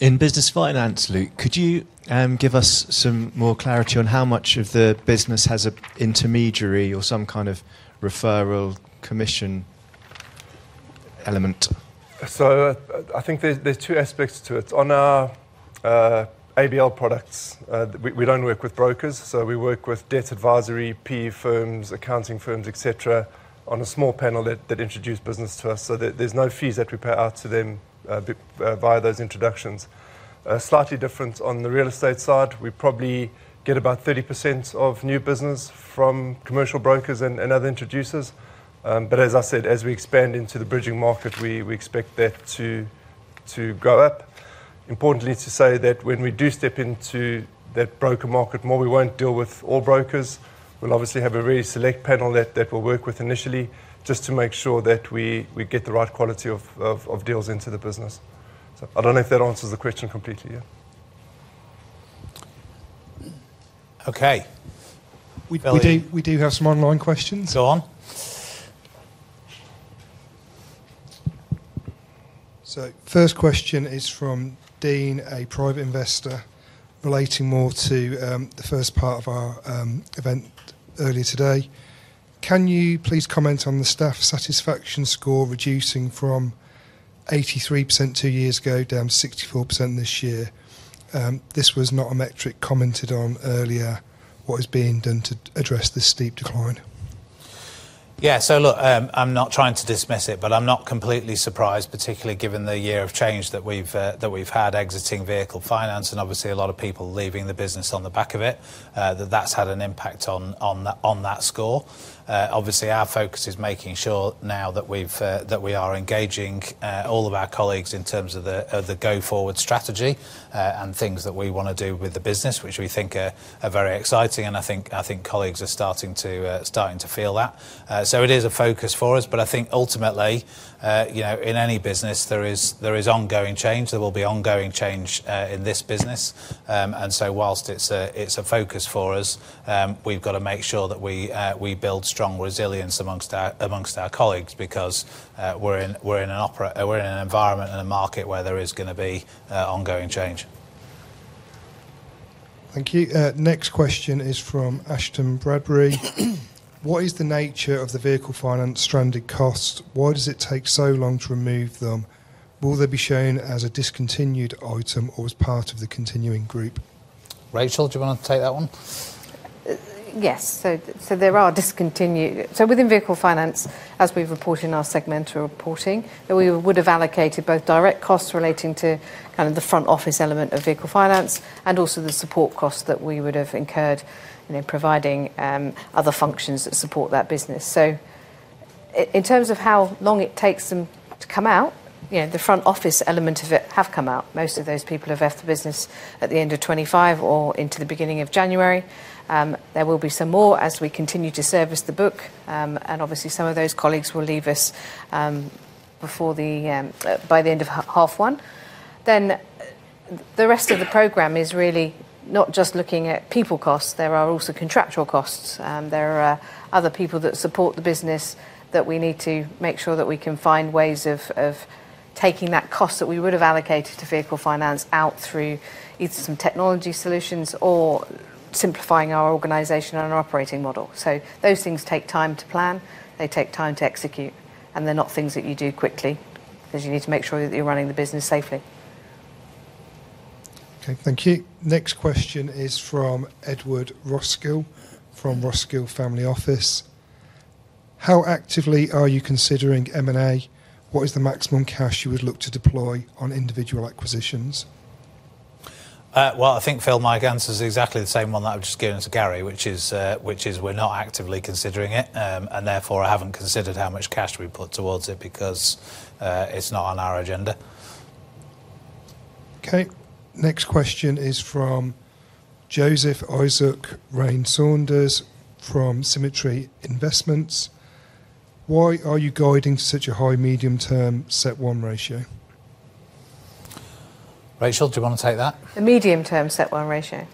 In Business Finance, Luke, could you give us some more clarity on how much of the business has a intermediary or some kind of referral commission element? I think there's two aspects to it. On our ABL products, we don't work with brokers. We work with debt advisory, PE firms, accounting firms, et cetera, on a small panel that introduce business to us. There's no fees that we pay out to them via those introductions. Slightly different on the real estate side. We probably get about 30% of new business from commercial brokers and other introducers. As I said, as we expand into the bridging market, we expect that to go up. Importantly to say that when we do step into that broker market more, we won't deal with all brokers. We'll obviously have a really select panel that we'll work with initially just to make sure that we get the right quality of deals into the business. I don't know if that answers the question completely, yeah. Okay. We do have some online questions. Go on. First question is from Dean, a private investor, relating more to the first part of our event earlier today. Can you please comment on the staff satisfaction score reducing from 83% two years ago down to 64% this year? This was not a metric commented on earlier. What is being done to address this steep decline? Yeah. Look, I'm not trying to dismiss it, but I'm not completely surprised, particularly given the year of change that we've had exiting Vehicle Finance and obviously a lot of people leaving the business on the back of it. That's had an impact on that score. Obviously our focus is making sure now that we are engaging all of our colleagues in terms of the go forward strategy, and things that we wanna do with the business, which we think are very exciting and I think colleagues are starting to feel that. It is a focus for us. I think ultimately, you know, in any business there is ongoing change. There will be ongoing change in this business. While it's a focus for us, we've gotta make sure that we build strong resilience among our colleagues because we're in an environment and a market where there is gonna be ongoing change. Thank you. Next question is from Ashton Bradbury. What is the nature of the Vehicle Finance stranded cost? Why does it take so long to remove them? Will they be shown as a discontinued item or as part of the continuing group? Rachel, do you wanna take that one? Yes. Within Vehicle Finance, as we've reported in our segmental reporting, we would have allocated both direct costs relating to kind of the front office element of Vehicle Finance and also the support costs that we would have incurred, you know, providing other functions that support that business. In terms of how long it takes them to come out, you know, the front office element of it have come out. Most of those people have left the business at the end of 2025 or into the beginning of January. There will be some more as we continue to service the book. And obviously some of those colleagues will leave us before the by the end of half one. The rest of the program is really not just looking at people costs, there are also contractual costs. There are other people that support the business that we need to make sure that we can find ways of taking that cost that we would have allocated to Vehicle Finance out through either some technology solutions or simplifying our organization and our operating model. Those things take time to plan, they take time to execute, and they're not things that you do quickly because you need to make sure that you're running the business safely. Okay. Thank you. Next question is from Edward Roskill, from Roskill Family Office. How actively are you considering M&A? What is the maximum cash you would look to deploy on individual acquisitions? Well, I think, Phil, my answer is exactly the same one that I've just given to Gary, which is we're not actively considering it. Therefore I haven't considered how much cash we put towards it because it's not on our agenda. Okay. Next question is from Joseph Isaac Rein-Saunders from Symmetry Investments. Why are you guiding such a high medium-term CET1 ratio? Rachel, do you wanna take that? The medium-term CET1 ratio?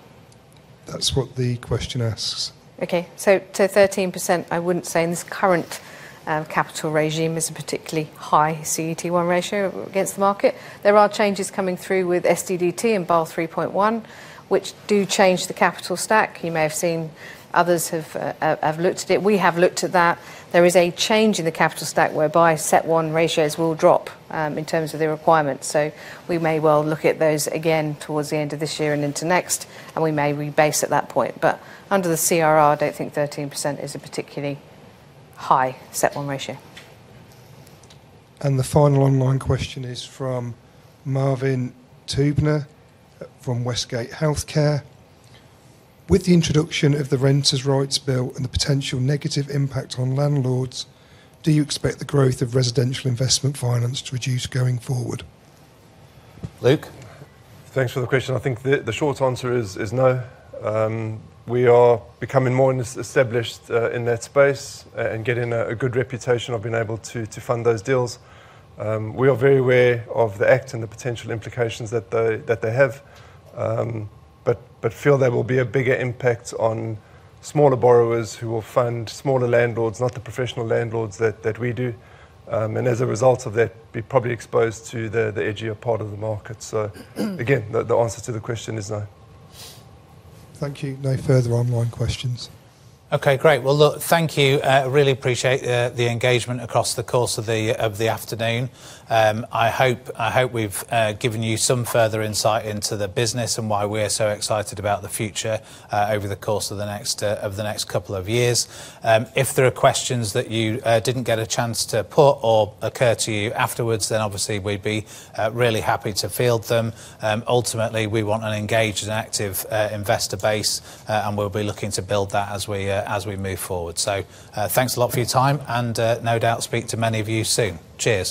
That's what the question asks. To 13%, I wouldn't say in this current capital regime is a particularly high CET1 ratio against the market. There are changes coming through with SDDT and Basel 3.1, which do change the capital stack. You may have seen others have looked at it. We have looked at that. There is a change in the capital stack whereby CET1 ratios will drop in terms of the requirements. We may well look at those again towards the end of this year and into next, and we may rebase at that point. Under the CRR, I don't think 13% is a particularly high CET1 ratio. The final online question is from Marvin Teubner from Westgate Healthcare. With the introduction of the Renters Rights Bill and the potential negative impact on landlords, do you expect the growth of residential investment finance to reduce going forward? Luke? Thanks for the question. I think the short answer is no. We are becoming more established in that space and getting a good reputation of being able to fund those deals. We are very aware of the act and the potential implications that they have, but feel there will be a bigger impact on smaller borrowers who will fund smaller landlords, not the professional landlords that we do. As a result of that, we'll be probably exposed to the edgier part of the market. Again, the answer to the question is no. Thank you. No further online questions. Okay. Great. Well, look, thank you. Really appreciate the engagement across the course of the afternoon. I hope we've given you some further insight into the business and why we're so excited about the future over the course of the next couple of years. If there are questions that you didn't get a chance to put or occur to you afterwards, then obviously we'd be really happy to field them. Ultimately, we want an engaged and active investor base, and we'll be looking to build that as we move forward. Thanks a lot for your time, and no doubt speak to many of you soon. Cheers.